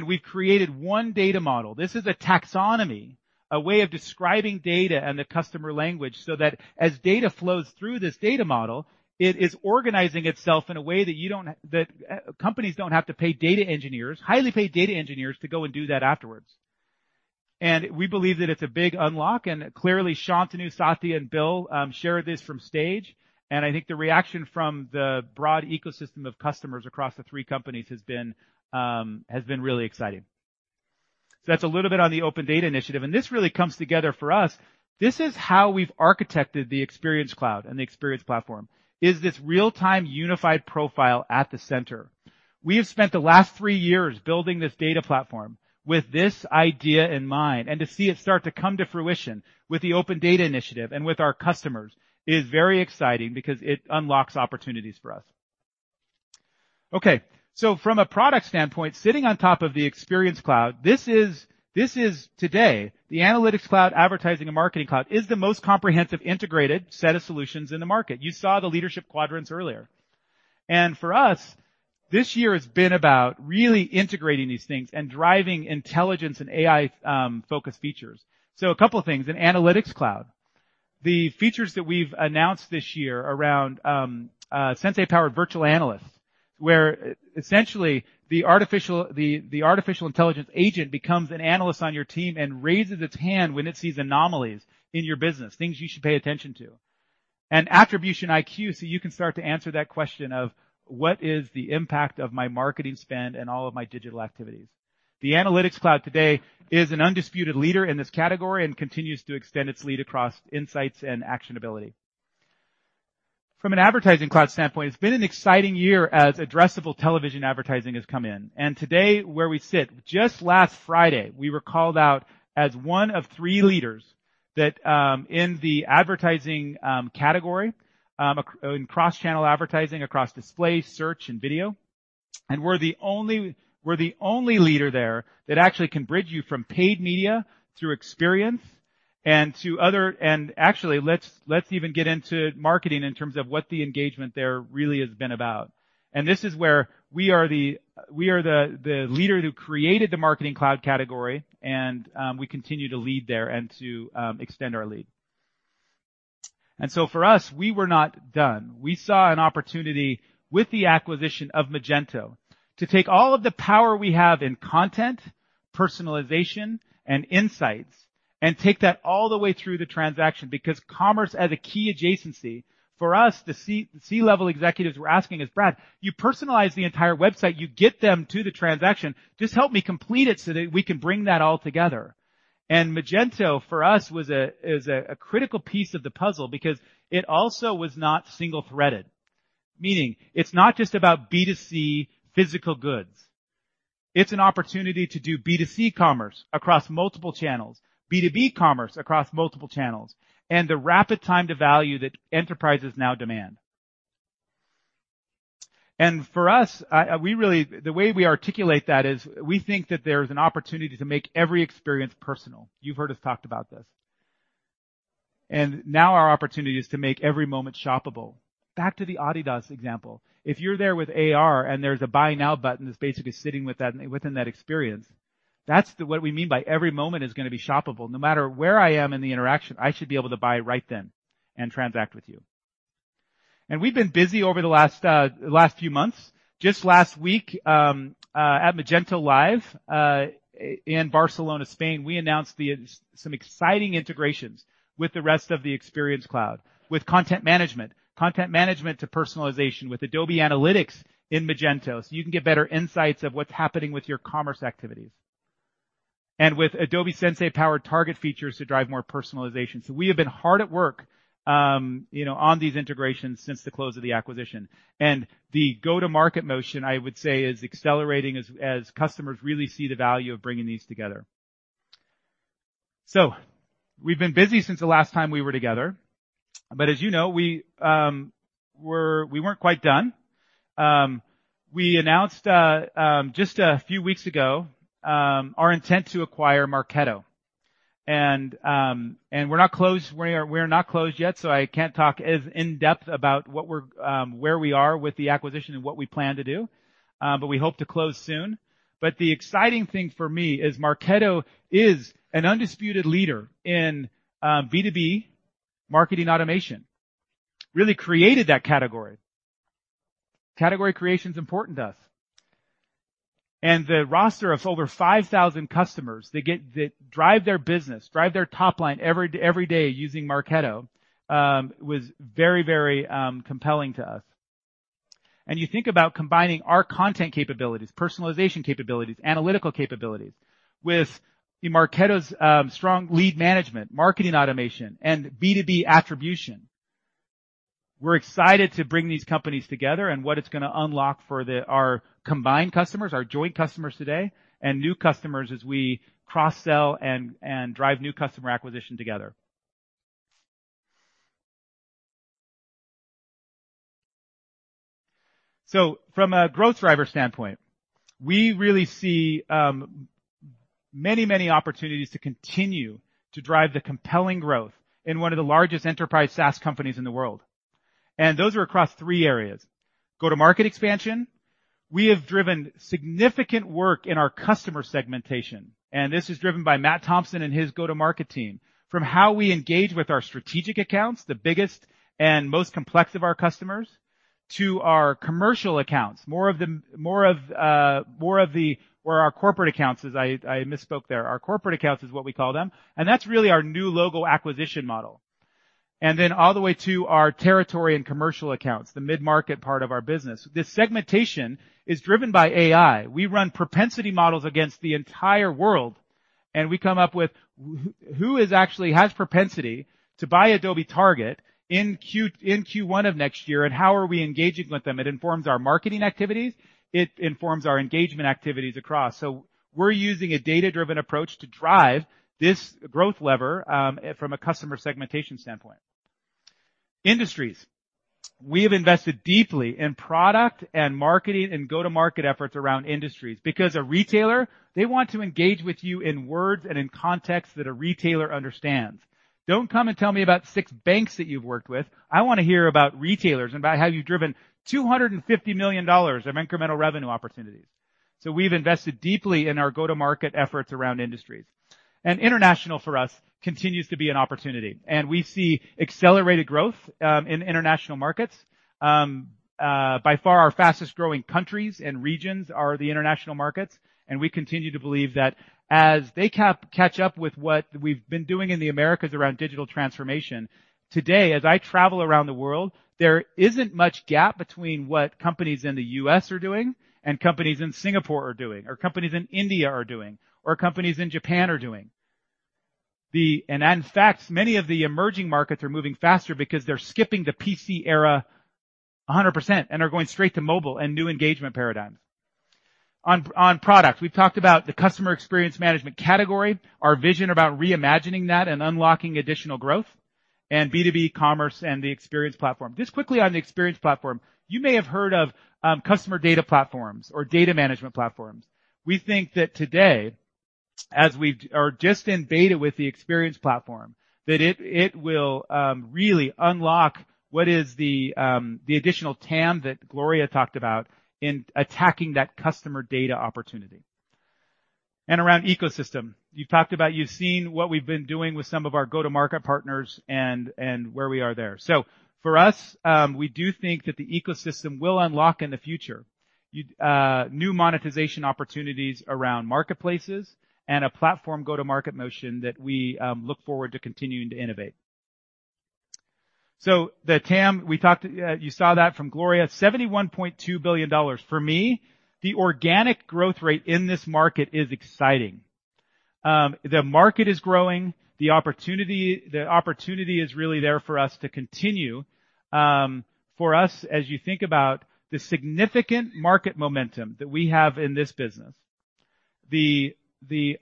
Speaker 7: We've created one data model. This is a taxonomy, a way of describing data and the customer language, so that as data flows through this data model, it is organizing itself in a way that companies don't have to pay data engineers, highly paid data engineers, to go and do that afterwards. We believe that it's a big unlock, clearly Shantanu, Satya, and Bill shared this from stage, I think the reaction from the broad ecosystem of customers across the three companies has been really exciting. That's a little bit on the Open Data Initiative, this really comes together for us. This is how we've architected the Experience Cloud and the Experience Platform, is this real-time unified profile at the center. We have spent the last three years building this data platform with this idea in mind, to see it start to come to fruition with the Open Data Initiative and with our customers is very exciting because it unlocks opportunities for us. Okay, from a product standpoint, sitting on top of the Experience Cloud, this is today, the Analytics Cloud, Advertising Cloud, and Marketing Cloud is the most comprehensive integrated set of solutions in the market. You saw the leadership quadrants earlier. For us, this year has been about really integrating these things and driving intelligence and AI-focused features. A couple things. In Analytics Cloud, the features that we've announced this year around Sensei-powered virtual analysts, where essentially the artificial intelligence agent becomes an analyst on your team and raises its hand when it sees anomalies in your business, things you should pay attention to. Attribution IQ, you can start to answer that question of, what is the impact of my marketing spend and all of my digital activities? The Analytics Cloud today is an undisputed leader in this category and continues to extend its lead across insights and actionability. From an Advertising Cloud standpoint, it's been an exciting year as addressable television advertising has come in. Today, where we sit, just last Friday, we were called out as one of three leaders in the advertising category, in cross-channel advertising, across display, search, and video. We're the only leader there that actually can bridge you from paid media through experience and actually, let's even get into marketing in terms of what the engagement there really has been about. This is where we are the leader who created the Marketing Cloud category, and we continue to lead there and to extend our lead. For us, we were not done. We saw an opportunity with the acquisition of Magento to take all of the power we have in content, personalization, and insights, and take that all the way through the transaction, because commerce as a key adjacency, for us, the C-level executives were asking us, "Brad, you personalize the entire website, you get them to the transaction. Just help me complete it so that we can bring that all together." Magento, for us, is a critical piece of the puzzle because it also was not single-threaded. Meaning, it's not just about B2C physical goods. It's an opportunity to do B2C commerce across multiple channels, B2B commerce across multiple channels, and the rapid time to value that enterprises now demand. For us, the way we articulate that is we think that there's an opportunity to make every experience personal. You've heard us talk about this. Now our opportunity is to make every moment shoppable. Back to the Adidas example. If you're there with AR and there's a Buy Now button that's basically sitting within that experience, that's what we mean by every moment is going to be shoppable. No matter where I am in the interaction, I should be able to buy right then and transact with you. We've been busy over the last few months. Just last week, at Magento Live, in Barcelona, Spain, we announced some exciting integrations with the rest of the Experience Cloud, with content management, content management to personalization, with Adobe Analytics in Magento, so you can get better insights of what's happening with your commerce activities. With Adobe Sensei-powered target features to drive more personalization. We have been hard at work on these integrations since the close of the acquisition. The go-to-market motion, I would say, is accelerating as customers really see the value of bringing these together. We've been busy since the last time we were together, but as you know, we weren't quite done. We announced just a few weeks ago our intent to acquire Marketo. We're not closed yet, so I can't talk as in-depth about where we are with the acquisition and what we plan to do, but we hope to close soon. The exciting thing for me is Marketo is an undisputed leader in B2B marketing automation, really created that category. Category creation is important to us. The roster of over 5,000 customers that drive their business, drive their top line every day using Marketo, was very compelling to us. You think about combining our content capabilities, personalization capabilities, analytical capabilities with Marketo's strong lead management, marketing automation, and B2B attribution. We're excited to bring these companies together and what it's going to unlock for our combined customers, our joint customers today, and new customers as we cross-sell and drive new customer acquisition together. From a growth driver standpoint, we really see many opportunities to continue to drive the compelling growth in one of the largest enterprise SaaS companies in the world. Those are across three areas. Go-to-market expansion. We have driven significant work in our customer segmentation, and this is driven by Matt Thompson and his go-to-market team. From how we engage with our strategic accounts, the biggest and most complex of our customers, to our commercial accounts. Our corporate accounts, I misspoke there. Our corporate accounts is what we call them. That's really our new logo acquisition model. All the way to our territory and commercial accounts, the mid-market part of our business. This segmentation is driven by AI. We run propensity models against the entire world, and we come up with who actually has propensity to buy Adobe Target in Q1 of next year and how are we engaging with them. It informs our marketing activities, it informs our engagement activities across. We're using a data-driven approach to drive this growth lever from a customer segmentation standpoint. Industries. We have invested deeply in product and marketing and go-to-market efforts around industries because a retailer, they want to engage with you in words and in contexts that a retailer understands. Don't come and tell me about six banks that you've worked with. I want to hear about retailers and about how you've driven $250 million of incremental revenue opportunities. We've invested deeply in our go-to-market efforts around industries. International for us continues to be an opportunity. We see accelerated growth in international markets. By far, our fastest-growing countries and regions are the international markets, and we continue to believe that as they catch up with what we've been doing in the Americas around digital transformation, today, as I travel around the world, there isn't much gap between what companies in the U.S. are doing and companies in Singapore are doing, or companies in India are doing, or companies in Japan are doing. In fact, many of the emerging markets are moving faster because they're skipping the PC era 100% and are going straight to mobile and new engagement paradigms. We've talked about the customer experience management category, our vision about reimagining that and unlocking additional growth, B2B commerce and the Adobe Experience Platform. Just quickly on the Adobe Experience Platform, you may have heard of customer data platforms or data management platforms. We think that today, as we are just in beta with the Adobe Experience Platform, that it will really unlock what is the additional TAM that Gloria talked about in attacking that customer data opportunity. Around ecosystem. You've seen what we've been doing with some of our go-to-market partners and where we are there. For us, we do think that the ecosystem will unlock in the future new monetization opportunities around marketplaces and a platform go-to-market motion that we look forward to continuing to innovate. The TAM, you saw that from Gloria, $71.2 billion. For me, the organic growth rate in this market is exciting. The market is growing. The opportunity is really there for us to continue. For us, as you think about the significant market momentum that we have in this business, the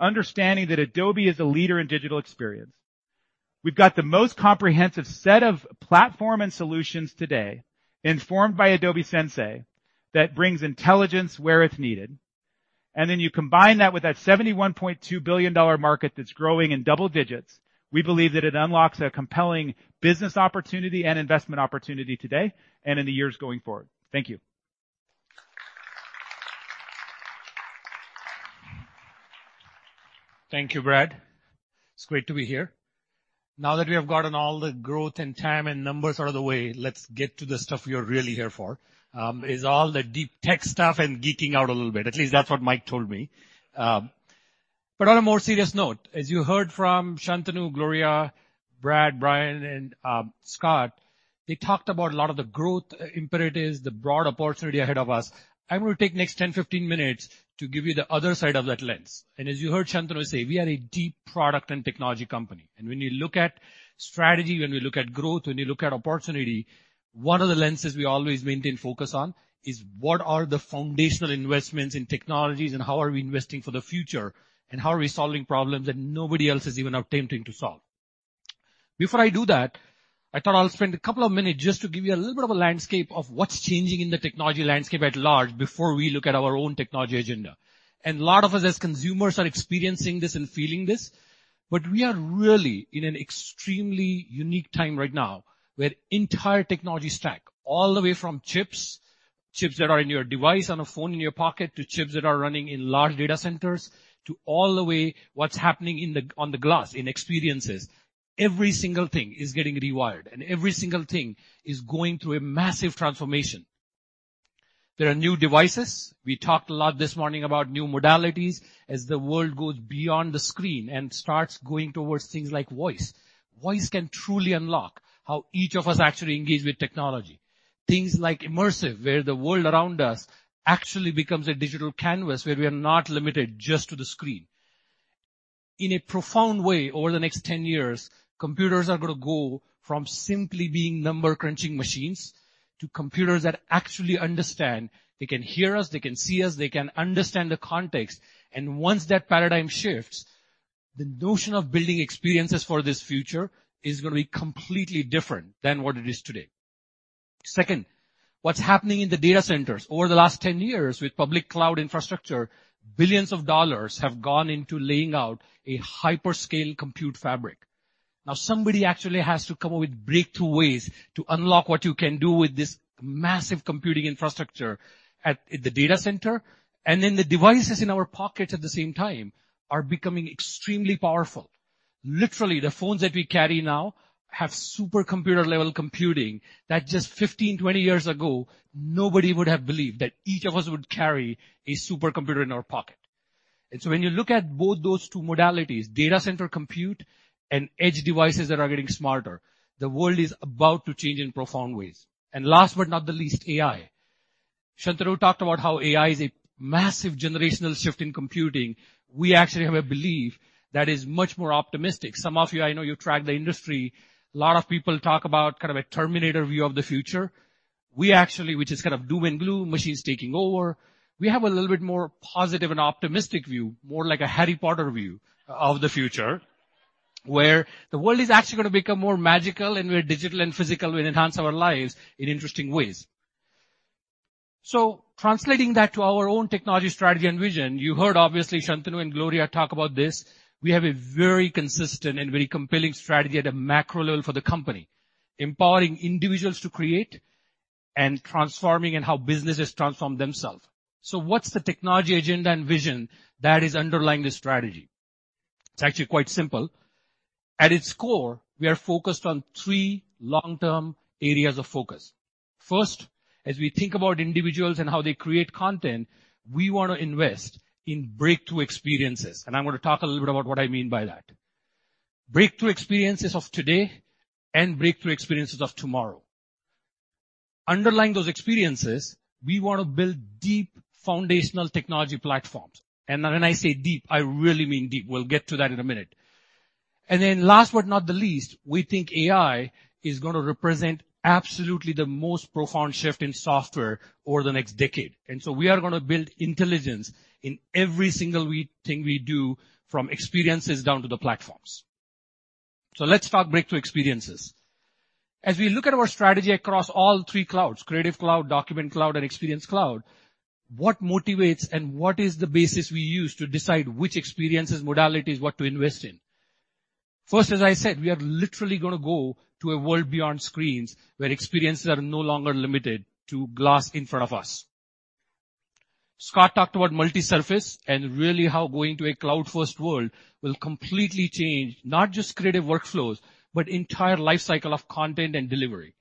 Speaker 7: understanding that Adobe is a leader in Digital Experience. We've got the most comprehensive set of platform and solutions today, informed by Adobe Sensei, that brings intelligence where it's needed, you combine that with that $71.2 billion market that's growing in double digits. We believe that it unlocks a compelling business opportunity and investment opportunity today and in the years going forward. Thank you.
Speaker 8: Thank you, Brad. It's great to be here. Now that we have gotten all the growth and TAM and numbers out of the way, let's get to the stuff you're really here for. It's all the deep tech stuff and geeking out a little bit. At least that's what Mike told me. On a more serious note, as you heard from Shantanu, Gloria, Brad, Bryan, and Scott, they talked about a lot of the growth imperatives, the broad opportunity ahead of us. I'm going to take the next 10, 15 minutes to give you the other side of that lens. As you heard Shantanu say, we are a deep product and technology company. When you look at strategy, when we look at growth, when you look at opportunity, one of the lenses we always maintain focus on is what are the foundational investments in technologies and how are we investing for the future, how are we solving problems that nobody else is even attempting to solve? Before I do that, I thought I'll spend a couple of minutes just to give you a little bit of a landscape of what's changing in the technology landscape at large before we look at our own technology agenda. A lot of us as consumers are experiencing this and feeling this, but we are really in an extremely unique time right now where entire technology stack, all the way from chips, that are in your device on a phone in your pocket, to chips that are running in large data centers, to all the way what's happening on the glass in experiences. Every single thing is getting rewired and every single thing is going through a massive transformation. There are new devices. We talked a lot this morning about new modalities as the world goes beyond the screen and starts going towards things like voice. Voice can truly unlock how each of us actually engage with technology. Things like immersive, where the world around us actually becomes a digital canvas where we are not limited just to the screen. In a profound way over the next 10 years, computers are going to go from simply being number-crunching machines to computers that actually understand. They can hear us, they can see us, they can understand the context. Once that paradigm shifts, the notion of building experiences for this future is going to be completely different than what it is today. Second, what's happening in the data centers. Over the last 10 years with public cloud infrastructure, billions of dollars have gone into laying out a hyperscale compute fabric. Now somebody actually has to come up with breakthrough ways to unlock what you can do with this massive computing infrastructure at the data center. Then the devices in our pockets at the same time are becoming extremely powerful. Literally, the phones that we carry now have supercomputer-level computing that just 15, 20 years ago, nobody would have believed that each of us would carry a supercomputer in our pocket. So when you look at both those two modalities, data center compute and edge devices that are getting smarter, the world is about to change in profound ways. Last but not the least, AI. Shantanu talked about how AI is a massive generational shift in computing. We actually have a belief that is much more optimistic. Some of you, I know you track the industry. A lot of people talk about kind of a Terminator view of the future. We actually, which is kind of doom and gloom, machines taking over. We have a little bit more positive and optimistic view, more like a Harry Potter view of the future, where the world is actually going to become more magical and where digital and physical will enhance our lives in interesting ways. Translating that to our own technology strategy and vision, you heard obviously Shantanu and Gloria talk about this. We have a very consistent and very compelling strategy at a macro level for the company, empowering individuals to create and transforming how businesses transform themselves. What's the technology agenda and vision that is underlying this strategy? It's actually quite simple. At its core, we are focused on three long-term areas of focus. First, as we think about individuals and how they create content, we want to invest in breakthrough experiences, I'm going to talk a little bit about what I mean by that. Breakthrough experiences of today and breakthrough experiences of tomorrow. Underlying those experiences, we want to build deep foundational technology platforms. When I say deep, I really mean deep. We'll get to that in a minute. Last but not the least, we think AI is going to represent absolutely the most profound shift in software over the next decade. We are going to build intelligence in every single thing we do from experiences down to the platforms. Let's talk breakthrough experiences. As we look at our strategy across all three clouds, Creative Cloud, Document Cloud, and Experience Cloud, what motivates and what is the basis we use to decide which experiences, modalities, what to invest in? First, as I said, we are literally going to go to a world beyond screens where experiences are no longer limited to glass in front of us. Scott talked about multi-surface and really how going to a cloud-first world will completely change not just creative workflows but entire life cycle of content and delivery.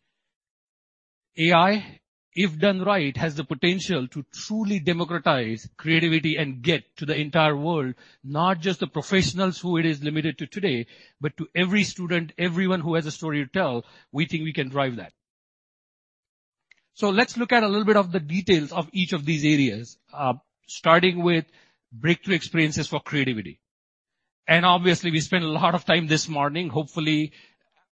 Speaker 8: AI, if done right, has the potential to truly democratize creativity and get to the entire world, not just the professionals who it is limited to today, but to every student, everyone who has a story to tell. We think we can drive that. Let's look at a little bit of the details of each of these areas, starting with breakthrough experiences for creativity. Obviously, we spent a lot of time this morning, hopefully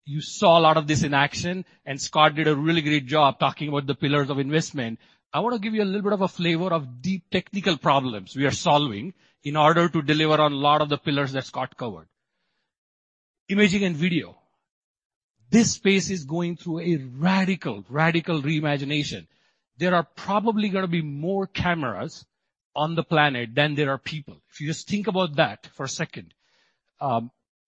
Speaker 8: you saw a lot of this in action, Scott did a really great job talking about the pillars of investment. I want to give you a little bit of a flavor of deep technical problems we are solving in order to deliver on a lot of the pillars that Scott covered. Imaging and video. This space is going through a radical reimagination. There are probably going to be more cameras on the planet than there are people. If you just think about that for a second.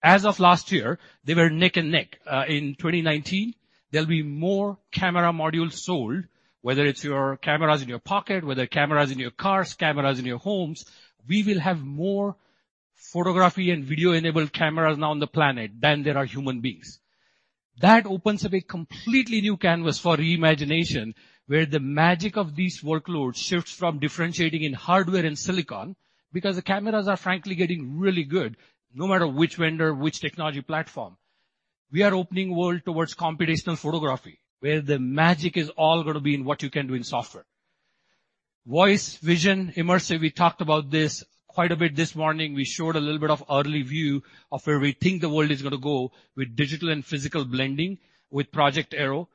Speaker 8: As of last year, they were neck and neck. In 2019, there'll be more camera modules sold, whether it's your cameras in your pocket, whether cameras in your cars, cameras in your homes, we will have more photography and video-enabled cameras on the planet than there are human beings. That opens up a completely new canvas for reimagination, where the magic of these workloads shifts from differentiating in hardware and silicon, because the cameras are frankly getting really good no matter which vendor, which technology platform. We are opening world towards computational photography, where the magic is all going to be in what you can do in software. Voice, vision, immersive. We talked about this quite a bit this morning. We showed a little bit of early view of where we think the world is going to go with digital and physical blending with Project Aero.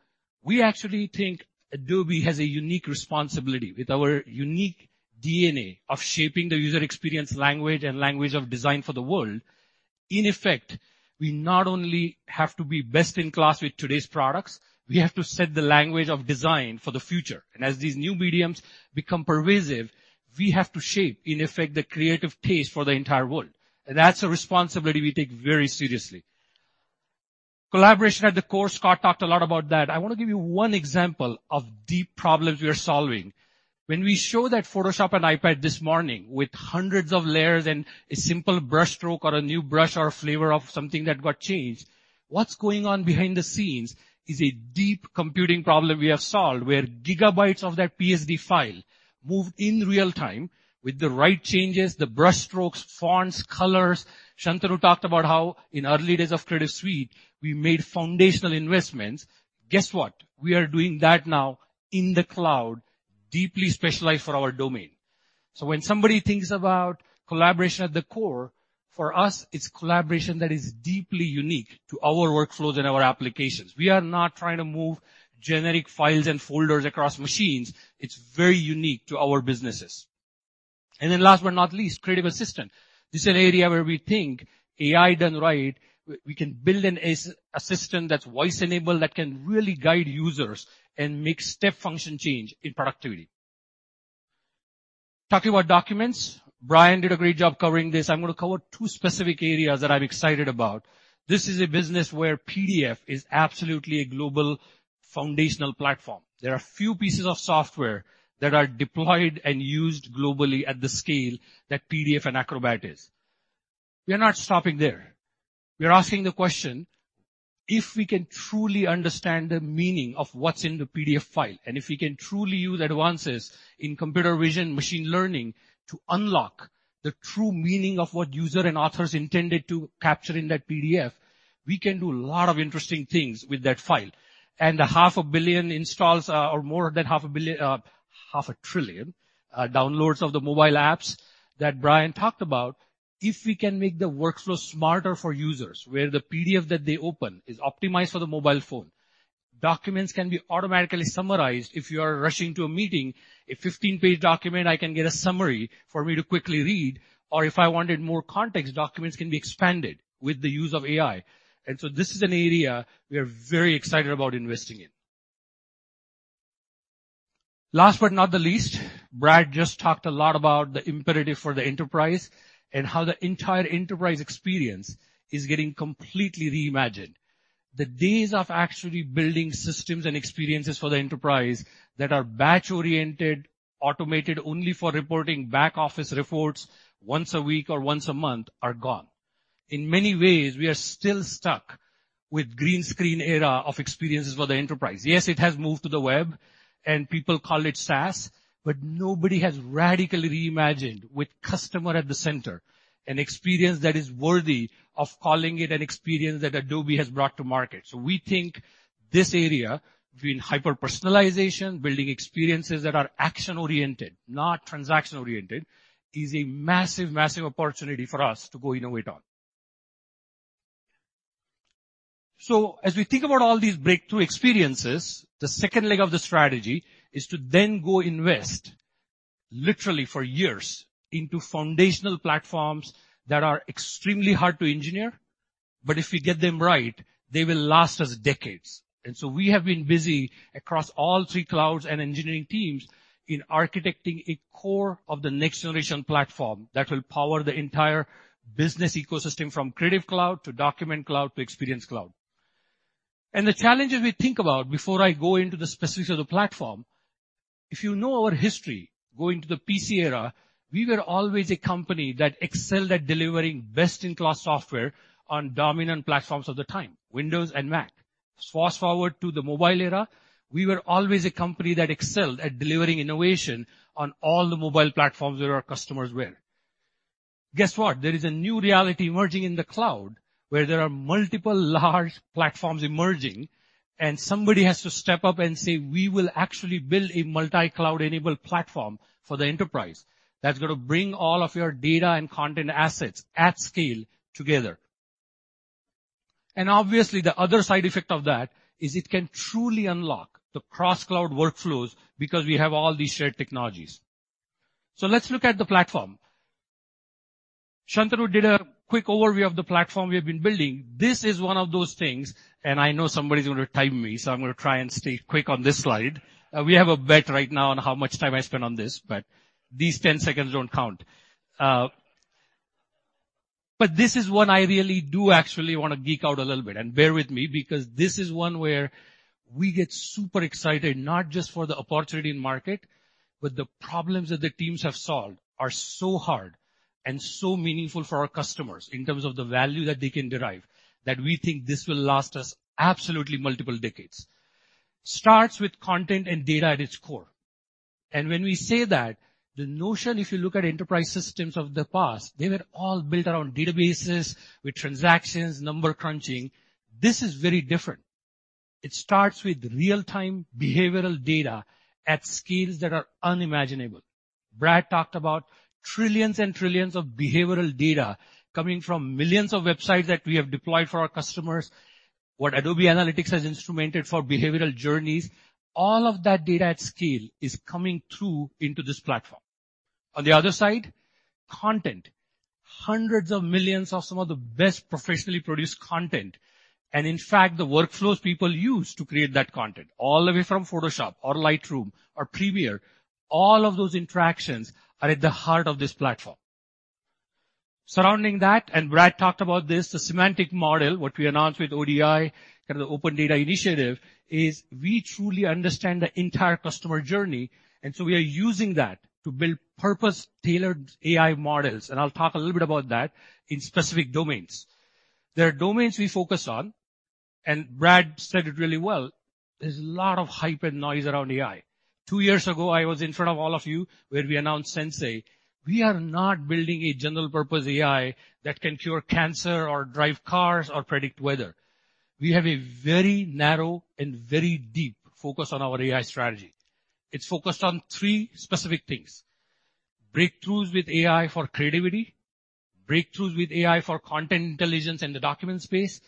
Speaker 8: We actually think Adobe has a unique responsibility with our unique DNA of shaping the user experience language and language of design for the world. In effect, we not only have to be best in class with today's products, we have to set the language of design for the future. As these new mediums become pervasive, we have to shape, in effect, the creative taste for the entire world. That's a responsibility we take very seriously. Collaboration at the core. Scott talked a lot about that. I want to give you one example of deep problems we are solving. When we show that Photoshop on iPad this morning with hundreds of layers and a simple brush stroke or a new brush or a flavor of something that got changed, what's going on behind the scenes is a deep computing problem we have solved, where gigabytes of that PSD file move in real-time with the right changes, the brush strokes, fonts, colors. Shantanu talked about how in early days of Creative Suite, we made foundational investments. Guess what? We are doing that now in the cloud, deeply specialized for our domain. When somebody thinks about collaboration at the core, for us, it's collaboration that is deeply unique to our workflows and our applications. We are not trying to move generic files and folders across machines. It's very unique to our businesses. Last but not least, creative assistant. This is an area where we think AI done right, we can build an assistant that's voice-enabled, that can really guide users and make step function change in productivity. Talking about documents, Bryan did a great job covering this. I'm going to cover two specific areas that I'm excited about. This is a business where PDF is absolutely a global foundational platform. There are few pieces of software that are deployed and used globally at the scale that PDF and Acrobat is. We're not stopping there. We're asking the question, if we can truly understand the meaning of what's in the PDF file, if we can truly use advances in computer vision, machine learning to unlock the true meaning of what user and authors intended to capture in that PDF, we can do a lot of interesting things with that file. The half a billion installs or Half a trillion downloads of the mobile apps that Bryan talked about, if we can make the workflow smarter for users, where the PDF that they open is optimized for the mobile phone, documents can be automatically summarized. If you are rushing to a meeting, a 15-page document, I can get a summary for me to quickly read, or if I wanted more context, documents can be expanded with the use of AI. This is an area we are very excited about investing in. Last but not least, Brad just talked a lot about the imperative for the enterprise and how the entire enterprise experience is getting completely reimagined. The days of actually building systems and experiences for the enterprise that are batch-oriented, automated only for reporting back office reports once a week or once a month are gone. In many ways, we are still stuck with green screen era of experiences for the enterprise. Yes, it has moved to the web and people call it SaaS, but nobody has radically reimagined with customer at the center, an experience that is worthy of calling it an experience that Adobe has brought to market. We think this area, between hyper-personalization, building experiences that are action-oriented, not transaction-oriented, is a massive opportunity for us to go innovate on. As we think about all these breakthrough experiences, the second leg of the strategy is to then go invest literally for years into foundational platforms that are extremely hard to engineer. If we get them right, they will last us decades. We have been busy across all three clouds and engineering teams in architecting a core of the next generation platform that will power the entire business ecosystem from Creative Cloud to Document Cloud to Experience Cloud. The challenges we think about before I go into the specifics of the platform, if you know our history, going to the PC era, we were always a company that excelled at delivering best-in-class software on dominant platforms of the time, Windows and Mac. Fast-forward to the mobile era, we were always a company that excelled at delivering innovation on all the mobile platforms where our customers were. Guess what. There is a new reality emerging in the cloud where there are multiple large platforms emerging and somebody has to step up and say, "We will actually build a multi-cloud enabled platform for the enterprise that's going to bring all of your data and content assets at scale together." Obviously the other side effect of that is it can truly unlock the cross-cloud workflows because we have all these shared technologies. Let's look at the platform. Shantanu did a quick overview of the platform we have been building. This is one of those things, and I know somebody's going to time me, so I'm going to try and stay quick on this slide. We have a bet right now on how much time I spend on this, these 10 seconds don't count. This is one I really do actually want to geek out a little bit, and bear with me because this is one where we get super excited, not just for the opportunity in market, but the problems that the teams have solved are so hard and so meaningful for our customers in terms of the value that they can derive, that we think this will last us absolutely multiple decades. Starts with content and data at its core. When we say that, the notion if you look at enterprise systems of the past, they were all built around databases with transactions, number crunching. This is very different. It starts with real-time behavioral data at scales that are unimaginable. Brad talked about trillions and trillions of behavioral data coming from millions of websites that we have deployed for our customers, what Adobe Analytics has instrumented for behavioral journeys. All of that data at scale is coming through into this platform. On the other side, content. Hundreds of millions of some of the best professionally produced content, and in fact, the workflows people use to create that content, all the way from Photoshop or Lightroom or Premiere, all of those interactions are at the heart of this platform. Surrounding that, Brad talked about this, the semantic model, what we announced with ODI, kind of the Open Data Initiative, is we truly understand the entire customer journey. We are using that to build purpose-tailored AI models, I'll talk a little bit about that in specific domains. There are domains we focus on, Brad said it really well. There's a lot of hype and noise around AI. Two years ago, I was in front of all of you when we announced Sensei. We are not building a general purpose AI that can cure cancer or drive cars or predict weather. We have a very narrow and very deep focus on our AI strategy. It's focused on three specific things, breakthroughs with AI for creativity, breakthroughs with AI for content intelligence in the document space,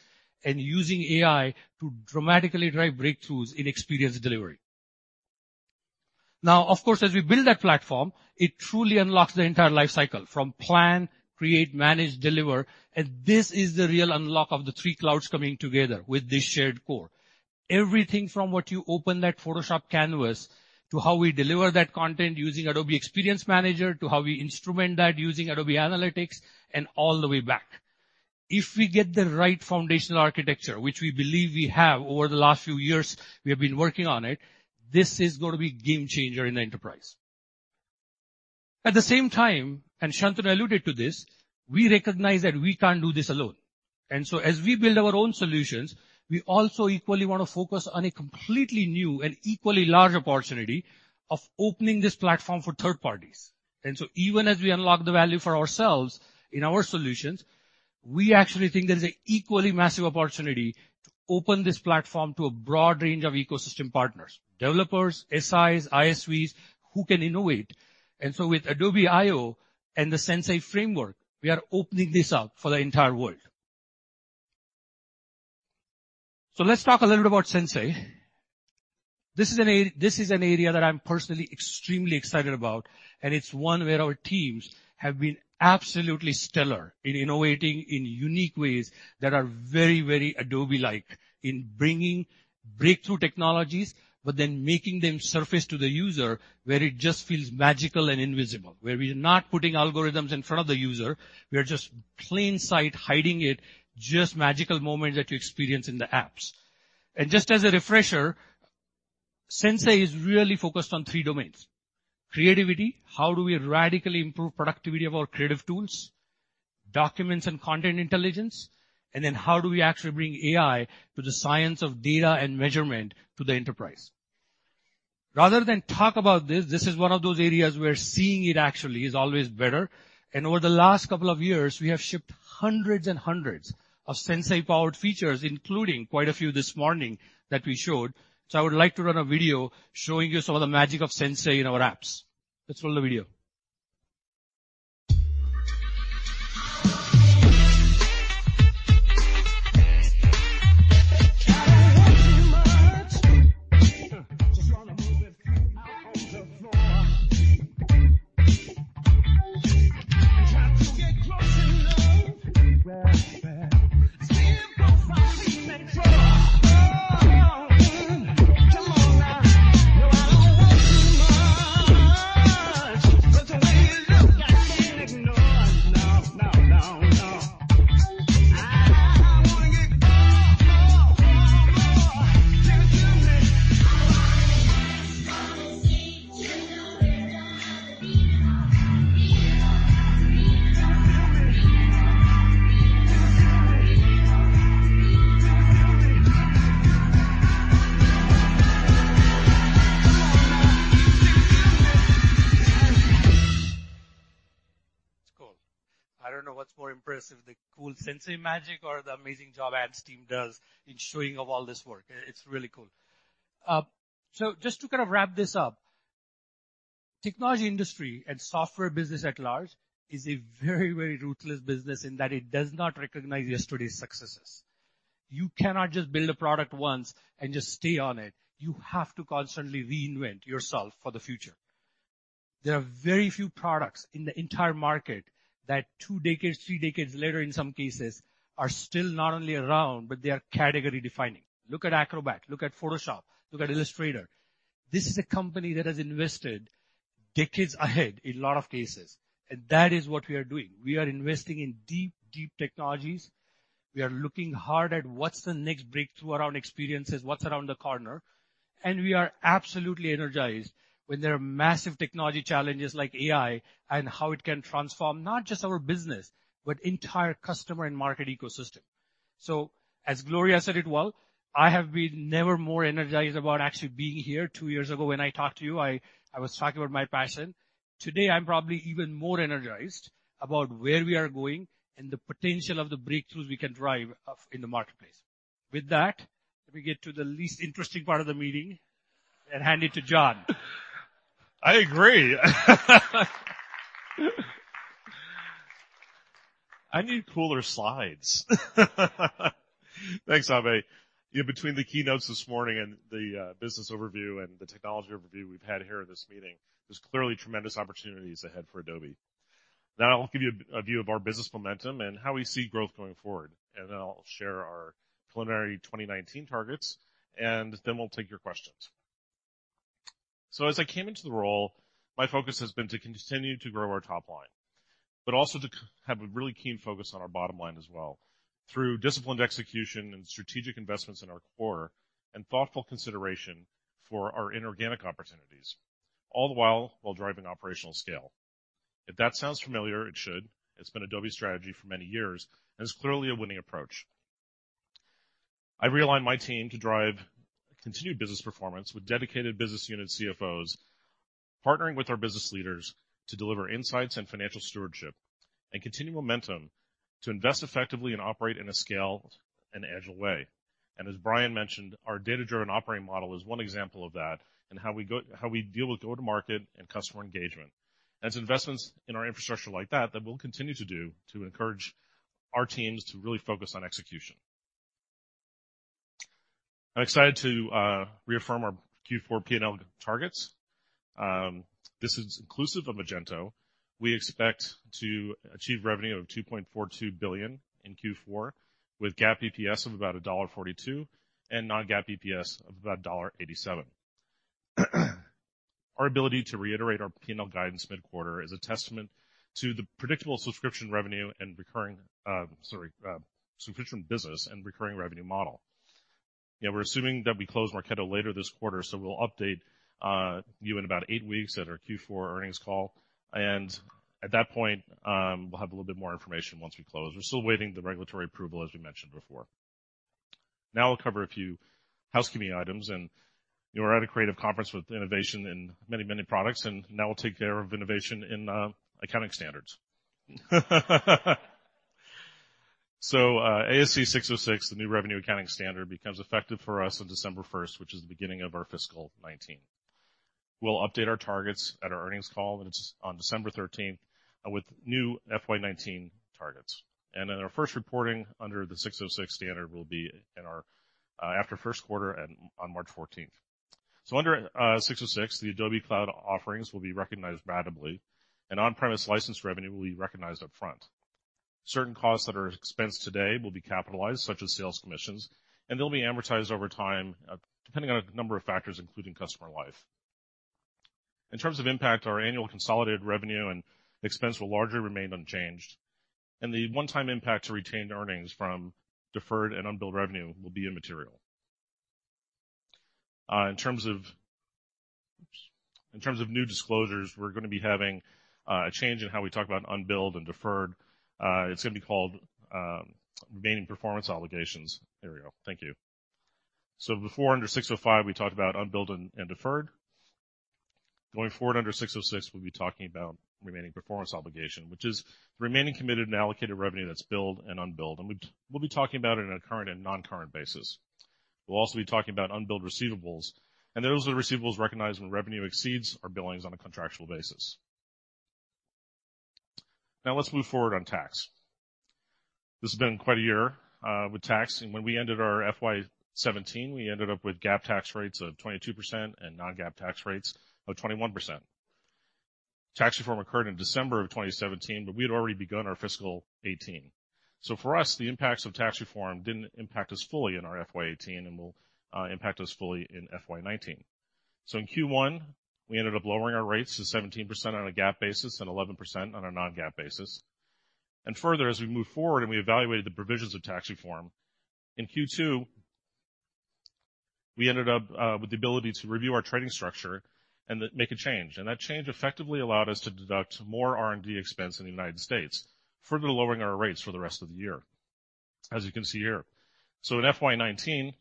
Speaker 8: using AI to dramatically drive breakthroughs in experience delivery. Of course, as we build that platform, it truly unlocks the entire life cycle from plan, create, manage, deliver. This is the real unlock of the three clouds coming together with this shared core. Everything from what you open that Photoshop canvas to how we deliver that content using Adobe Experience Manager, to how we instrument that using Adobe Analytics, and all the way back. If we get the right foundational architecture, which we believe we have over the last few years we have been working on it, this is going to be game changer in the enterprise. At the same time, Shantanu alluded to this, we recognize that we can't do this alone. As we build our own solutions, we also equally want to focus on a completely new and equally large opportunity of opening this platform for third parties. Even as we unlock the value for ourselves in our solutions, we actually think there's an equally massive opportunity to open this platform to a broad range of ecosystem partners, developers, SIs, ISVs who can innovate. With Adobe I/O and the Sensei framework, we are opening this up for the entire world. Let's talk a little bit about Sensei. This is an area that I'm personally extremely excited about. It's one where our teams have been absolutely stellar in innovating in unique ways that are very Adobe-like in bringing breakthrough technologies, but then making them surface to the user where it just feels magical and invisible. Where we are not putting algorithms in front of the user, we are just plain sight hiding it, just magical moments that you experience in the apps. Just as a refresher, Sensei is really focused on three domains, creativity, how do we radically improve productivity of our creative tools, documents and content intelligence, how do we actually bring AI to the science of data and measurement to the enterprise. Rather than talk about this is one of those areas where seeing it actually is always better. Over the last couple of years, we have shipped hundreds and hundreds of Sensei-powered features, including quite a few this morning that we showed. I would like to run a video showing you some of the magic of Sensei in our apps. Let's roll the video.
Speaker 6: I don't want too much. Just want to move it out on the floor. I try to get close enough. Yeah, yeah. Stealing across my feet make love. Oh, come on now. No, I don't want too much. But the way you look, I can't ignore. No, no, no. I want to get more, more, more, more. Take it to me. I want to dance on the scene to the rhythm of the beat. All around me, all around me.
Speaker 8: It's cool. I don't know what's more impressive, the cool Sensei magic or the amazing job Ann's team does in showing off all this work. It's really cool. Just to kind of wrap this up, technology industry and software business at large is a very, very ruthless business in that it does not recognize yesterday's successes. You cannot just build a product once and just stay on it. You have to constantly reinvent yourself for the future. There are very few products in the entire market that two decades, three decades later, in some cases, are still not only around, but they are category-defining. Look at Acrobat. Look at Photoshop. Look at Illustrator. This is a company that has invested decades ahead in a lot of cases, and that is what we are doing. We are investing in deep, deep technologies. We are looking hard at what's the next breakthrough around experiences, what's around the corner, and we are absolutely energized when there are massive technology challenges like AI and how it can transform not just our business, but entire customer and market ecosystem. As Gloria said it well, I have been never more energized about actually being here. Two years ago when I talked to you, I was talking about my passion. Today, I'm probably even more energized about where we are going and the potential of the breakthroughs we can drive in the marketplace. With that, let me get to the least interesting part of the meeting and hand it to John.
Speaker 9: I agree. I need cooler slides. Thanks, Abhay. Between the keynotes this morning and the business overview and the technology overview we've had here at this meeting, there's clearly tremendous opportunities ahead for Adobe. I'll give you a view of our business momentum and how we see growth going forward, and then I'll share our preliminary 2019 targets, and then we'll take your questions. As I came into the role, my focus has been to continue to grow our top line, but also to have a really keen focus on our bottom line as well through disciplined execution and strategic investments in our core and thoughtful consideration for our inorganic opportunities, all the while driving operational scale. If that sounds familiar, it should. It's been Adobe's strategy for many years and is clearly a winning approach. I've realigned my team to drive continued business performance with dedicated business unit CFOs, partnering with our business leaders to deliver insights and financial stewardship to continue momentum to invest effectively and operate in a scale and agile way. As Bryan mentioned, our Data-Driven Operating Model is one example of that and how we deal with go-to-market and customer engagement. It's investments in our infrastructure like that we'll continue to do to encourage our teams to really focus on execution. I'm excited to reaffirm our Q4 P&L targets. This is inclusive of Magento. We expect to achieve revenue of $2.42 billion in Q4, with GAAP EPS of about $1.42 and non-GAAP EPS of about $1.87. Our ability to reiterate our P&L guidance mid-quarter is a testament to the predictable subscription business and recurring revenue model. We're assuming that we close Marketo later this quarter, we'll update you in about 8 weeks at our Q4 earnings call. At that point, we'll have a little bit more information once we close. We're still awaiting the regulatory approval, as we mentioned before. We'll cover a few housekeeping items, we're at a creative conference with innovation in many, many products, we'll take care of innovation in accounting standards. ASC 606, the new revenue accounting standard, becomes effective for us on December 1st, which is the beginning of our fiscal 2019. We'll update our targets at our earnings call, and it's on December 13th with new FY 2019 targets. Our first reporting under the 606 standard will be after first quarter and on March 14th. Under 606, the Adobe Cloud offerings will be recognized ratably, on-premise license revenue will be recognized up front. Certain costs that are expensed today will be capitalized, such as sales commissions, they'll be amortized over time, depending on a number of factors, including customer life. In terms of impact, our annual consolidated revenue and expense will largely remain unchanged, and the one-time impact to retained earnings from deferred and unbilled revenue will be immaterial. In terms of new disclosures, we're going to be having a change in how we talk about unbilled and deferred. It's going to be called remaining performance obligations. There we go. Thank you. Before, under 605, we talked about unbilled and deferred. Going forward under 606, we'll be talking about remaining performance obligation, which is the remaining committed and allocated revenue that's billed and unbilled, we'll be talking about it in a current and non-current basis. We'll also be talking about unbilled receivables, those are receivables recognized when revenue exceeds our billings on a contractual basis. Let's move forward on tax. This has been quite a year with tax, when we ended our FY 2017, we ended up with GAAP tax rates of 22% and non-GAAP tax rates of 21%. Tax reform occurred in December of 2017, we had already begun our fiscal 2018. For us, the impacts of tax reform didn't impact us fully in our FY 2018 will impact us fully in FY 2019. In Q1, we ended up lowering our rates to 17% on a GAAP basis and 11% on a non-GAAP basis. as we moved forward and we evaluated the provisions of tax reform, in Q2, we ended up with the ability to review our trading structure and make a change. That change effectively allowed us to deduct more R&D expense in the U.S., further lowering our rates for the rest of the year. As you can see here. In FY 2019,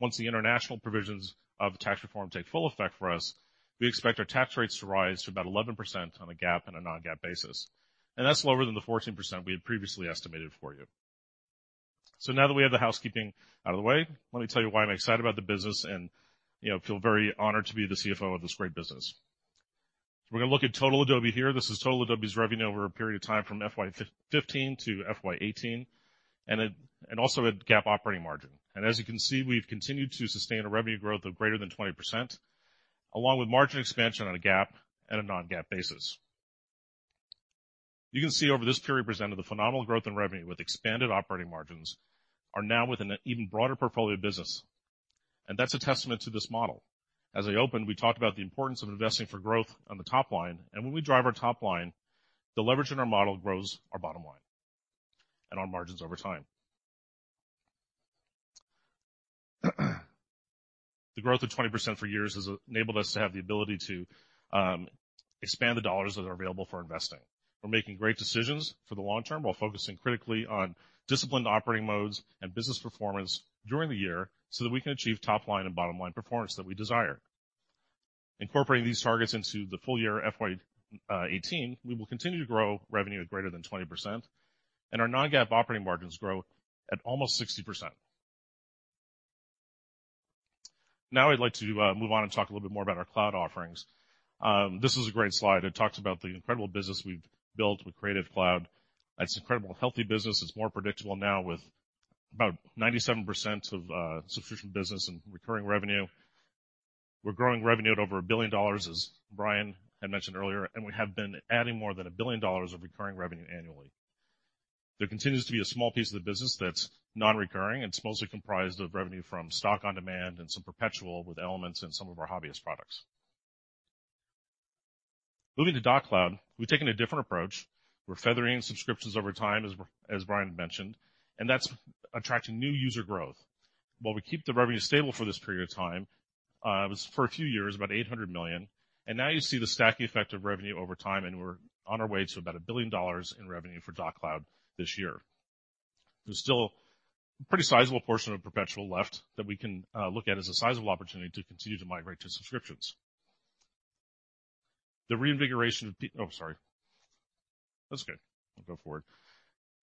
Speaker 9: once the international provisions of the tax reform take full effect for us, we expect our tax rates to rise to about 11% on a GAAP and a non-GAAP basis. That's lower than the 14% we had previously estimated for you. Now that we have the housekeeping out of the way, let me tell you why I'm excited about the business and feel very honored to be the CFO of this great business. We're going to look at total Adobe here. This is total Adobe's revenue over a period of time from FY 2015 to FY 2018, also at GAAP operating margin. As you can see, we've continued to sustain a revenue growth of greater than 20%, along with margin expansion on a GAAP and a non-GAAP basis. You can see over this period presented the phenomenal growth in revenue with expanded operating margins are now within an even broader portfolio business, that's a testament to this model. As I opened, we talked about the importance of investing for growth on the top line, when we drive our top line, the leverage in our model grows our bottom line and our margins over time. The growth of 20% for years has enabled us to have the ability to expand the dollars that are available for investing. We're making great decisions for the long term while focusing critically on disciplined operating modes and business performance during the year so that we can achieve top-line and bottom-line performance that we desire. Incorporating these targets into the full year FY 2018, we will continue to grow revenue at greater than 20%, our non-GAAP operating margins grow at almost 60%. Now I'd like to move on and talk a little bit more about our cloud offerings. This is a great slide. It talks about the incredible business we've built with Creative Cloud. It's incredible, healthy business. It's more predictable now with about 97% of subscription business and recurring revenue. We're growing revenue at over $1 billion, as Bryan had mentioned earlier, we have been adding more than $1 billion of recurring revenue annually. There continues to be a small piece of the business that's non-recurring. It's mostly comprised of revenue from stock on demand and some perpetual with elements in some of our hobbyist products. Moving to Doc Cloud, we've taken a different approach. We're feathering subscriptions over time, as Bryan mentioned, that's attracting new user growth. While we keep the revenue stable for this period of time, it was for a few years, about $800 million, now you see the stacking effect of revenue over time, we're on our way to about $1 billion in revenue for Doc Cloud this year. There's still a pretty sizable portion of perpetual left that we can look at as a sizable opportunity to continue to migrate to subscriptions. sorry. That's okay. We'll go forward.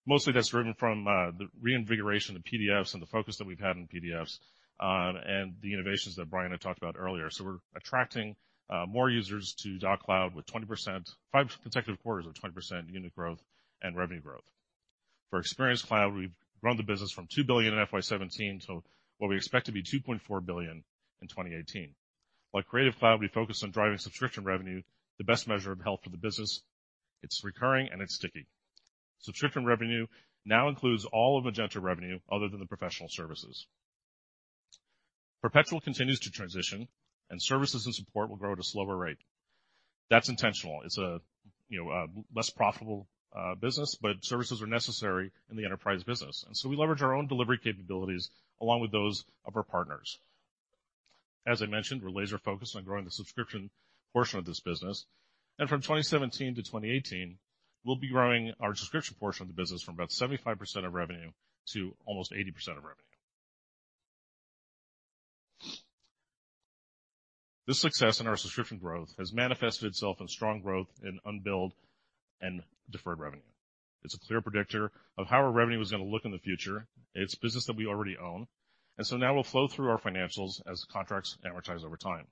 Speaker 9: Mostly that's driven from the reinvigoration of PDFs and the focus that we've had on PDFs, and the innovations that Bryan had talked about earlier. We're attracting more users to Document Cloud with 20%, five consecutive quarters of 20% unit growth and revenue growth. For Experience Cloud, we've grown the business from $2 billion in FY 2017 to what we expect to be $2.4 billion in 2018. Like Creative Cloud, we focus on driving subscription revenue, the best measure of health of the business. It's recurring and it's sticky. Subscription revenue now includes all of Magento revenue other than the professional services. Perpetual continues to transition and services and support will grow at a slower rate. That's intentional. It's a less profitable business, but services are necessary in the enterprise business. We leverage our own delivery capabilities along with those of our partners. As I mentioned, we're laser focused on growing the subscription portion of this business, from 2017 to 2018, we'll be growing our subscription portion of the business from about 75% of revenue to almost 80% of revenue. This success in our subscription growth has manifested itself in strong growth in unbilled and deferred revenue. It's a clear predictor of how our revenue is going to look in the future. It's business that we already own. Now will flow through our financials as the contracts amortize over time.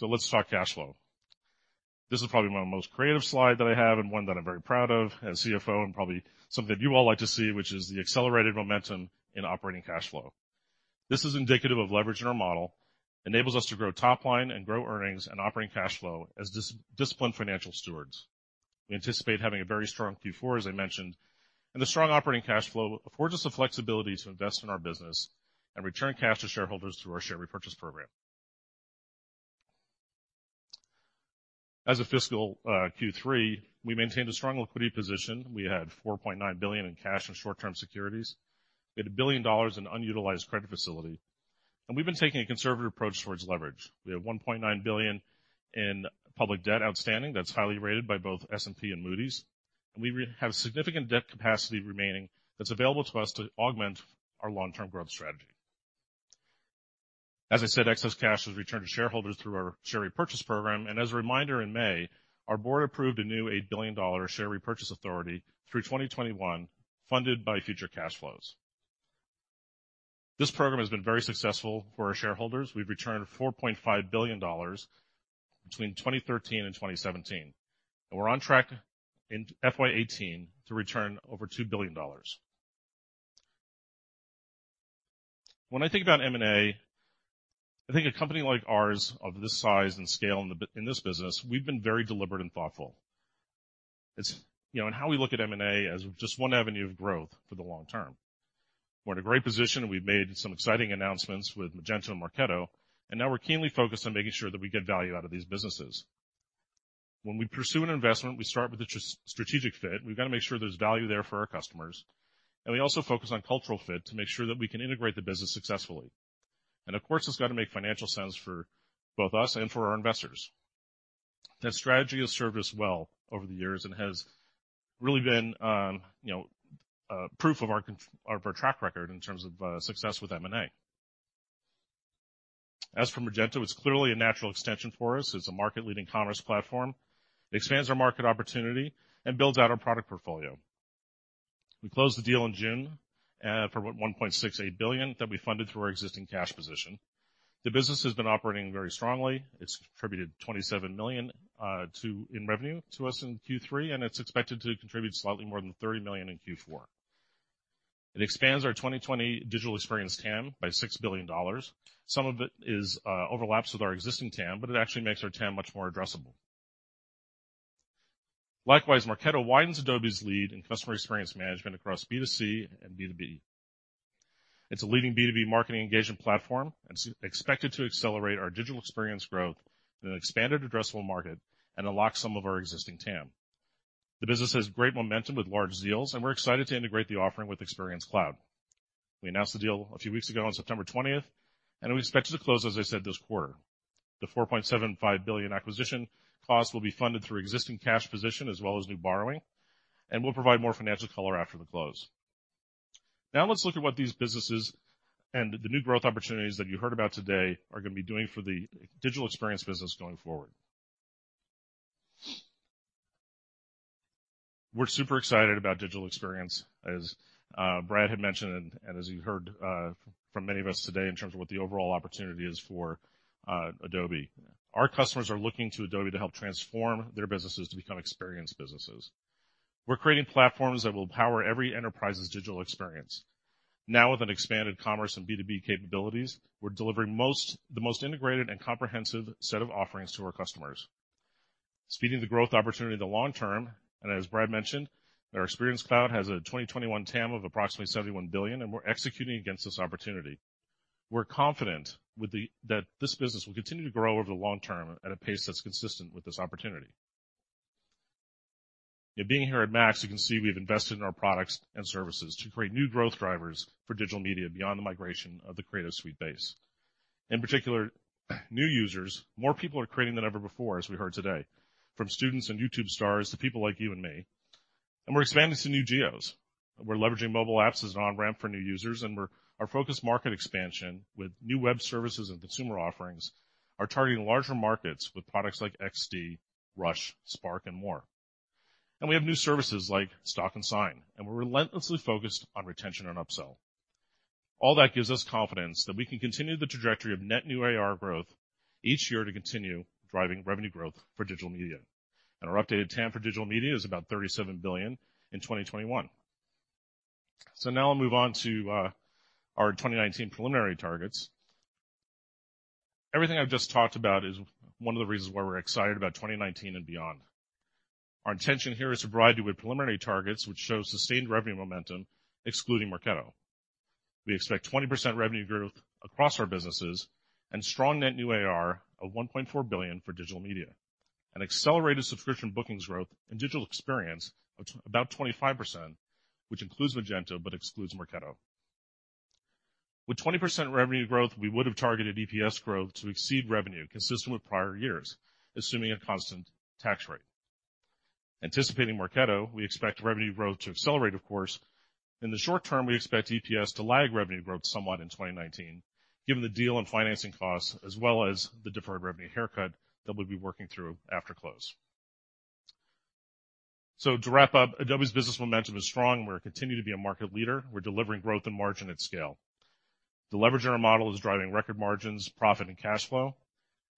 Speaker 9: Let's talk cash flow. This is probably my most creative slide that I have and one that I'm very proud of as CFO and probably something that you all like to see, which is the accelerated momentum in operating cash flow. This is indicative of leverage in our model, enables us to grow top line and grow earnings and operating cash flow as disciplined financial stewards. We anticipate having a very strong Q4, as I mentioned, the strong operating cash flow affords us the flexibility to invest in our business and return cash to shareholders through our share repurchase program. As of fiscal Q3, we maintained a strong liquidity position. We had $4.9 billion in cash and short-term securities. We had $1 billion in unutilized credit facility. We've been taking a conservative approach towards leverage. We have $1.9 billion in public debt outstanding that's highly rated by both S&P and Moody's. We have significant debt capacity remaining that's available to us to augment our long-term growth strategy. As I said, excess cash was returned to shareholders through our share repurchase program. As a reminder, in May, our board approved a new $8 billion share repurchase authority through 2021, funded by future cash flows. This program has been very successful for our shareholders. We've returned $4.5 billion between 2013 and 2017. We're on track in FY 2018 to return over $2 billion. When I think about M&A, I think a company like ours of this size and scale in this business, we've been very deliberate and thoughtful. How we look at M&A as just one avenue of growth for the long term. We're in a great position, we've made some exciting announcements with Magento and Marketo, now we're keenly focused on making sure that we get value out of these businesses. When we pursue an investment, we start with a strategic fit. We've got to make sure there's value there for our customers. We also focus on cultural fit to make sure that we can integrate the business successfully. Of course, it's got to make financial sense for both us and for our investors. That strategy has served us well over the years and has really been proof of our track record in terms of success with M&A. As for Magento, it's clearly a natural extension for us. It's a market-leading commerce platform. It expands our market opportunity and builds out our product portfolio. We closed the deal in June for $1.68 billion that we funded through our existing cash position. The business has been operating very strongly. It's contributed $27 million in revenue to us in Q3, and it's expected to contribute slightly more than $30 million in Q4. It expands our 2020 Digital Experience TAM by $6 billion. Some of it overlaps with our existing TAM, but it actually makes our TAM much more addressable. Likewise, Marketo widens Adobe's lead in customer experience management across B2C and B2B. It's a leading B2B marketing engagement platform and is expected to accelerate our Digital Experience growth in an expanded addressable market and unlock some of our existing TAM. The business has great momentum with large deals, and we're excited to integrate the offering with Experience Cloud. We announced the deal a few weeks ago on September 20th, and we expect it to close, as I said, this quarter. The $4.75 billion acquisition cost will be funded through existing cash position as well as new borrowing, and we'll provide more financial color after the close. Let's look at what these businesses and the new growth opportunities that you heard about today are going to be doing for the Digital Experience business going forward. We're super excited about Digital Experience, as Brad had mentioned and as you heard from many of us today in terms of what the overall opportunity is for Adobe. Our customers are looking to Adobe to help transform their businesses to become experience businesses. We're creating platforms that will power every enterprise's digital experience. With an expanded commerce and B2B capabilities, we're delivering the most integrated and comprehensive set of offerings to our customers, speeding the growth opportunity in the long term. As Brad mentioned, our Experience Cloud has a 2021 TAM of approximately $71 billion, and we're executing against this opportunity. We're confident that this business will continue to grow over the long term at a pace that's consistent with this opportunity. Being here at MAX, you can see we've invested in our products and services to create new growth drivers for Digital Media beyond the migration of the Creative Suite base. In particular, new users, more people are creating than ever before, as we heard today, from students and YouTube stars to people like you and me, and we're expanding to new geos. We're leveraging mobile apps as an on-ramp for new users, and our focused market expansion with new web services and consumer offerings are targeting larger markets with products like XD, Rush, Spark, and more. We have new services like Stock and Sign, and we're relentlessly focused on retention and upsell. All that gives us confidence that we can continue the trajectory of net new AR growth each year to continue driving revenue growth for Digital Media. Our updated TAM for Digital Media is about $37 billion in 2021. Now I'll move on to our 2019 preliminary targets. Everything I've just talked about is one of the reasons why we're excited about 2019 and beyond. Our intention here is to provide you with preliminary targets, which show sustained revenue momentum excluding Marketo. We expect 20% revenue growth across our businesses and strong net new AR of $1.4 billion for Digital Media and accelerated subscription bookings growth in Digital Experience of about 25%, which includes Magento but excludes Marketo. With 20% revenue growth, we would have targeted EPS growth to exceed revenue consistent with prior years, assuming a constant tax rate. Anticipating Marketo, we expect revenue growth to accelerate, of course. In the short term, we expect EPS to lag revenue growth somewhat in 2019, given the deal and financing costs as well as the deferred revenue haircut that we'll be working through after close. To wrap up, Adobe's business momentum is strong. We continue to be a market leader. We're delivering growth and margin at scale. The leverage in our model is driving record margins, profit, and cash flow,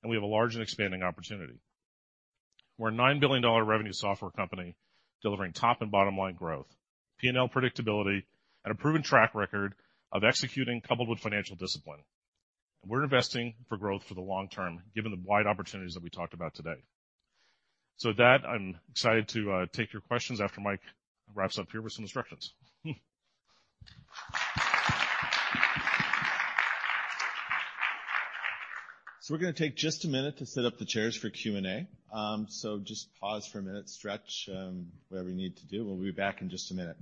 Speaker 9: and we have a large and expanding opportunity. We're a $9 billion revenue software company delivering top and bottom line growth, P&L predictability, and a proven track record of executing coupled with financial discipline. We're investing for growth for the long term, given the wide opportunities that we talked about today. With that, I'm excited to take your questions after Mike wraps up here with some instructions.
Speaker 1: We're going to take just a minute to set up the chairs for Q&A. Just pause for a minute, stretch, whatever you need to do. We'll be back in just a minute.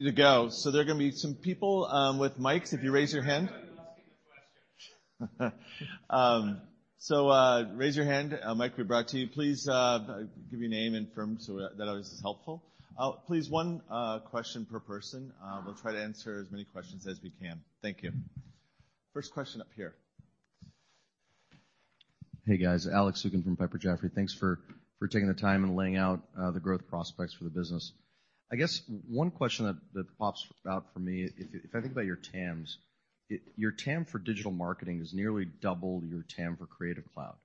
Speaker 1: Good to go. There are going to be some people with mics if you raise your hand.
Speaker 9: I thought you were asking the questions.
Speaker 1: Raise your hand. A mic will be brought to you. Please give your name and firm so that always is helpful. Please, one question per person. We will try to answer as many questions as we can. Thank you. First question up here.
Speaker 10: Hey guys, Alex Zukin from Piper Jaffray. Thanks for taking the time and laying out the growth prospects for the business. I guess one question that pops out for me, if I think about your TAMs, your TAM for digital marketing is nearly double your TAM for Creative Cloud.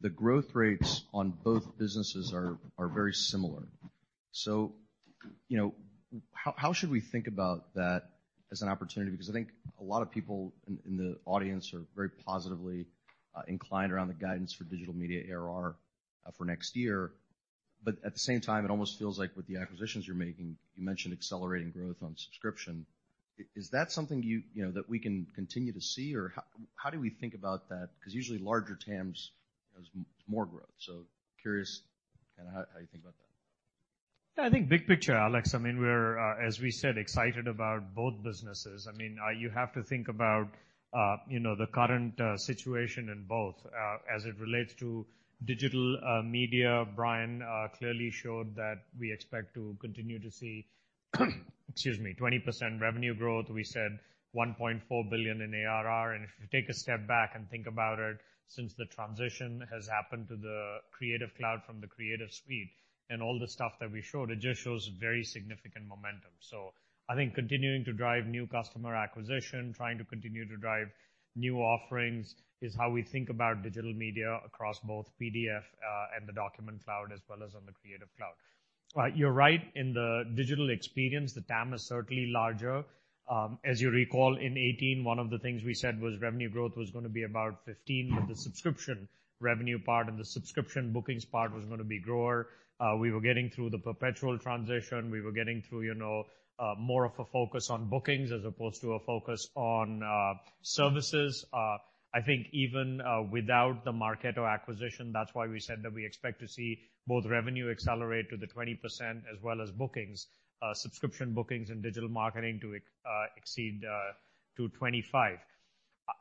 Speaker 10: The growth rates on both businesses are very similar. How should we think about that as an opportunity? I think a lot of people in the audience are very positively inclined around the guidance for Digital Media ARR for next year. At the same time, it almost feels like with the acquisitions you are making, you mentioned accelerating growth on subscription. Is that something that we can continue to see? How do we think about that? Usually larger TAMs has more growth. Curious how you think about that.
Speaker 2: Yeah. I think big picture, Alex, we are, as we said, excited about both businesses. You have to think about the current situation in both as it relates to Digital Media. Bryan clearly showed that we expect to continue to see, excuse me, 20% revenue growth. We said $1.4 billion in ARR. If you take a step back and think about it, since the transition has happened to the Creative Cloud from the Creative Suite and all the stuff that we showed, it just shows very significant momentum. I think continuing to drive new customer acquisition, trying to continue to drive new offerings is how we think about Digital Media across both PDF, and the Document Cloud, as well as on the Creative Cloud. You are right, in the Digital Experience, the TAM is certainly larger. As you recall, in 2018, one of the things we said was revenue growth was going to be about 15%, with the subscription revenue part and the subscription bookings part was going to be grower. We were getting through the perpetual transition. We were getting through more of a focus on bookings as opposed to a focus on services. I think even without the Marketo acquisition, that is why we said that we expect to see both revenue accelerate to the 20%, as well as bookings, subscription bookings and Digital Marketing to exceed to 25%.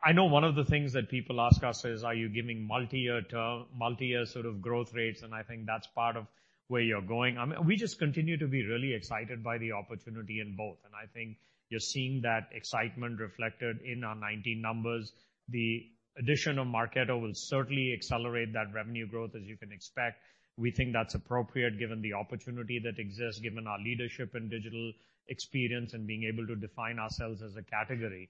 Speaker 2: I know one of the things that people ask us is, are you giving multi-year term, multi-year sort of growth rates? I think that is part of where you are going. We just continue to be really excited by the opportunity in both, and I think you are seeing that excitement reflected in our 2019 numbers. The addition of Marketo will certainly accelerate that revenue growth, as you can expect. We think that's appropriate given the opportunity that exists, given our leadership in digital experience and being able to define ourselves as a category.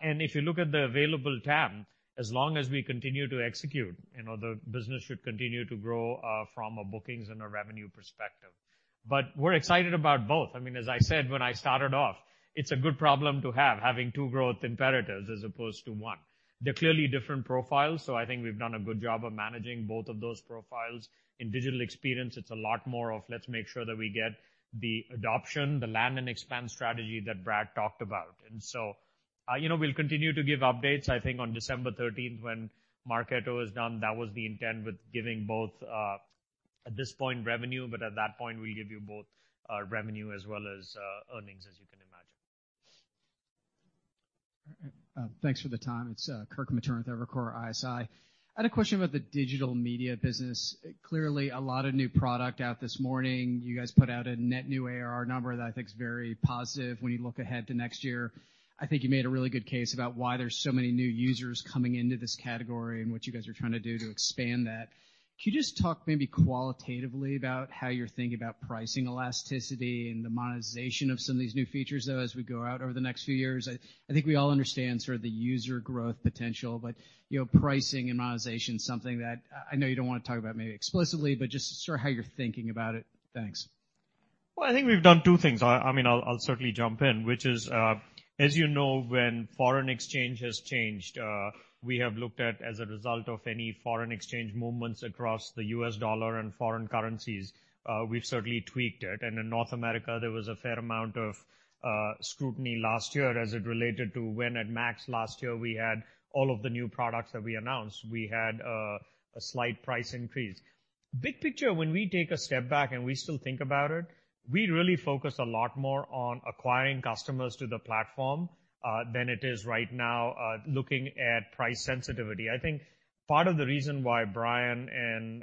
Speaker 2: If you look at the available TAM, as long as we continue to execute, the business should continue to grow, from a bookings and a revenue perspective. We're excited about both. As I said when I started off, it's a good problem to have, having two growth imperatives as opposed to one. They're clearly different profiles, so I think we've done a good job of managing both of those profiles. In digital experience, it's a lot more of let's make sure that we get the adoption, the land and expand strategy that Brad talked about. We'll continue to give updates. I think on December 13th, when Marketo is done, that was the intent with giving both, at this point revenue, but at that point, we give you both revenue as well as earnings, as you can imagine.
Speaker 11: Thanks for the time. It's Kirk Materne with Evercore ISI. I had a question about the digital media business. Clearly a lot of new product out this morning. You guys put out a net new ARR number that I think is very positive when you look ahead to next year. I think you made a really good case about why there's so many new users coming into this category and what you guys are trying to do to expand that. Can you just talk maybe qualitatively about how you're thinking about pricing elasticity and the monetization of some of these new features, though, as we go out over the next few years? I think we all understand sort of the user growth potential, but pricing and monetization is something that I know you don't want to talk about maybe explicitly, but just sort of how you're thinking about it. Thanks.
Speaker 2: I think we've done two things. I'll certainly jump in, which is, as you know, when foreign exchange has changed, we have looked at, as a result of any foreign exchange movements across the US dollar and foreign currencies, we've certainly tweaked it. In North America, there was a fair amount of scrutiny last year as it related to when at MAX last year, we had all of the new products that we announced. We had a slight price increase. Big picture, when we take a step back and we still think about it, we really focus a lot more on acquiring customers to the platform, than it is right now looking at price sensitivity. I think part of the reason why Bryan and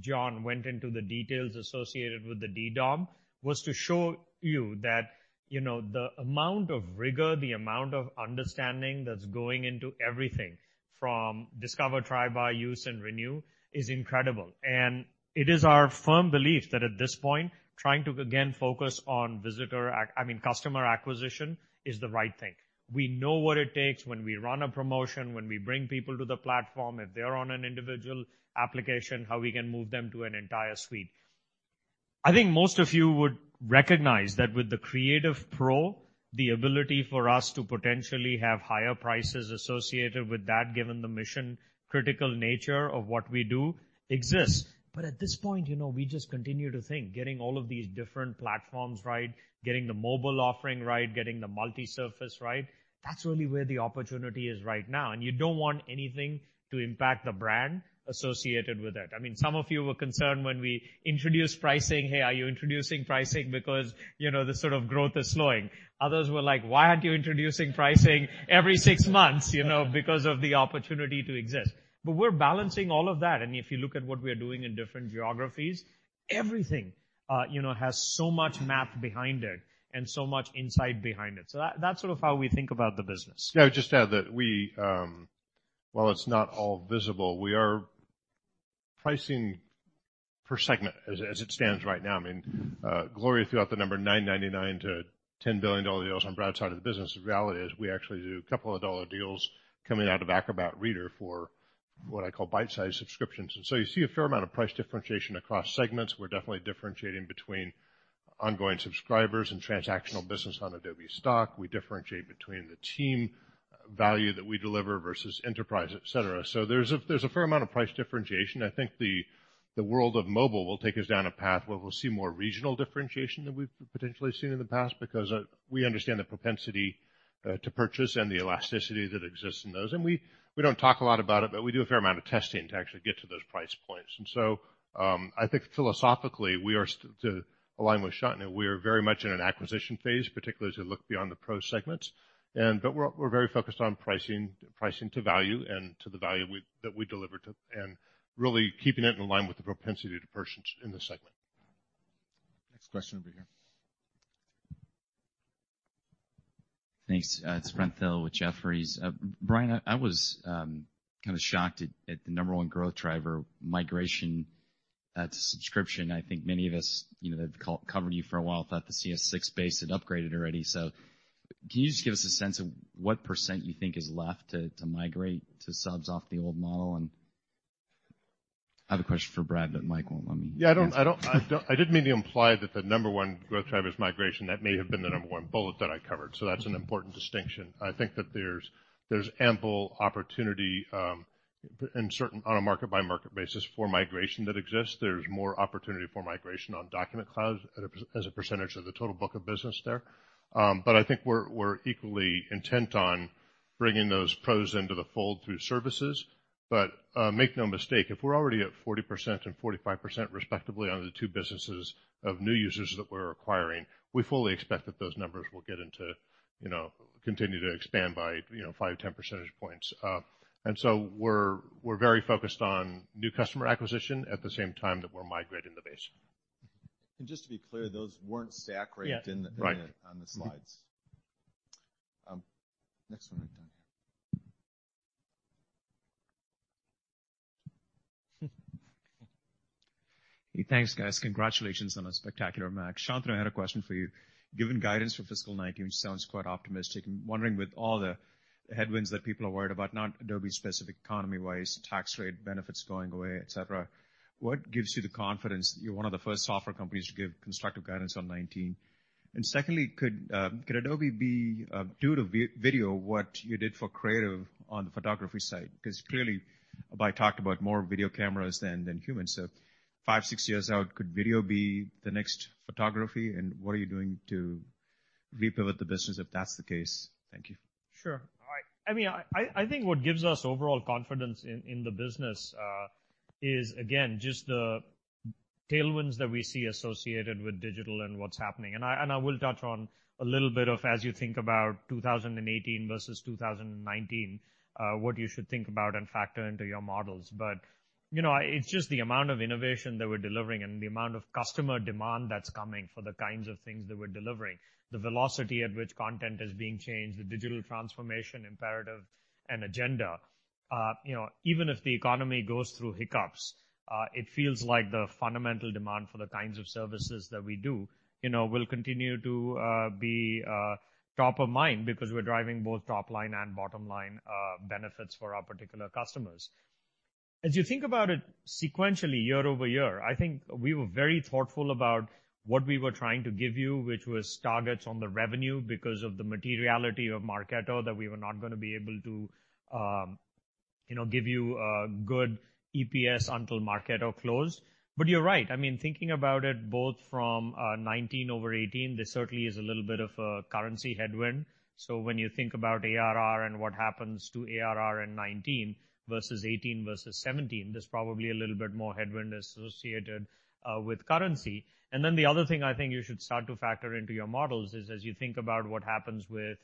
Speaker 2: Dan went into the details associated with the DDOM was to show you that the amount of rigor, the amount of understanding that's going into everything from discover, try, buy, use and renew is incredible. It is our firm belief that at this point, trying to again focus on I mean, customer acquisition is the right thing. We know what it takes when we run a promotion, when we bring people to the platform, if they're on an individual application, how we can move them to an entire suite. I think most of you would recognize that with the Creative Pro, the ability for us to potentially have higher prices associated with that, given the mission-critical nature of what we do exists. At this point, we just continue to think, getting all of these different platforms right, getting the mobile offering right, getting the multi-surface right, that's really where the opportunity is right now. You don't want anything to impact the brand associated with it. Some of you were concerned when we introduced pricing, "Hey, are you introducing pricing because the sort of growth is slowing?" Others were like, "Why aren't you introducing pricing every 6 months?" Because of the opportunity to exist. We're balancing all of that, and if you look at what we are doing in different geographies, everything has so much math behind it and so much insight behind it. That's sort of how we think about the business.
Speaker 4: Yeah, just to add that we, while it's not all visible, pricing per segment as it stands right now. Gloria threw out the number $999 to $10 billion deals on Brad's side of the business. The reality is we actually do couple of dollar deals coming out of Acrobat Reader for what I call bite-size subscriptions. You see a fair amount of price differentiation across segments. We're definitely differentiating between ongoing subscribers and transactional business on Adobe Stock. We differentiate between the team value that we deliver versus enterprise, et cetera. There's a fair amount of price differentiation. I think the world of mobile will take us down a path where we'll see more regional differentiation than we've potentially seen in the past, because we understand the propensity to purchase and the elasticity that exists in those. We don't talk a lot about it, but we do a fair amount of testing to actually get to those price points. I think philosophically, we are still to align with Shantanu. We are very much in an acquisition phase, particularly as we look beyond the pro segments. We're very focused on pricing to value and to the value that we deliver and really keeping it in line with the propensity to purchase in the segment.
Speaker 1: Next question over here.
Speaker 12: Thanks. It's Brent Thill with Jefferies. Bryan, I was kind of shocked at the number one growth driver migration to subscription. I think many of us that have covered you for a while thought the CS6 base had upgraded already. Can you just give us a sense of what % you think is left to migrate to subs off the old model? I have a question for Brad, but Mike won't let me.
Speaker 4: Yeah, I didn't mean to imply that the number one growth driver is migration. That may have been the number one bullet that I covered. That's an important distinction. I think that there's ample opportunity on a market-by-market basis for migration that exists. There's more opportunity for migration on Document Cloud as a % of the total book of business there. I think we're equally intent on bringing those pros into the fold through services. Make no mistake, if we're already at 40% and 45% respectively on the two businesses of new users that we're acquiring, we fully expect that those numbers will continue to expand by 5-10 percentage points. We're very focused on new customer acquisition at the same time that we're migrating the base.
Speaker 1: Just to be clear, those weren't stack ranked.
Speaker 4: Yeah. Right
Speaker 1: on the slides. Next one right down here.
Speaker 13: Hey, thanks guys. Congratulations on a spectacular MAX. Shantanu, I had a question for you. Given guidance for fiscal 2019 sounds quite optimistic. I'm wondering with all the headwinds that people are worried about, not Adobe specific, economy-wise, tax rate benefits going away, et cetera, what gives you the confidence that you're one of the first software companies to give constructive guidance on 2019? Secondly, could Adobe be, due to video, what you did for creative on the photography side? Because clearly, Abhay talked about more video cameras than humans. So five, six years out, could video be the next photography, what are you doing to rebuild the business if that's the case? Thank you.
Speaker 2: Sure. I think what gives us overall confidence in the business, is again, just the tailwinds that we see associated with digital and what's happening. I will touch on a little bit of as you think about 2018 versus 2019, what you should think about and factor into your models. It's just the amount of innovation that we're delivering and the amount of customer demand that's coming for the kinds of things that we're delivering, the velocity at which content is being changed, the digital transformation imperative and agenda. Even if the economy goes through hiccups, it feels like the fundamental demand for the kinds of services that we do will continue to be top of mind because we're driving both top line and bottom-line benefits for our particular customers. As you think about it sequentially year-over-year, I think we were very thoughtful about what we were trying to give you, which was targets on the revenue because of the materiality of Marketo, that we were not going to be able to give you a good EPS until Marketo closed. You're right, thinking about it both from 2019 over 2018, there certainly is a little bit of a currency headwind. When you think about ARR and what happens to ARR in 2019 versus 2018 versus 2017, there's probably a little bit more headwind associated with currency. The other thing I think you should start to factor into your models is as you think about what happens with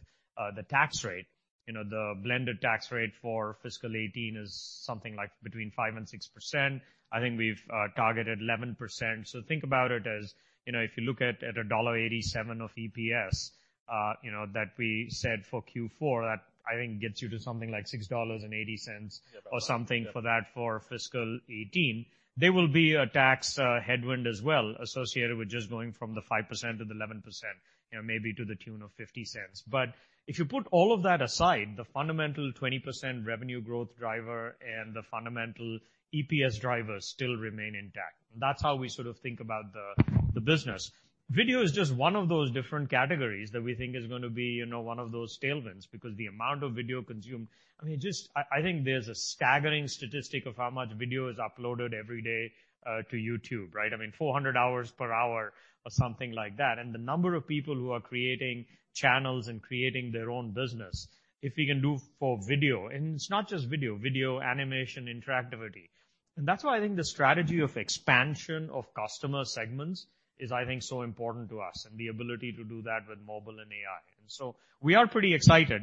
Speaker 2: the tax rate. The blended tax rate for fiscal 2018 is something like between 5% and 6%. I think we've targeted 11%. Think about it as, if you look at $1.87 of EPS that we said for Q4, that I think gets you to something like $6.80 or something for that for fiscal 2018. There will be a tax headwind as well associated with just going from the 5% to the 11%, maybe to the tune of $0.50. If you put all of that aside, the fundamental 20% revenue growth driver and the fundamental EPS drivers still remain intact. That's how we sort of think about the business. Video is just one of those different categories that we think is going to be one of those tailwinds because the amount of video consumed, I think there's a staggering statistic of how much video is uploaded every day to YouTube, right? 400 hours per hour or something like that, the number of people who are creating channels and creating their own business. If we can do for video, it's not just video animation interactivity. That's why I think the strategy of expansion of customer segments is, I think, so important to us and the ability to do that with mobile and AI. We are pretty excited.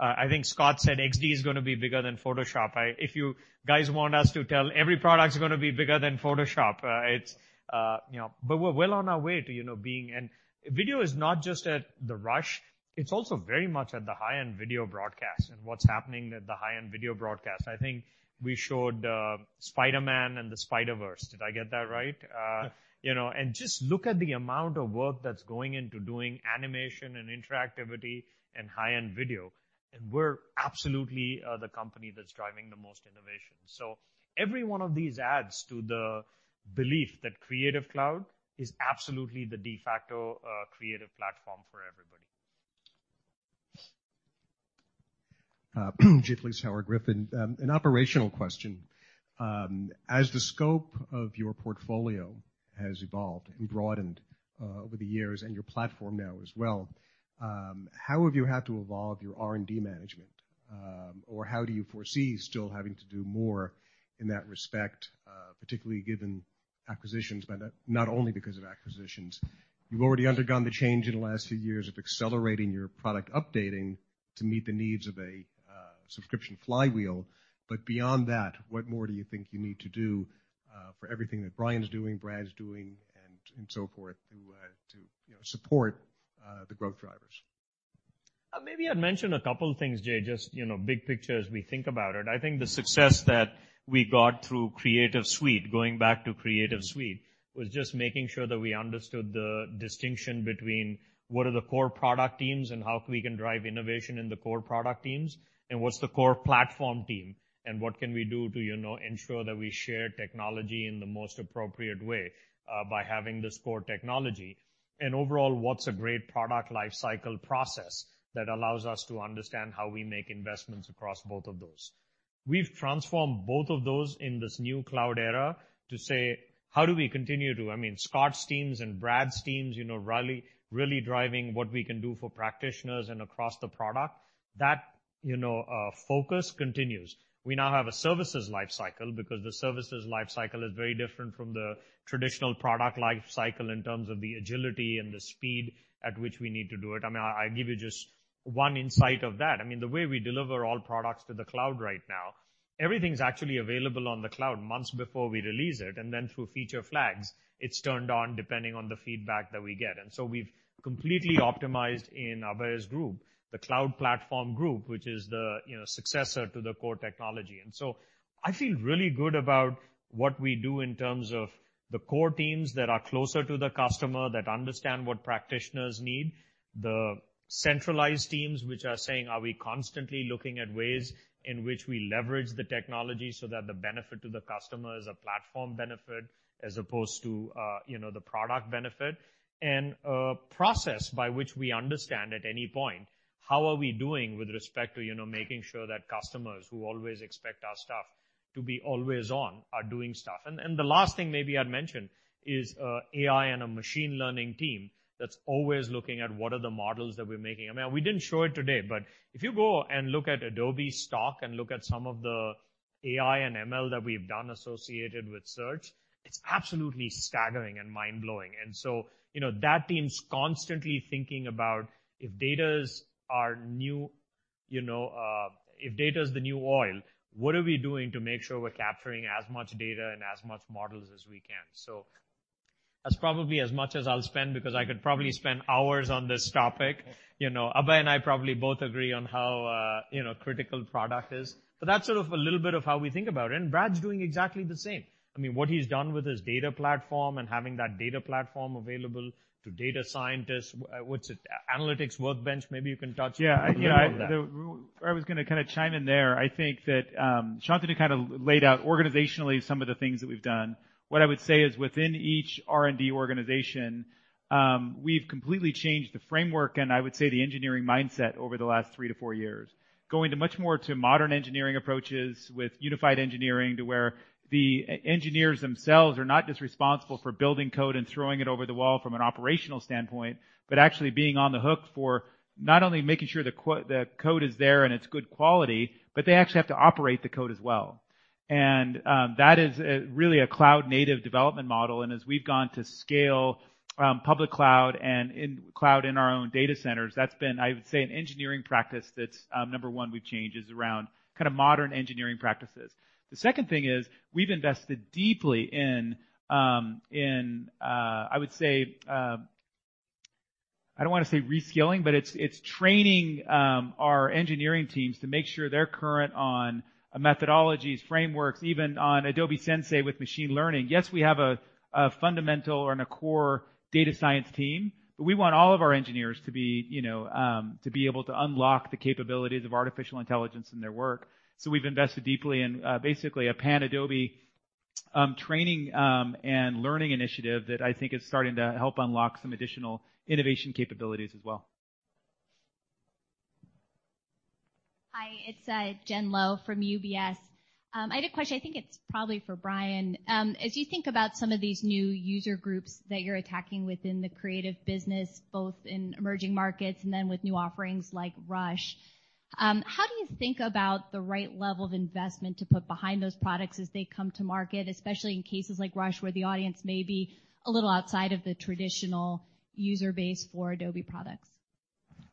Speaker 2: I think Scott said XD is going to be bigger than Photoshop. If you guys want us to tell every product is going to be bigger than Photoshop, we're well on our way to being. Video is not just at the Rush, it's also very much at the high-end video broadcast and what's happening at the high-end video broadcast. I think we showed Spider-Man and the Spider-Verse. Did I get that right?
Speaker 13: Yes.
Speaker 2: Just look at the amount of work that's going into doing animation and interactivity and high-end video, and we're absolutely the company that's driving the most innovation. Every one of these adds to the belief that Creative Cloud is absolutely the de facto creative platform for everybody.
Speaker 14: Jay Vleeschhouwer, Griffin. An operational question. As the scope of your portfolio has evolved and broadened over the years and your platform now as well, how have you had to evolve your R&D management? Or how do you foresee still having to do more in that respect, particularly given acquisitions, but not only because of acquisitions. You've already undergone the change in the last few years of accelerating your product updating to meet the needs of a subscription flywheel. Beyond that, what more do you think you need to do for everything that Bryan's doing, Brad's doing, and so forth to support the growth drivers?
Speaker 2: Maybe I'd mention a couple of things, Jay, just big picture as we think about it. I think the success that we got through Creative Suite, going back to Creative Suite, was just making sure that we understood the distinction between what are the core product teams and how we can drive innovation in the core product teams, and what's the core platform team and what can we do to ensure that we share technology in the most appropriate way, by having this core technology. Overall, what's a great product life cycle process that allows us to understand how we make investments across both of those. We've transformed both of those in this new cloud era to say, how do we I mean, Scott's teams and Brad's teams really driving what we can do for practitioners and across the product. That focus continues. We now have a services life cycle because the services life cycle is very different from the traditional product life cycle in terms of the agility and the speed at which we need to do it. I mean, I give you just one insight of that. I mean, the way we deliver all products to the cloud right now, everything's actually available on the cloud months before we release it, then through feature flags, it's turned on depending on the feedback that we get. We've completely optimized in Abhay's group, the cloud platform group, which is the successor to the core technology. I feel really good about what we do in terms of the core teams that are closer to the customer, that understand what practitioners need. The centralized teams, which are saying, are we constantly looking at ways in which we leverage the technology so that the benefit to the customer is a platform benefit as opposed to the product benefit. A process by which we understand at any point, how are we doing with respect to making sure that customers who always expect our stuff to be always on are doing stuff. The last thing maybe I'd mention is AI and a machine learning team that's always looking at what are the models that we're making. I mean, we didn't show it today, but if you go and look at Adobe Stock and look at some of the AI and ML that we've done associated with search, it's absolutely staggering and mind-blowing. That team's constantly thinking about if data is the new oil, what are we doing to make sure we're capturing as much data and as much models as we can. That's probably as much as I'll spend because I could probably spend hours on this topic. Abhay and I probably both agree on how critical product is. That's sort of a little bit of how we think about it, and Brad's doing exactly the same. I mean, what he's done with his data platform and having that data platform available to data scientists. What's it? Analytics workbench, maybe you can touch a little on that.
Speaker 7: Yeah. I was going to kind of chime in there. I think that Shantanu kind of laid out organizationally some of the things that we've done. What I would say is within each R&D organization, we've completely changed the framework and I would say the engineering mindset over the last three to four years. Going to much more to modern engineering approaches with unified engineering to where the engineers themselves are not just responsible for building code and throwing it over the wall from an operational standpoint, but actually being on the hook for not only making sure the code is there and it's good quality, but they actually have to operate the code as well. That is really a cloud-native development model, and as we've gone to scale public cloud and cloud in our own data centers, that's been, I would say, an engineering practice that's number 1 we've changed is around kind of modern engineering practices. The second thing is we've invested deeply in, I would say, I don't want to say reskilling, but it's training our engineering teams to make sure they're current on methodologies, frameworks, even on Adobe Sensei with machine learning. Yes, we have a fundamental and a core data science team, but we want all of our engineers to be able to unlock the capabilities of artificial intelligence in their work. We've invested deeply in basically a pan-Adobe training and learning initiative that I think is starting to help unlock some additional innovation capabilities as well.
Speaker 15: Hi, it's Jen Lowe from UBS. I had a question. I think it's probably for Bryan. As you think about some of these new user groups that you're attacking within the creative business, both in emerging markets and then with new offerings like Rush, how do you think about the right level of investment to put behind those products as they come to market, especially in cases like Rush, where the audience may be a little outside of the traditional user base for Adobe products?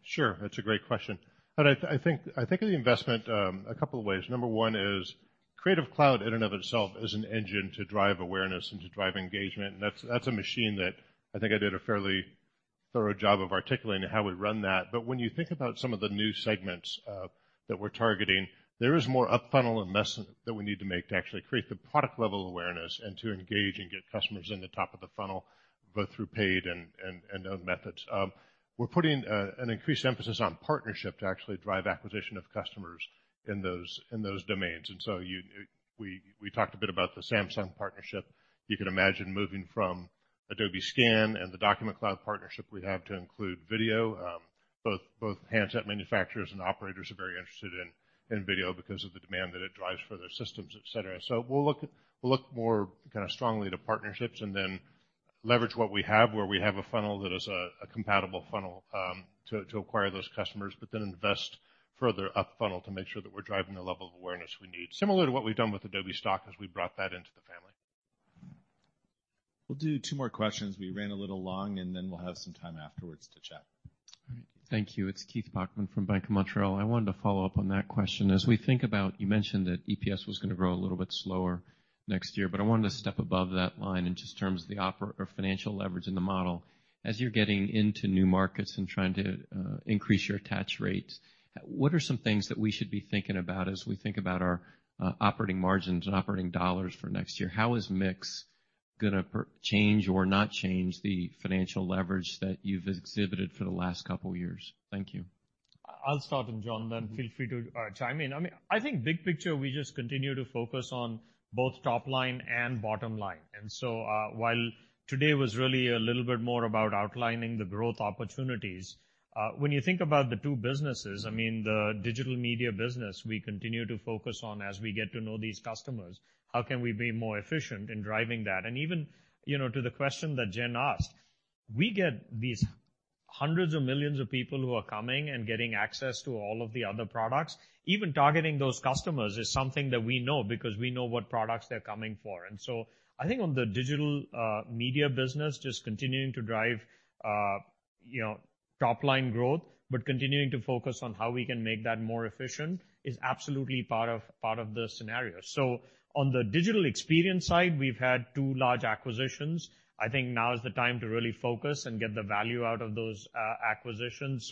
Speaker 2: Sure. That's a great question. I think of the investment a couple of ways. Number one is Creative Cloud in and of itself is an engine to drive awareness and to drive engagement. That's a machine that I think I did a fairly thorough job of articulating how we run that. When you think about some of the new segments that we're targeting, there is more up-funnel investment that we need to make to actually create the product-level awareness and to engage and get customers in the top of the funnel, both through paid and other methods. We're putting an increased emphasis on partnership to actually drive acquisition of customers in those domains. We talked a bit about the Samsung partnership. You can imagine moving from
Speaker 4: Adobe Scan and the Document Cloud partnership we have to include video. Both handset manufacturers and operators are very interested in video because of the demand that it drives for their systems, et cetera. We'll look more strongly to partnerships and then leverage what we have, where we have a funnel that is a compatible funnel to acquire those customers, but then invest further up funnel to make sure that we're driving the level of awareness we need. Similar to what we've done with Adobe Stock as we brought that into the family.
Speaker 7: We'll do two more questions. We ran a little long, we'll have some time afterwards to chat.
Speaker 16: All right. Thank you. It's Keith Bachman from Bank of Montreal. I wanted to follow up on that question. As we think about, you mentioned that EPS was going to grow a little bit slower next year, I wanted to step above that line in just terms of the financial leverage in the model. As you're getting into new markets and trying to increase your attach rates, what are some things that we should be thinking about as we think about our operating margins and operating dollars for next year? How is mix going to change or not change the financial leverage that you've exhibited for the last couple of years? Thank you.
Speaker 2: I'll start and John then feel free to chime in. I think big picture, we just continue to focus on both top line and bottom line. While today was really a little bit more about outlining the growth opportunities, when you think about the two businesses, the Digital Media business we continue to focus on as we get to know these customers, how can we be more efficient in driving that? Even to the question that Jen asked, we get these hundreds of millions of people who are coming and getting access to all of the other products. Even targeting those customers is something that we know because we know what products they're coming for. I think on the Digital Media business, just continuing to drive top line growth, but continuing to focus on how we can make that more efficient is absolutely part of the scenario. On the Digital Experience side, we've had two large acquisitions. I think now is the time to really focus and get the value out of those acquisitions.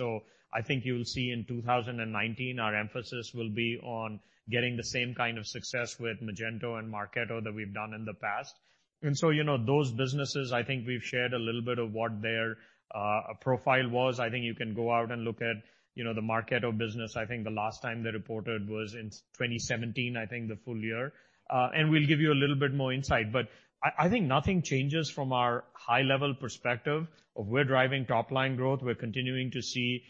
Speaker 2: I think you'll see in 2019, our emphasis will be on getting the same kind of success with Magento and Marketo that we've done in the past. Those businesses, I think we've shared a little bit of what their profile was. I think you can go out and look at the Marketo business. I think the last time they reported was in 2017, I think the full year. We'll give you a little bit more insight, but I think nothing changes from our high-level perspective of we're driving top line growth. We're continuing to see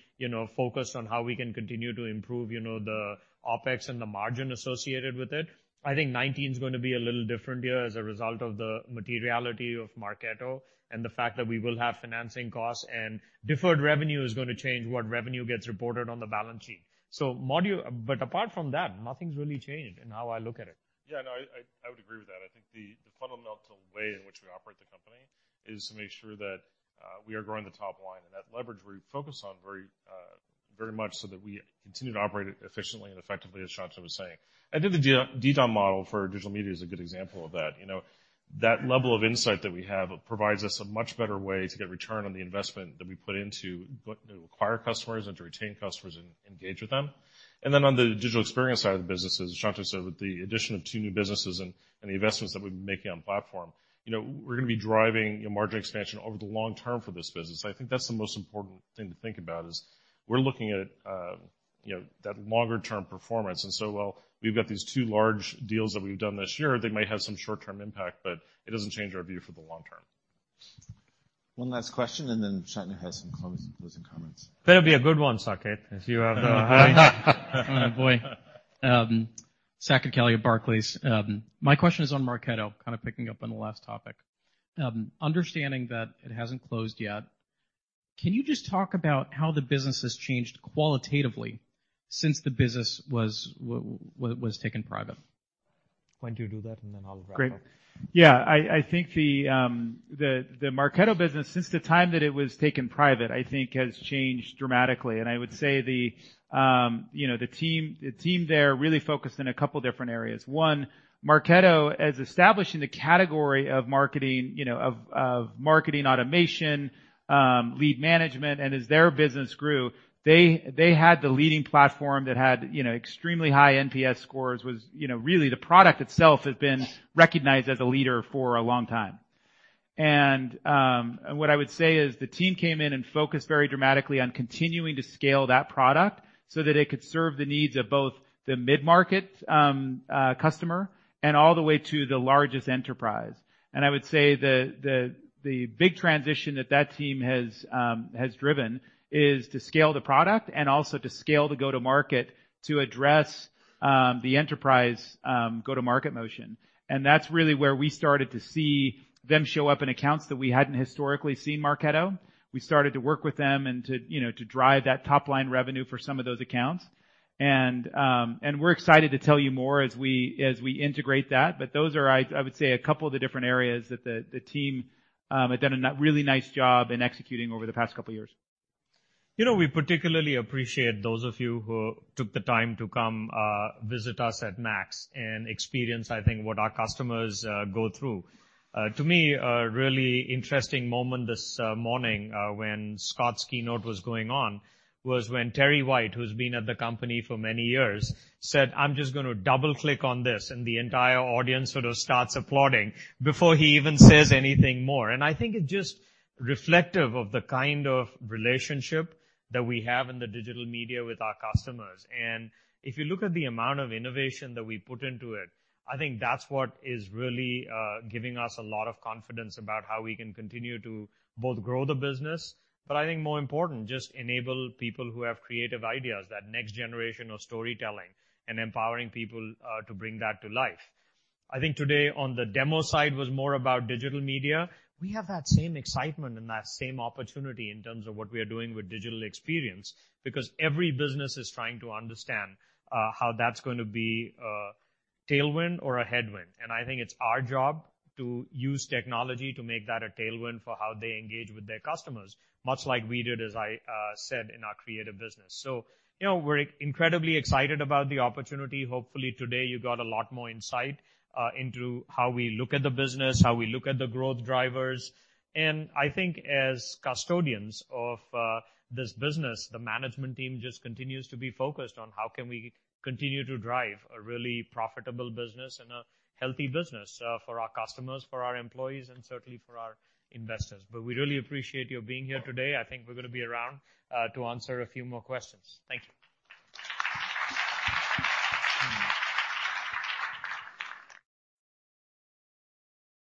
Speaker 2: focus on how we can continue to improve the OPEX and the margin associated with it. I think 2019 is going to be a little different year as a result of the materiality of Marketo and the fact that we will have financing costs and deferred revenue is going to change what revenue gets reported on the balance sheet. Apart from that, nothing's really changed in how I look at it.
Speaker 9: Yeah. No, I would agree with that. I think the fundamental way in which we operate the company is to make sure that we are growing the top line and that leverage we focus on very much so that we continue to operate it efficiently and effectively, as Shantanu was saying. I think the DDOM model for Digital Media is a good example of that. That level of insight that we have provides us a much better way to get return on the investment that we put in to acquire customers and to retain customers and engage with them. On the Digital Experience side of the business, as Shantanu said, with the addition of two new businesses and the investments that we've been making on platform, we're going to be driving margin expansion over the long term for this business. I think that's the most important thing to think about is we're looking at that longer-term performance. While we've got these two large deals that we've done this year, they might have some short-term impact, but it doesn't change our view for the long term.
Speaker 1: One last question, and then Shantanu has some closing comments.
Speaker 2: Better be a good one, Saket, if you have Oh, boy. Saket Kalia, Barclays. My question is on Marketo, kind of picking up on the last topic. Understanding that it hasn't closed yet, can you just talk about how the business has changed qualitatively since the business was taken private? Why don't you do that and then I'll wrap up?
Speaker 7: Great. Yeah, I think the Marketo business, since the time that it was taken private, I think has changed dramatically. I would say the team there really focused on a couple different areas. One, Marketo, as establishing the category of marketing automation, lead management, and as their business grew, they had the leading platform that had extremely high NPS scores, was really the product itself has been recognized as a leader for a long time. What I would say is the team came in and focused very dramatically on continuing to scale that product so that it could serve the needs of both the mid-market customer and all the way to the largest enterprise. I would say the big transition that that team has driven is to scale the product and also to scale the go-to-market to address the enterprise go-to-market motion. That's really where we started to see them show up in accounts that we hadn't historically seen Marketo. We started to work with them and to drive that top-line revenue for some of those accounts. We're excited to tell you more as we integrate that. Those are, I would say, a couple of the different areas that the team had done a really nice job in executing over the past couple of years.
Speaker 2: We particularly appreciate those of you who took the time to come visit us at MAX and experience, I think, what our customers go through. To me, a really interesting moment this morning when Scott's keynote was going on, was when Terry White, who's been at the company for many years, said, "I'm just going to double click on this," the entire audience sort of starts applauding before he even says anything more. I think it's just reflective of the kind of relationship that we have in the Digital Media with our customers. If you look at the amount of innovation that we put into it, I think that's what is really giving us a lot of confidence about how we can continue to both grow the business, but I think more important, just enable people who have creative ideas, that next generation of storytelling and empowering people to bring that to life. I think today on the demo side was more about Digital Media. We have that same excitement and that same opportunity in terms of what we are doing with Digital Experience because every business is trying to understand how that's going to be a tailwind or a headwind. I think it's our job to use technology to make that a tailwind for how they engage with their customers, much like we did, as I said, in our creative business. We're incredibly excited about the opportunity. Hopefully today you got a lot more insight into how we look at the business, how we look at the growth drivers. I think as custodians of this business, the management team just continues to be focused on how can we continue to drive a really profitable business and a healthy business for our customers, for our employees, and certainly for our investors. We really appreciate you being here today. I think we're going to be around to answer a few more questions. Thank you.